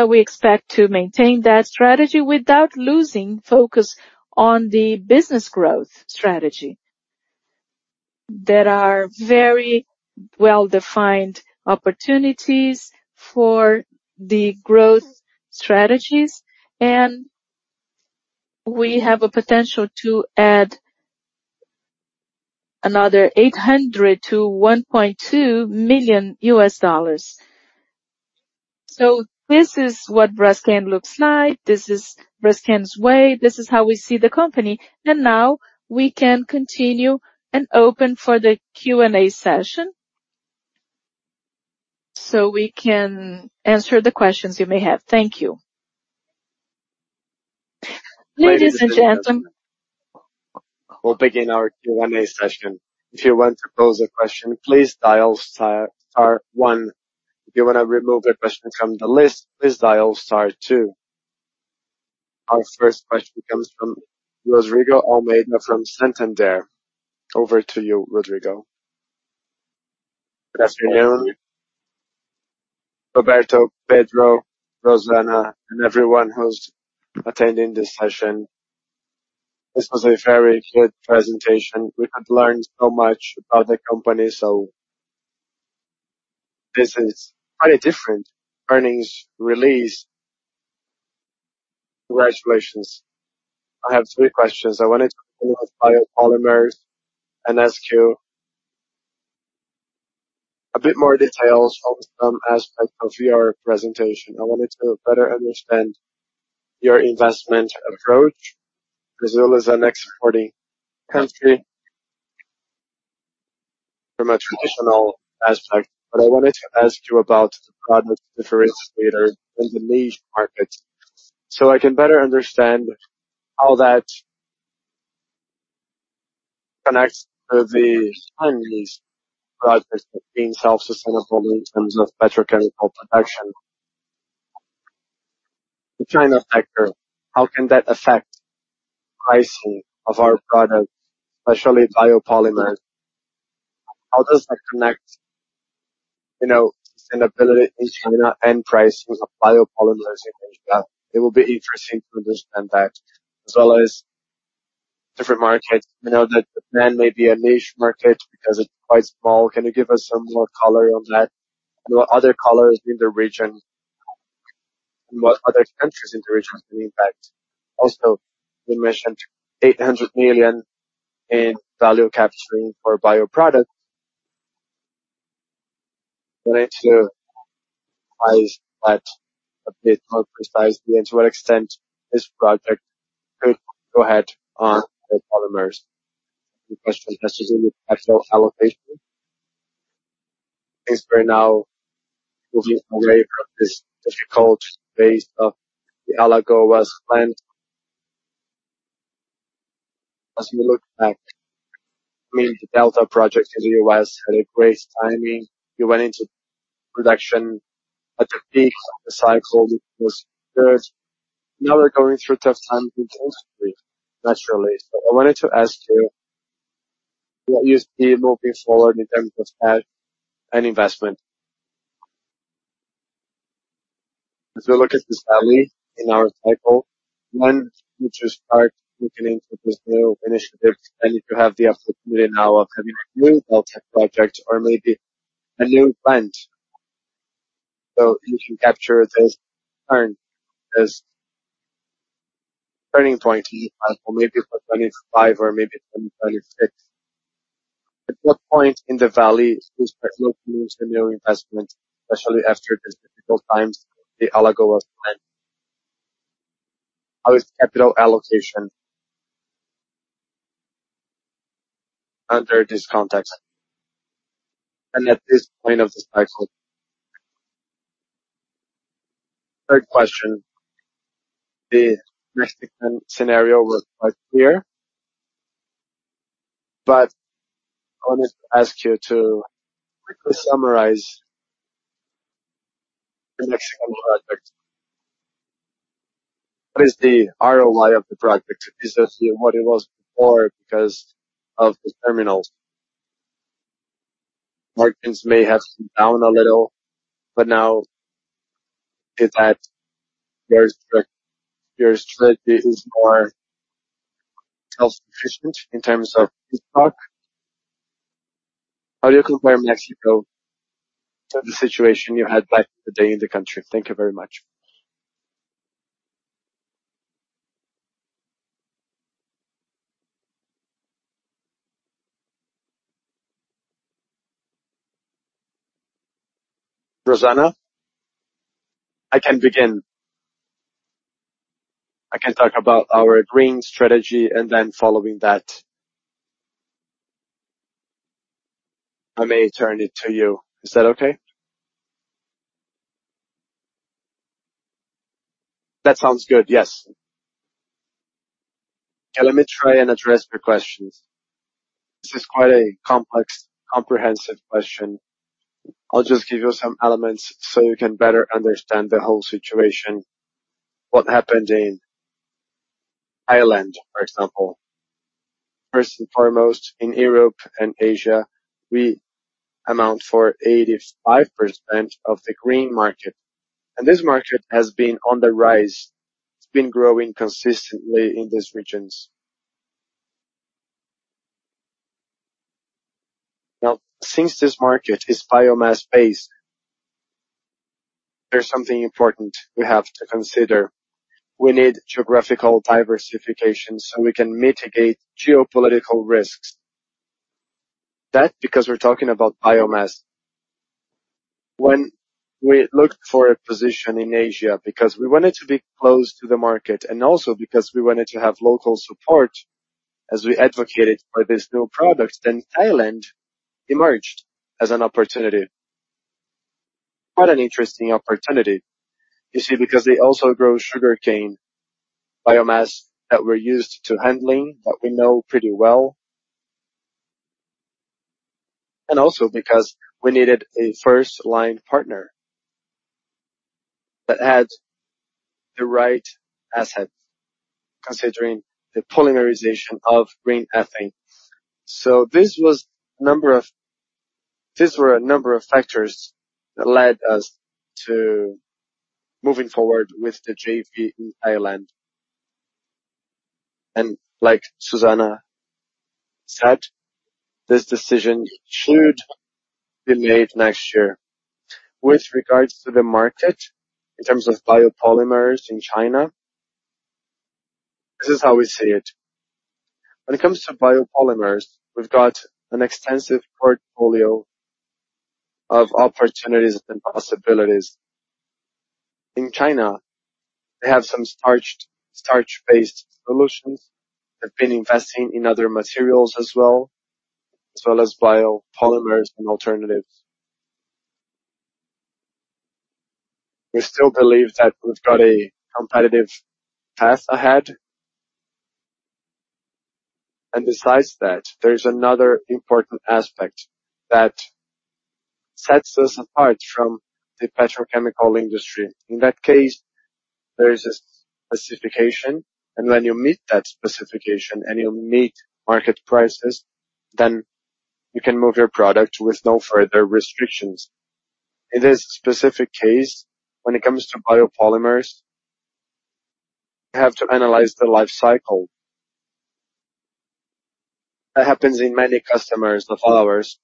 we expect to maintain that strategy without losing focus on the business growth strategy. There are very well-defined opportunities for the growth strategies, and we have a potential to add another $800 million-$1.2 million. This is what Braskem looks like. This is Braskem's way. This is how we see the company, and now we can continue and open for the Q&A session. We can answer the questions you may have. Thank you. Ladies and gentlemen. We'll begin our Q&A session. If you want to pose a question, please dial star, star one. If you want to remove the question from the list, please dial star two. Our first question comes from Rodrigo Almeida from Santander. Over to you, Rodrigo. Good afternoon, Roberto, Pedro, Rosana, and everyone who's attending this session. This was a very good presentation. We have learned so much about the company, so this is quite a different earnings release. Congratulations. I have three questions. I wanted to look at biopolymers and ask you a bit more details on some aspects of your presentation. I wanted to better understand your investment approach. Brazil is an exporting country from a traditional aspect, but I wanted to ask you about product differentiator in the niche markets, so I can better understand how that connects to the final use products, being self-sustainable in terms of petrochemical production. The China factor, how can that affect pricing of our products, especially biopolymers? How does that connect, you know, sustainability in China and pricing of biopolymers in Asia? It will be interesting to understand that as well as different markets. We know that the demand may be a niche market because it's quite small. Can you give us some more color on that? And what other colors in the region, and what other countries in the region can impact? Also, you mentioned $800 million in value capturing for bioproduct. I wanted to advise that a bit more precisely, and to what extent this project could go ahead on the polymers. The question has to do with actual allocation. Things right now, moving away from this difficult phase of the Alagoas plant. As you look back, I mean, the Delta project in the U.S. had a great timing. You went into production at the peak of the cycle, which was good. Now we're going through tough times in the industry, naturally. So I wanted to ask you, what you see moving forward in terms of CapEx and investment? As we look at this valley in our cycle, one, which is part looking into this new initiative, and if you have the opportunity now of having a new Delta project or maybe a new plant, so you can capture this turn, this turning point in maybe for 25 or maybe 26. At what point in the valley is this particular new scenario investment, especially after these difficult times, the Alagoas plant? How is capital allocation under this context and at this point of the cycle? Third question: the Mexican scenario was quite clear, but I wanted to ask you to quickly summarize the Mexican project. What is the ROI of the project? Is it what it was before because of the terminals? Markets may have come down a little, but now is that your strategy is more self-sufficient in terms of stock. How do you compare Mexico to the situation you had back in the day in the country? Thank you very much. Rosana? I can begin. I can talk about our green strategy, and then following that, I may turn it to you. Is that okay? That sounds good, yes. Okay, let me try and address your questions. This is quite a complex, comprehensive question. I'll just give you some elements so you can better understand the whole situation, what happened in Thailand, for example. First and foremost, in Europe and Asia, we account for 85% of the green market, and this market has been on the rise. It's been growing consistently in these regions. Now, since this market is biomass-based, there's something important we have to consider. We need geographical diversification so we can mitigate geopolitical risks. That's because we're talking about biomass. When we looked for a position in Asia, because we wanted to be close to the market and also because we wanted to have local support as we advocated for this new product, then Thailand emerged as an opportunity. Quite an interesting opportunity, you see, because they also grow sugarcane biomass that we're used to handling, that we know pretty well, and also because we needed a first-line partner that had the right assets, considering the polymerization of green ethylene. So this was—these were a number of factors that led us to moving forward with the JV in Thailand. And like Rosana said, this decision should be made next year. With regards to the market, in terms of biopolymers in China, this is how we see it. When it comes to biopolymers, we've got an extensive portfolio of opportunities and possibilities. In China, they have some starch-based solutions. They've been investing in other materials as well, as well as biopolymers and alternatives. We still believe that we've got a competitive path ahead. And besides that, there's another important aspect that sets us apart from the petrochemical industry. In that case, there is a specification, and when you meet that specification and you meet market prices, then you can move your product with no further restrictions. In this specific case, when it comes to biopolymers, you have to analyze the life cycle. That happens in many customers of ours.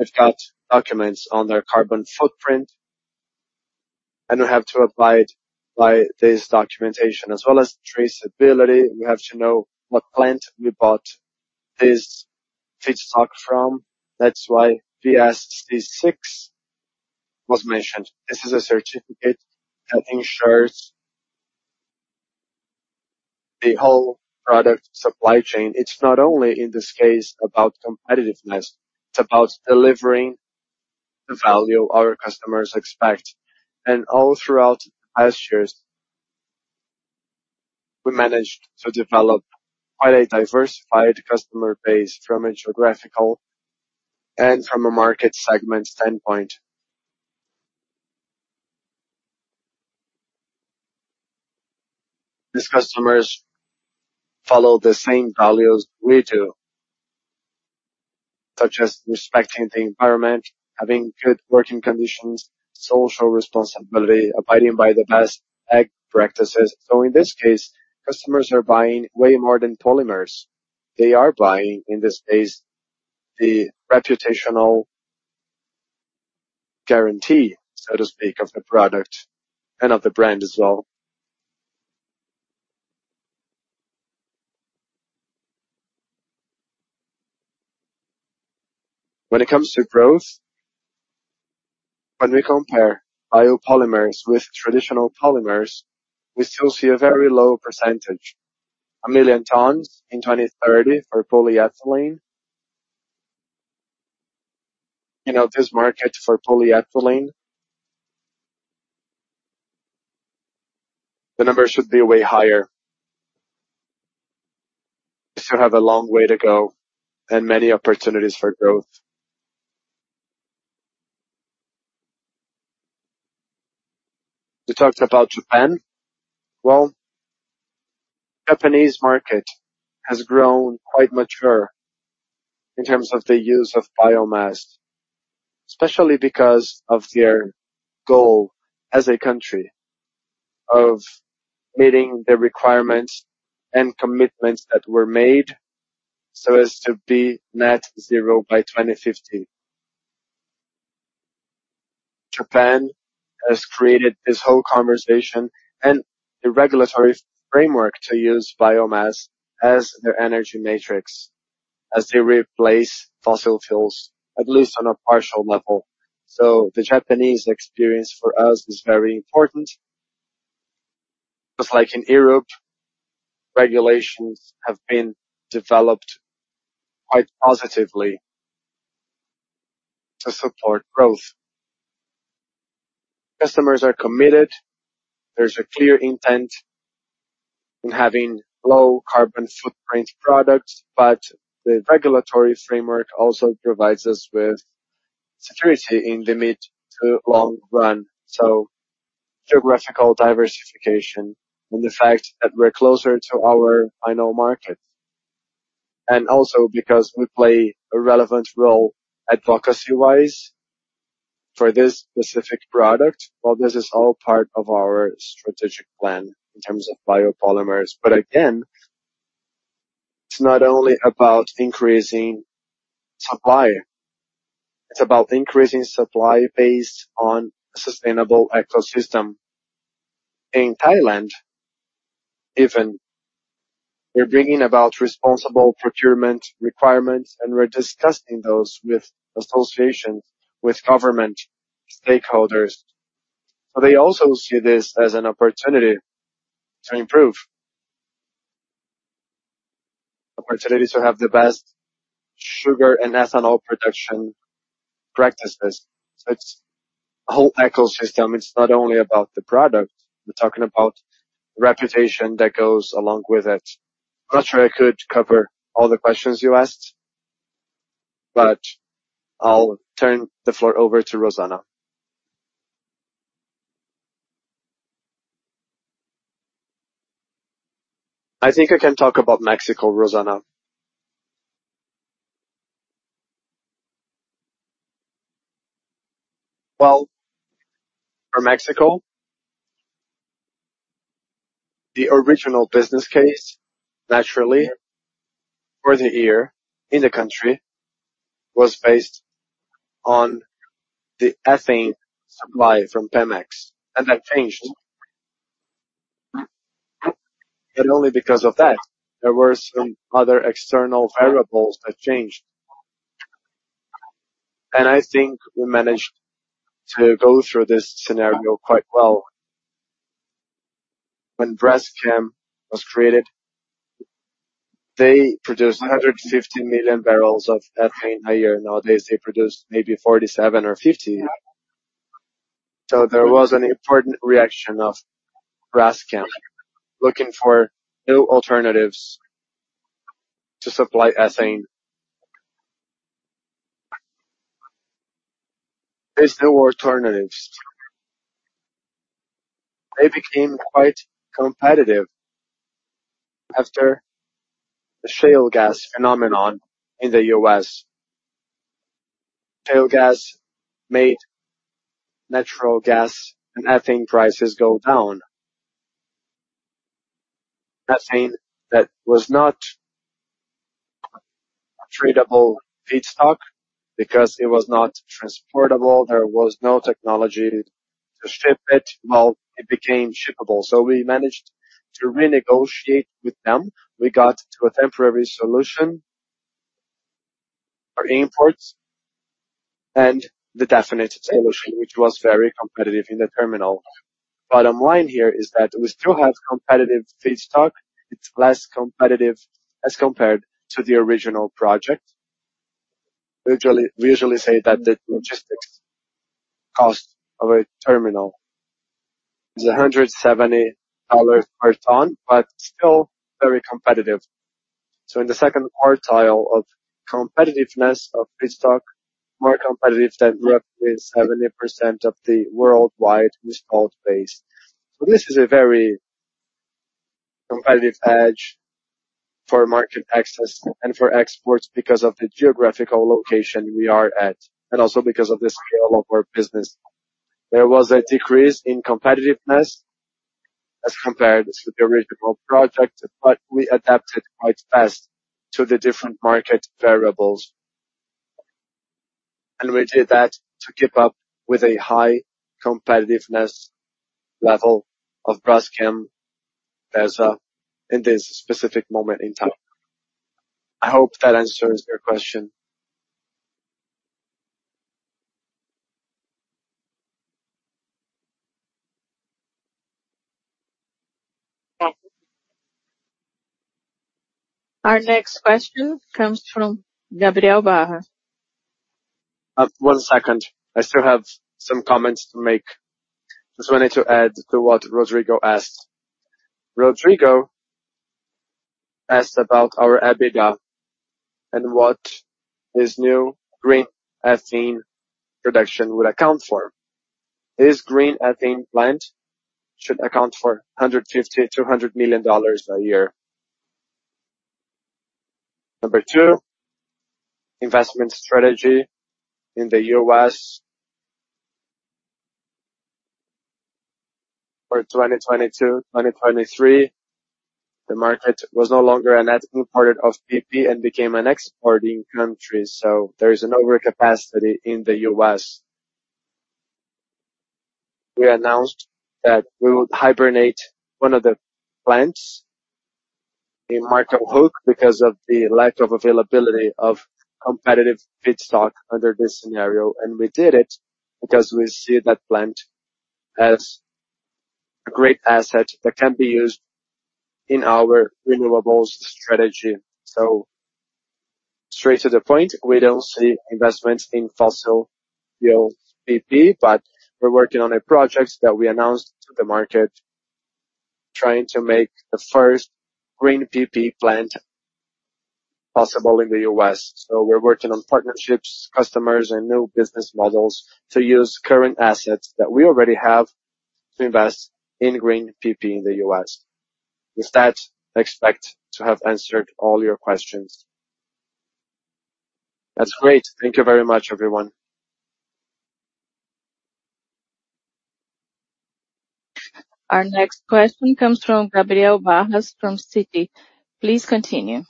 They've got documents on their carbon footprint, and we have to abide by this documentation as well as traceability. We have to know what plant we bought this feedstock from. That's why ISCC was mentioned. This is a certificate that ensures the whole product supply chain. It's not only in this case, about competitiveness, it's about delivering the value our customers expect. All throughout last years, we managed to develop quite a diversified customer base from a geographical and from a market segment standpoint. These customers follow the same values we do, such as respecting the environment, having good working conditions, social responsibility, abiding by the best ESG practices. In this case, customers are buying way more than polymers. They are buying, in this case, the reputational guarantee, so to speak, of the product and of the brand as well. When it comes to growth, when we compare biopolymers with traditional polymers, we still see a very low percentage, 1 million tons in 2030 for polyethylene. Outside this market for polyethylene, the numbers should be way higher. We still have a long way to go and many opportunities for growth. We talked about Japan. Well, Japanese market has grown quite mature in terms of the use of biomass, especially because of their goal as a country of meeting the requirements and commitments that were made so as to be net zero by 2050. Japan has created this whole conversation and the regulatory framework to use biomass as their energy matrix, as they replace fossil fuels, at least on a partial level. So the Japanese experience for us is very important, because like in Europe, regulations have been developed quite positively to support growth. Customers are committed. There's a clear intent in having low carbon footprint products, but the regulatory framework also provides us with security in the mid to long run. So geographical diversification and the fact that we're closer to our final market. And also because we play a relevant role advocacy-wise for this specific product. Well, this is all part of our strategic plan in terms of biopolymers. But again, it's not only about increasing supply, it's about increasing supply based on a sustainable ecosystem. In Thailand, even we're bringing about responsible procurement requirements, and we're discussing those with associations, with government stakeholders. So they also see this as an opportunity to improve. Opportunities to have the best sugar and ethanol production practices. So it's a whole ecosystem. It's not only about the product, we're talking about the reputation that goes along with it. I'm not sure I could cover all the questions you asked, but I'll turn the floor over to Rosana. I think I can talk about Mexico, Rosana. Well, for Mexico, the original business case, naturally for the year in the country, was based on the ethane supply from Pemex, and that changed. Only because of that, there were some other external variables that changed. I think we managed to go through this scenario quite well. When Braskem was created, they produced 150 million barrels of ethane a year. Nowadays, they produce maybe 47 or 50. There was an important reaction of Braskem looking for new alternatives to supply ethane. There's no alternatives. They became quite competitive after the shale gas phenomenon in the U.S. Shale gas made natural gas and ethane prices go down. Ethane that was not a tradable feedstock because it was not transportable, there was no technology to ship it, well, it became shippable. We managed to renegotiate with them. We got to a temporary solution for imports and the definitive solution, which was very competitive in the terminal. Bottom line here is that we still have competitive feedstock. It's less competitive as compared to the original project. We usually say that the logistics cost of a terminal is $170 per ton, but still very competitive. So in the second quartile of competitiveness of feedstock, more competitive than roughly 70% of the worldwide installed base. So this is a very competitive edge for market access and for exports because of the geographical location we are at, and also because of the scale of our business. There was a decrease in competitiveness as compared with the original project, but we adapted quite fast to the different market variables. And we did that to keep up with a high competitiveness level of Braskem versus in this specific moment in time. I hope that answers your question. Our next question comes from Gabriel Barra. One second. I still have some comments to make. Just wanted to add to what Rodrigo asked. Rodrigo asked about our EBITDA and what this new green ethane production would account for. This green ethane plant should account for $150 million-$100 million a year. Number two, investment strategy in the U.S. For 2022, 2023, the market was no longer a net importer of PP and became an exporting country, so there is an overcapacity in the U.S. We announced that we would hibernate one of the plants in Marcus Hook because of the lack of availability of competitive feedstock under this scenario, and we did it because we see that plant as a great asset that can be used in our renewables strategy. So straight to the point, we don't see investments in fossil fuel PP, but we're working on a project that we announced to the market... trying to make the first green PP plant possible in the U.S. So we're working on partnerships, customers, and new business models to use current assets that we already have to invest in green PP in the U.S. With that, I expect to have answered all your questions. That's great. Thank you very much, everyone. Our next question comes from Gabriel Barra from Citi. Please continue.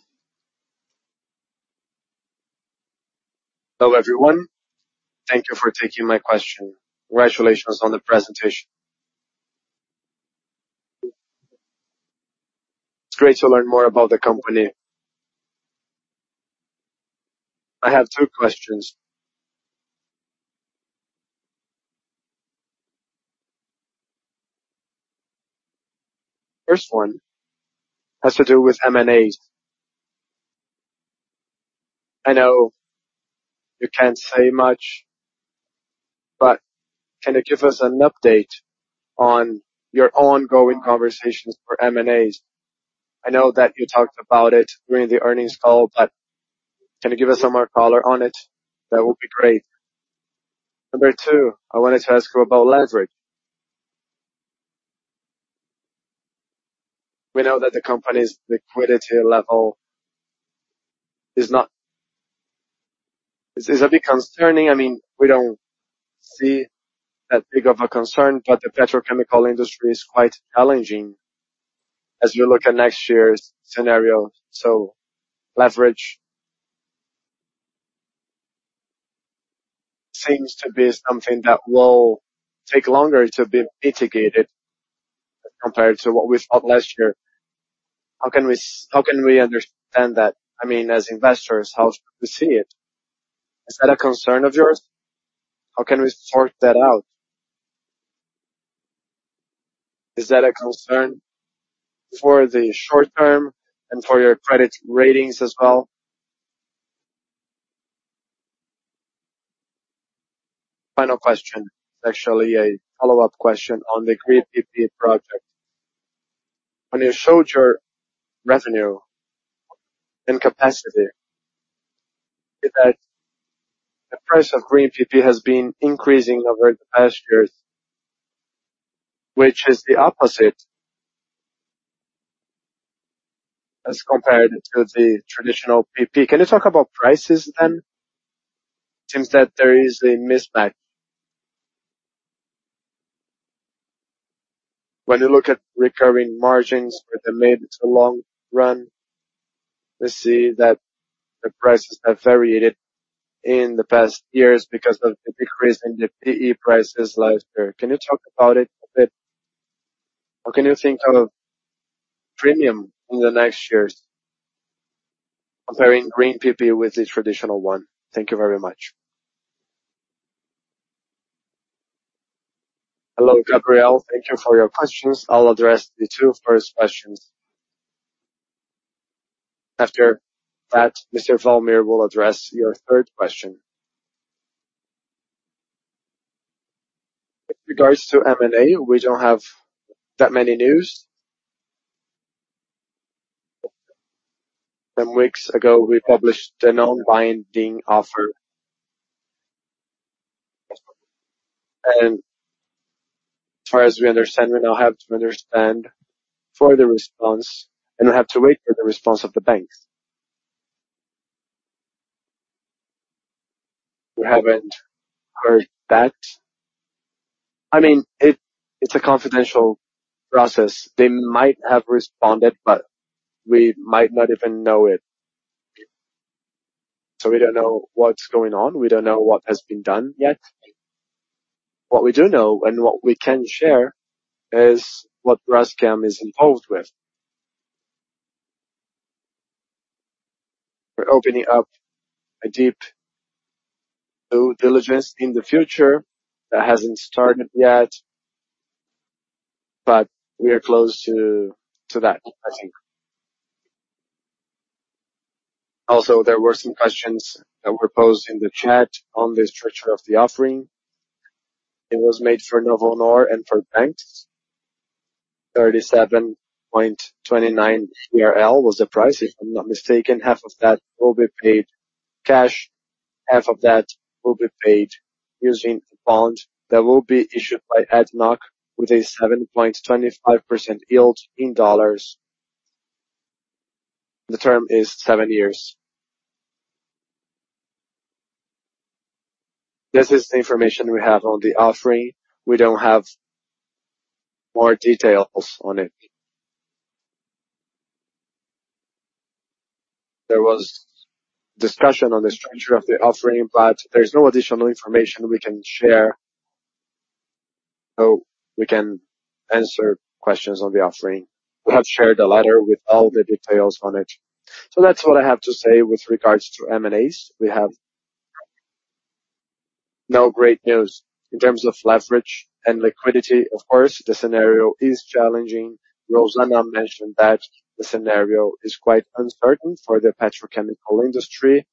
Hello, everyone. Thank you for taking my question. Congratulations on the presentation. It's great to learn more about the company. I have two questions. First one has to do with M&As. I know you can't say much, but can you give us an update on your ongoing conversations for M&As? I know that you talked about it during the earnings call, but can you give us some more color on it? That would be great. Number two, I wanted to ask you about leverage. We know that the company's liquidity level is a bit concerning. I mean, we don't see that big of a concern, but the petrochemical industry is quite challenging as we look at next year's scenario. So leverage seems to be something that will take longer to be mitigated compared to what we thought last year. How can we understand that? I mean, as investors, how should we see it? Is that a concern of yours? How can we sort that out? Is that a concern for the short term and for your credit ratings as well? Final question, it's actually a follow-up question on the Green PP project. When you showed your revenue and capacity, is that the price of Green PP has been increasing over the past years, which is the opposite as compared to the traditional PP. Can you talk about prices then? Seems that there is a mismatch. When you look at recurring margins with the mid to long run, we see that the prices have variated in the past years because of the decrease in the PE prices last year. Can you talk about it a bit? What can you think of premium in the next years, comparing Green PP with the traditional one? Thank you very much. Hello, Gabriel. Thank you for your questions. I'll address the two first questions. After that, Mr. Walmir will address your third question. With regards to M&A, we don't have that many news. Some weeks ago, we published a non-binding offer. As far as we understand, we now have to understand for the response, and we have to wait for the response of the banks. We haven't heard that. I mean, it's a confidential process. They might have responded, but we might not even know it. We don't know what's going on, we don't know what has been done yet. What we do know and what we can share is what Braskem is involved with. We're opening up a deep due diligence in the future. That hasn't started yet, but we are close to that, I think. Also, there were some questions that were posed in the chat on the structure of the offering. It was made for Novonor and for banks. 37.29 was the price, if I'm not mistaken. Half of that will be paid cash, half of that will be paid using a bond that will be issued by ADNOC, with a 7.25% yield in dollars. The term is seven years. This is the information we have on the offering. We don't have more details on it. There was discussion on the structure of the offering, but there's no additional information we can share, so we can answer questions on the offering. We have shared a letter with all the details on it. So that's what I have to say with regards to M&As. We have no great news. In terms of leverage and liquidity, of course, the scenario is challenging. Rosana mentioned that the scenario is quite uncertain for the petrochemical industry.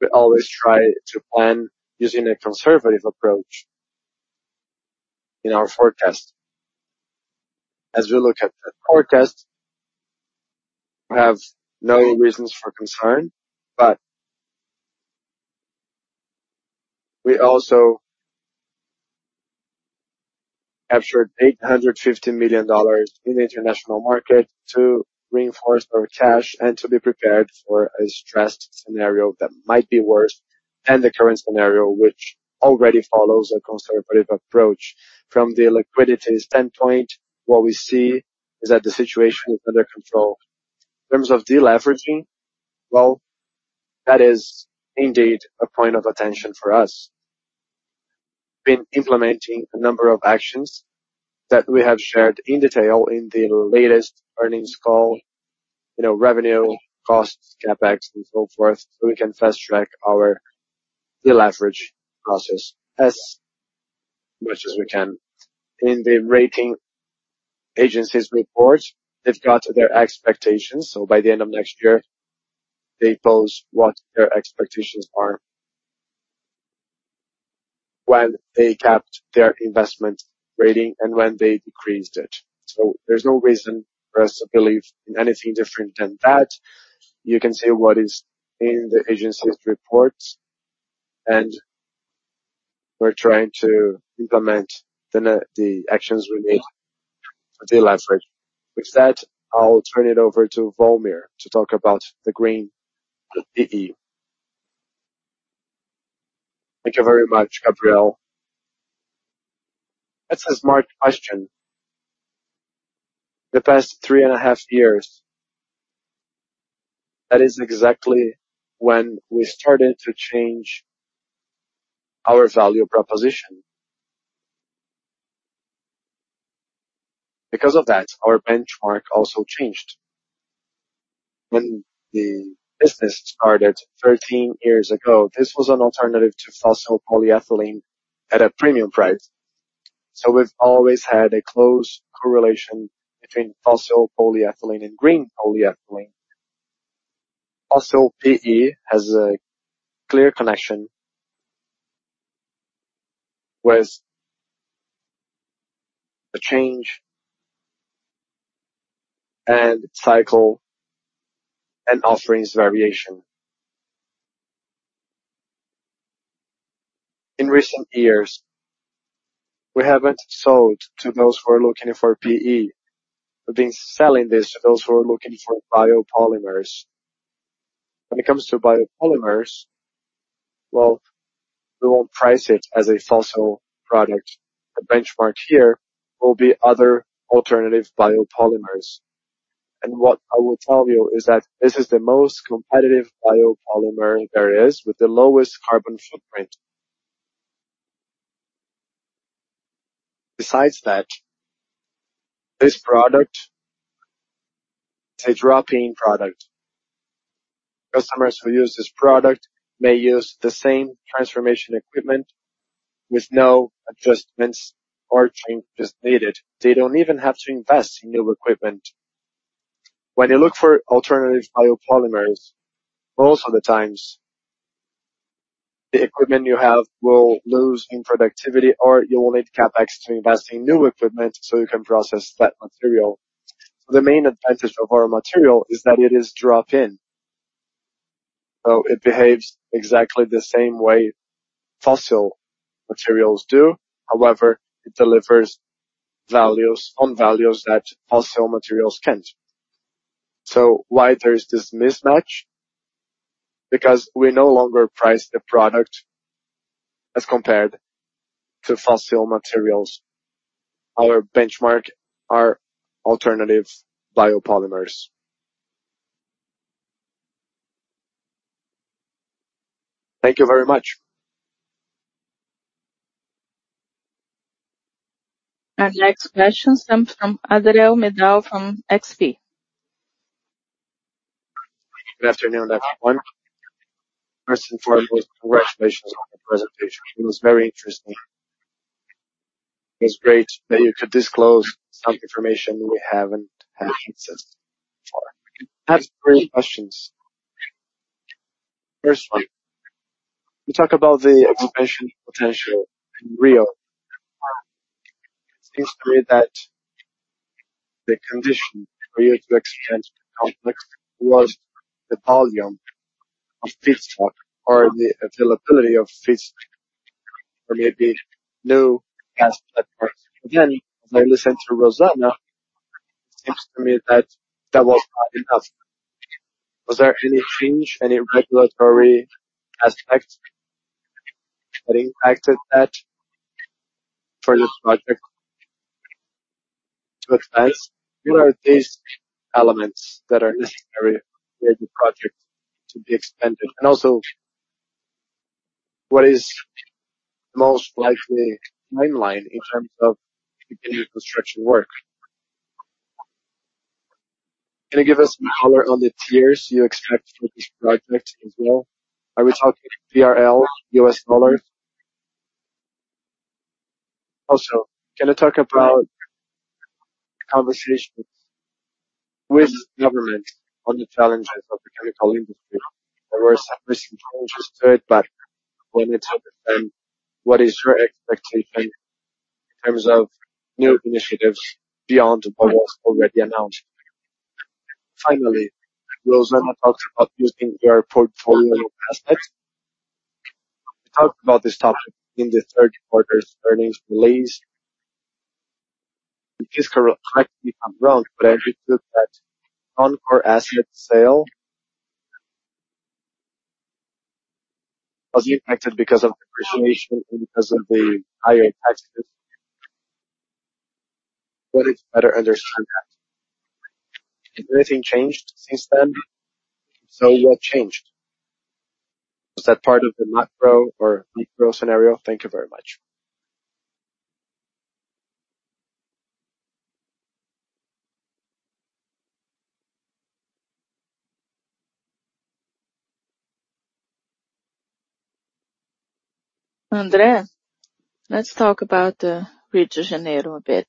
We always try to plan using a conservative approach in our forecast. As we look at the forecast, we have no reasons for concern, but we also captured $850 million in the international market to reinforce our cash and to be prepared for a stressed scenario that might be worse than the current scenario, which already follows a conservative approach. From the liquidity standpoint, what we see is that the situation is under control. In terms of deleveraging, well, that is indeed a point of attention for us. Been implementing a number of actions that we have shared in detail in the latest earnings call, you know, revenue, costs, CapEx, and so forth, so we can fast-track our deleverage process as much as we can. In the rating agencies report, they've got their expectations, so by the end of next year, they post what their expectations are when they kept their investment rating and when they decreased it. So there's no reason for us to believe in anything different than that. You can see what is in the agency's reports, and we're trying to implement the actions we need to deleverage. With that, I'll turn it over to Walmir to talk about the green PE. Thank you very much, Gabriel. That's a smart question. The past three and a half years, that is exactly when we started to change our value proposition. Because of that, our benchmark also changed. When the business started 13 years ago, this was an alternative to fossil polyethylene at a premium price. So we've always had a close correlation between fossil polyethylene and green polyethylene. Also, PE has a clear connection with the change and cycle and offerings variation. In recent years, we haven't sold to those who are looking for PE. We've been selling this to those who are looking for biopolymers. When it comes to biopolymers, well, we won't price it as a fossil product. The benchmark here will be other alternative biopolymers. And what I will tell you is that this is the most competitive biopolymer there is with the lowest carbon footprint. Besides that, this product is a drop-in product. Customers who use this product may use the same transformation equipment with no adjustments or changes needed. They don't even have to invest in new equipment. When you look for alternative biopolymers, most of the times, the equipment you have will lose in productivity, or you will need CapEx to invest in new equipment so you can process that material. The main advantage of our material is that it is drop-in, so it behaves exactly the same way fossil materials do. However, it delivers values on values that fossil materials can't. So why there is this mismatch? Because we no longer price the product as compared to fossil materials. Our benchmark are alternative biopolymers. Thank you very much. Our next question comes from Andre Vidal from XP. Good afternoon, everyone. First and foremost, congratulations on the presentation. It was very interesting. It's great that you could disclose some information we haven't had access before. I have three questions. First one, you talk about the expansion potential in Rio. It seems to me that the condition for you to expand the complex was the volume of feedstock or the availability of feedstock, or maybe new gas platforms. Again, as I listened to Rosana, it seems to me that that was not enough. Was there any change, any regulatory aspect that impacted that for this project to advance? What are these elements that are necessary for the project to be expanded? And also, what is the most likely timeline in terms of beginning construction work? Can you give us some color on the tiers you expect for this project as well? Are we talking BRL, U.S. dollars?... Also, can I talk about conversations with government on the challenges of the chemical industry? There were some recent changes to it, but when it's understood, what is your expectation in terms of new initiatives beyond what was already announced? Finally, Rosana talked about using your portfolio of assets. We talked about this topic in the third quarter's earnings release. The figure might be wrong, but I think that non-core asset sale was impacted because of depreciation and because of the higher taxes. But it's better to understand that. Has anything changed since then? So what changed? Was that part of the macro or micro scenario? Thank you very much. Andrea, let's talk about the Rio de Janeiro a bit.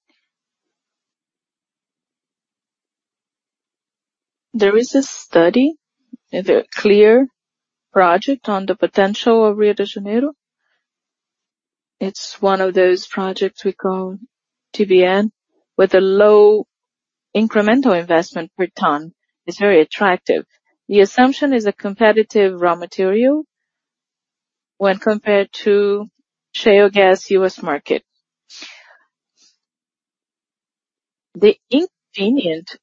There is a study, a clear project on the potential of Rio de Janeiro. It's one of those projects we call DBN, with a low incremental investment per ton. It's very attractive. The assumption is a competitive raw material when compared to shale gas, U.S. market. The inconvenient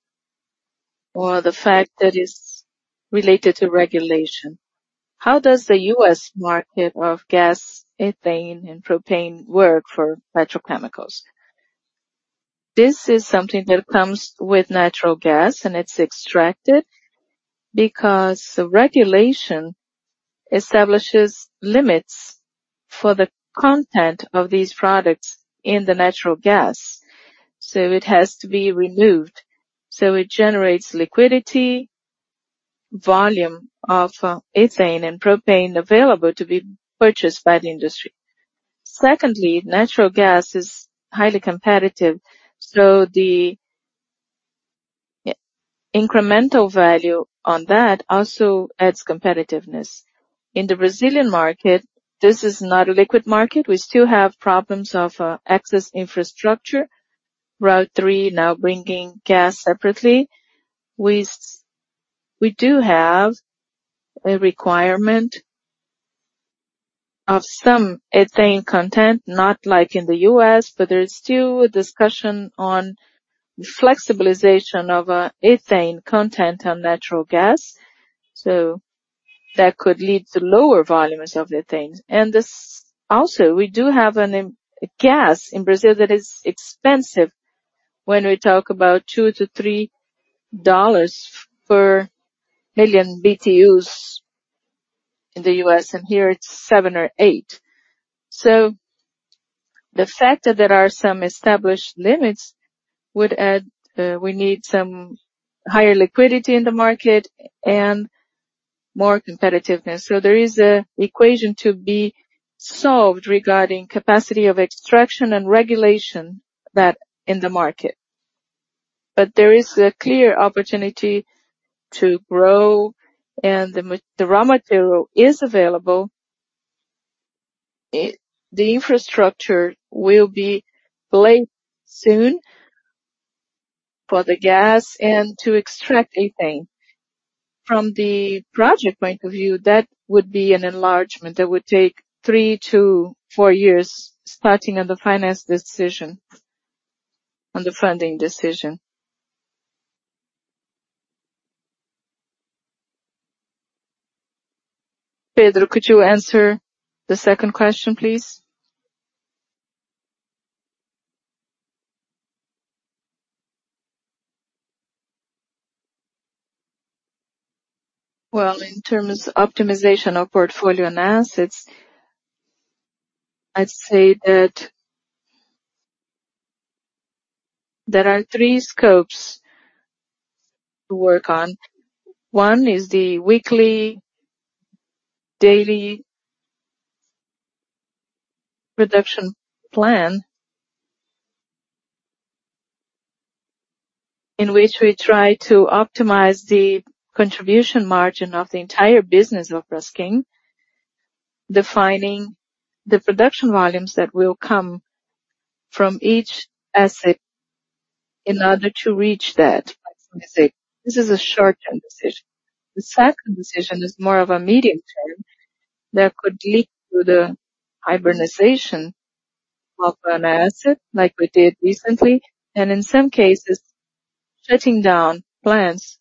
or the fact that is related to regulation, how does the U.S. market of gas, ethane, and propane work for petrochemicals? This is something that comes with natural gas, and it's extracted because the regulation establishes limits for the content of these products in the natural gas, so it has to be removed. So it generates liquidity, volume of ethane and propane available to be purchased by the industry. Secondly, natural gas is highly competitive, so the incremental value on that also adds competitiveness. In the Brazilian market, this is not a liquid market. We still have problems of excess infrastructure. Route three now bringing gas separately. We do have a requirement of some ethane content, not like in the U.S., but there is still a discussion on flexibilization of ethane content on natural gas, so that could lead to lower volumes of ethane. And this also, we do have a gas in Brazil that is expensive when we talk about $2-$3 per million BTUs in the U.S., and here it's $7-$8. So the fact that there are some established limits would add, we need some higher liquidity in the market and more competitiveness. So there is an equation to be solved regarding capacity of extraction and regulation that in the market. But there is a clear opportunity to grow, and the raw material is available. It... The infrastructure will be laid soon for the gas and to extract ethane. From the project point of view, that would be an enlargement that would take three to four years, starting on the finance decision, on the funding decision. Pedro, could you answer the second question, please? Well, in terms of optimization of portfolio and assets, I'd say that there are three scopes to work on. One is the weekly, daily production plan, in which we try to optimize the contribution margin of the entire business of Braskem, defining the production volumes that will come from each asset in order to reach that, let me say. This is a short-term decision. The second decision is more of a medium-term that could lead to the hybridization of an asset, like we did recently, and in some cases, shutting down plants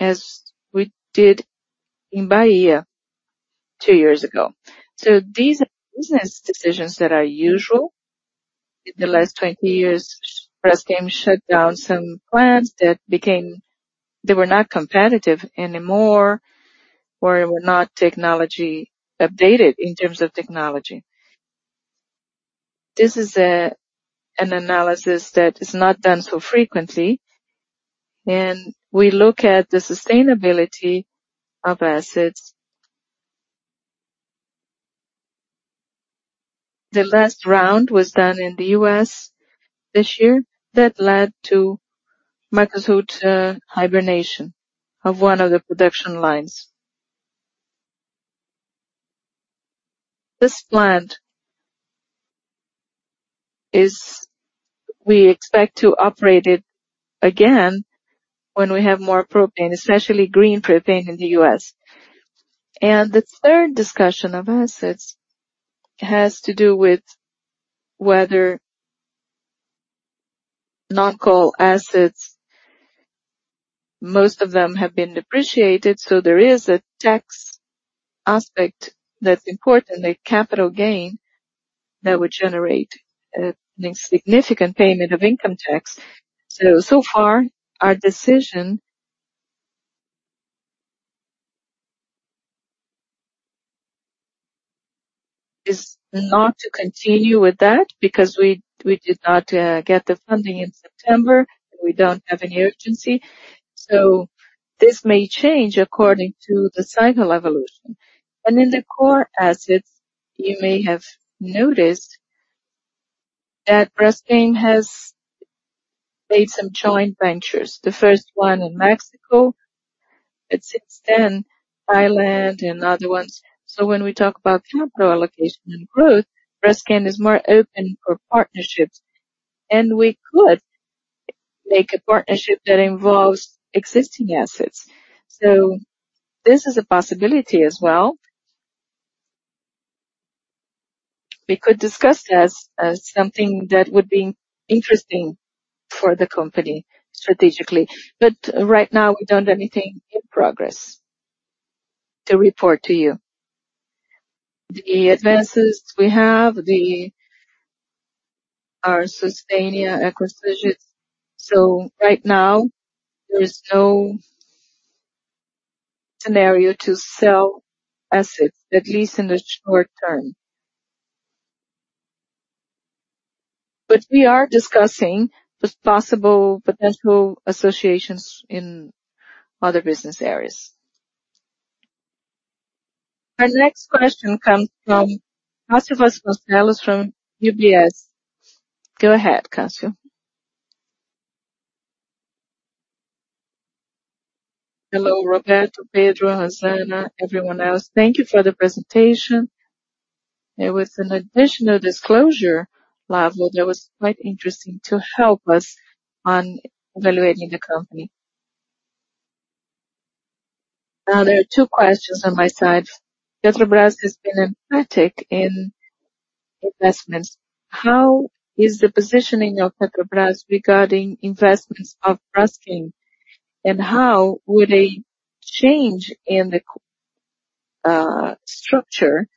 as we did in Bahia two years ago. So these are business decisions that are usual. In the last 20 years, Braskem shut down some plants that became... They were not competitive anymore, or were not technology updated in terms of technology. This is a, an analysis that is not done so frequently, and we look at the sustainability of assets....The last round was done in the U.S. this year, that led to Marcus Hook hibernation of one of the production lines. This plant is, we expect to operate it again when we have more propane, especially green propane in the U.S. The third discussion of assets has to do with whether non-core assets, most of them have been depreciated, so there is a tax aspect that's important, a capital gain that would generate a significant payment of income tax. So, so far, our decision is not to continue with that because we did not get the funding in September. We don't have any urgency. So this may change according to the cycle evolution. In the core assets, you may have noticed that Braskem has made some joint ventures, the first one in Mexico, and since then, Thailand and other ones. So when we talk about capital allocation and growth, Braskem is more open for partnerships, and we could make a partnership that involves existing assets. This is a possibility as well. We could discuss this as something that would be interesting for the company strategically, but right now, we don't have anything in progress to report to you. The advances we have are Sustainea acquisitions. So right now, there is no scenario to sell assets, at least in the short term. But we are discussing the possible potential associations in other business areas. Our next question comes from Tasso Vasconcelos from UBS. Go ahead, Tasso. Hello, Roberto, Pedro, Rosana, everyone else. Thank you for the presentation. There was an additional disclosure level that was quite interesting to help us on evaluating the company. Now, there are two questions on my side. Petrobras has been a critic in investments. How is the positioning of Petrobras regarding investments of Braskem? And how would a change in the structure,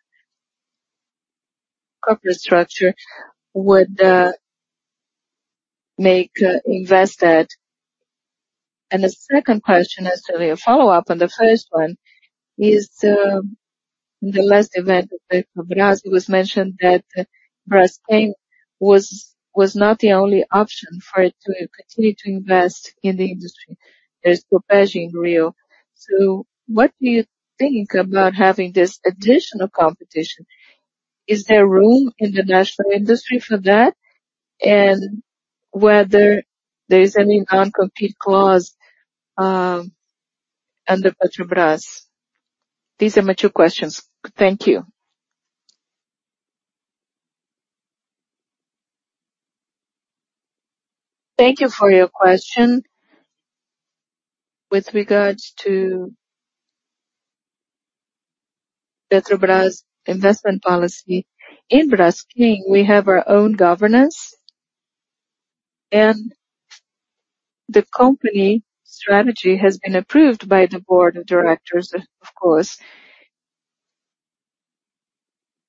corporate structure, would make invested? The second question is to follow up on the first one, in the last event of Petrobras, it was mentioned that Braskem was not the only option for it to continue to invest in the industry. There's Propegi in Rio. So what do you think about having this additional competition? Is there room in the national industry for that, and whether there is any non-compete clause under Petrobras? These are my two questions. Thank you. Thank you for your question. With regards to Petrobras' investment policy, in Braskem, we have our own governance, and the company strategy has been approved by the board of directors, of course.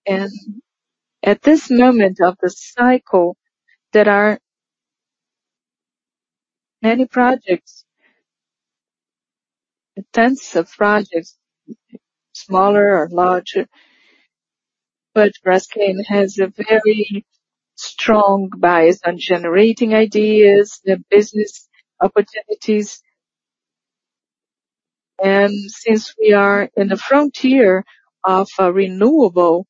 At this moment of the cycle, there are many projects, tens of projects, smaller or larger, but Braskem has a very strong bias on generating ideas and business opportunities. Since we are in the frontier of renewable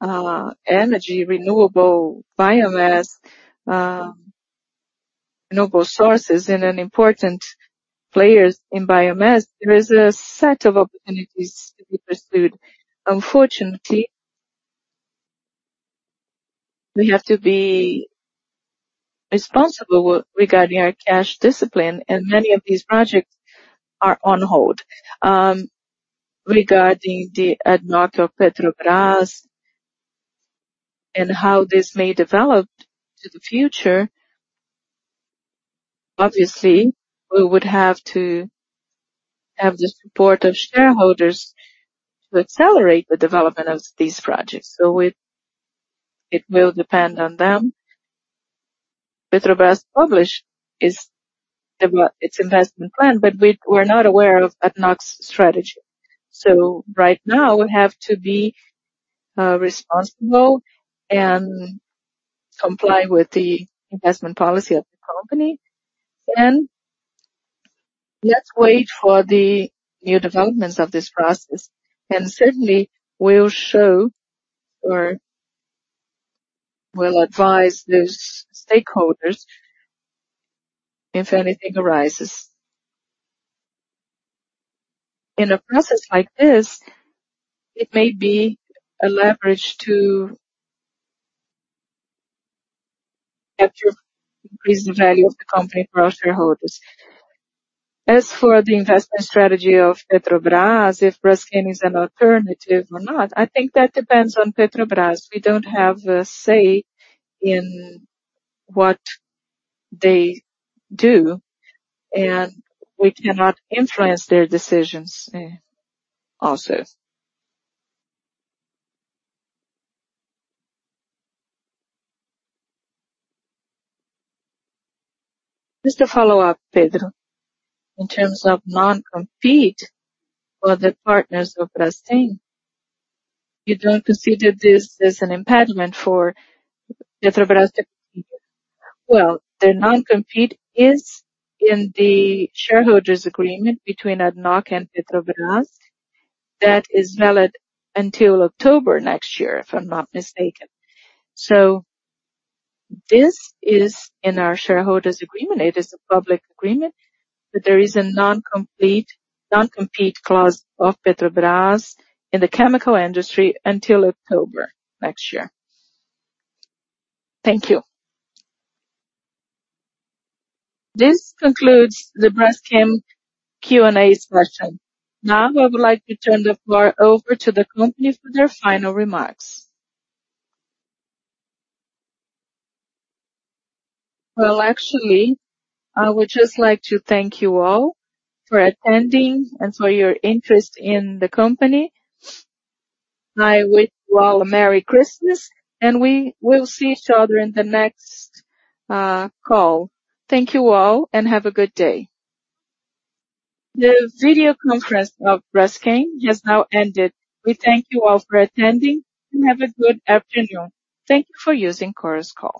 energy, renewable biomass, renewable sources, and an important players in biomass, there is a set of opportunities to be pursued. Unfortunately, we have to be responsible regarding our cash discipline, and many of these projects are on hold. Regarding the ethane Petrobras and how this may develop to the future, obviously, we would have to have the support of shareholders to accelerate the development of these projects. So it will depend on them. Petrobras publish its investment plan, but we, we're not aware of ethane's strategy. So right now, we have to be responsible and comply with the investment policy of the company, and let's wait for the new developments of this process, and certainly we'll show or we'll advise those stakeholders if anything arises. In a process like this, it may be a leverage to capture, increase the value of the company for our shareholders. As for the investment strategy of Petrobras, if Braskem is an alternative or not, I think that depends on Petrobras. We don't have a say in what they do, and we cannot influence their decisions, also. Just to follow up, Pedro, in terms of non-compete for the partners of Braskem, you don't consider this as an impediment for Petrobras to compete? Well, the non-compete is in the shareholders' agreement between ADNOC and Petrobras. That is valid until October next year, if I'm not mistaken. So this is in our shareholders' agreement. It is a public agreement, but there is a non-compete clause of Petrobras in the chemical industry until October next year. Thank you. This concludes the Braskem Q&A session. Now, I would like to turn the floor over to the company for their final remarks. Well, actually, I would just like to thank you all for attending and for your interest in the company. I wish you all a merry Christmas, and we will see each other in the next call. Thank you all, and have a good day. The video conference of Braskem has now ended. We thank you all for attending, and have a good afternoon. Thank you for using Chorus Call.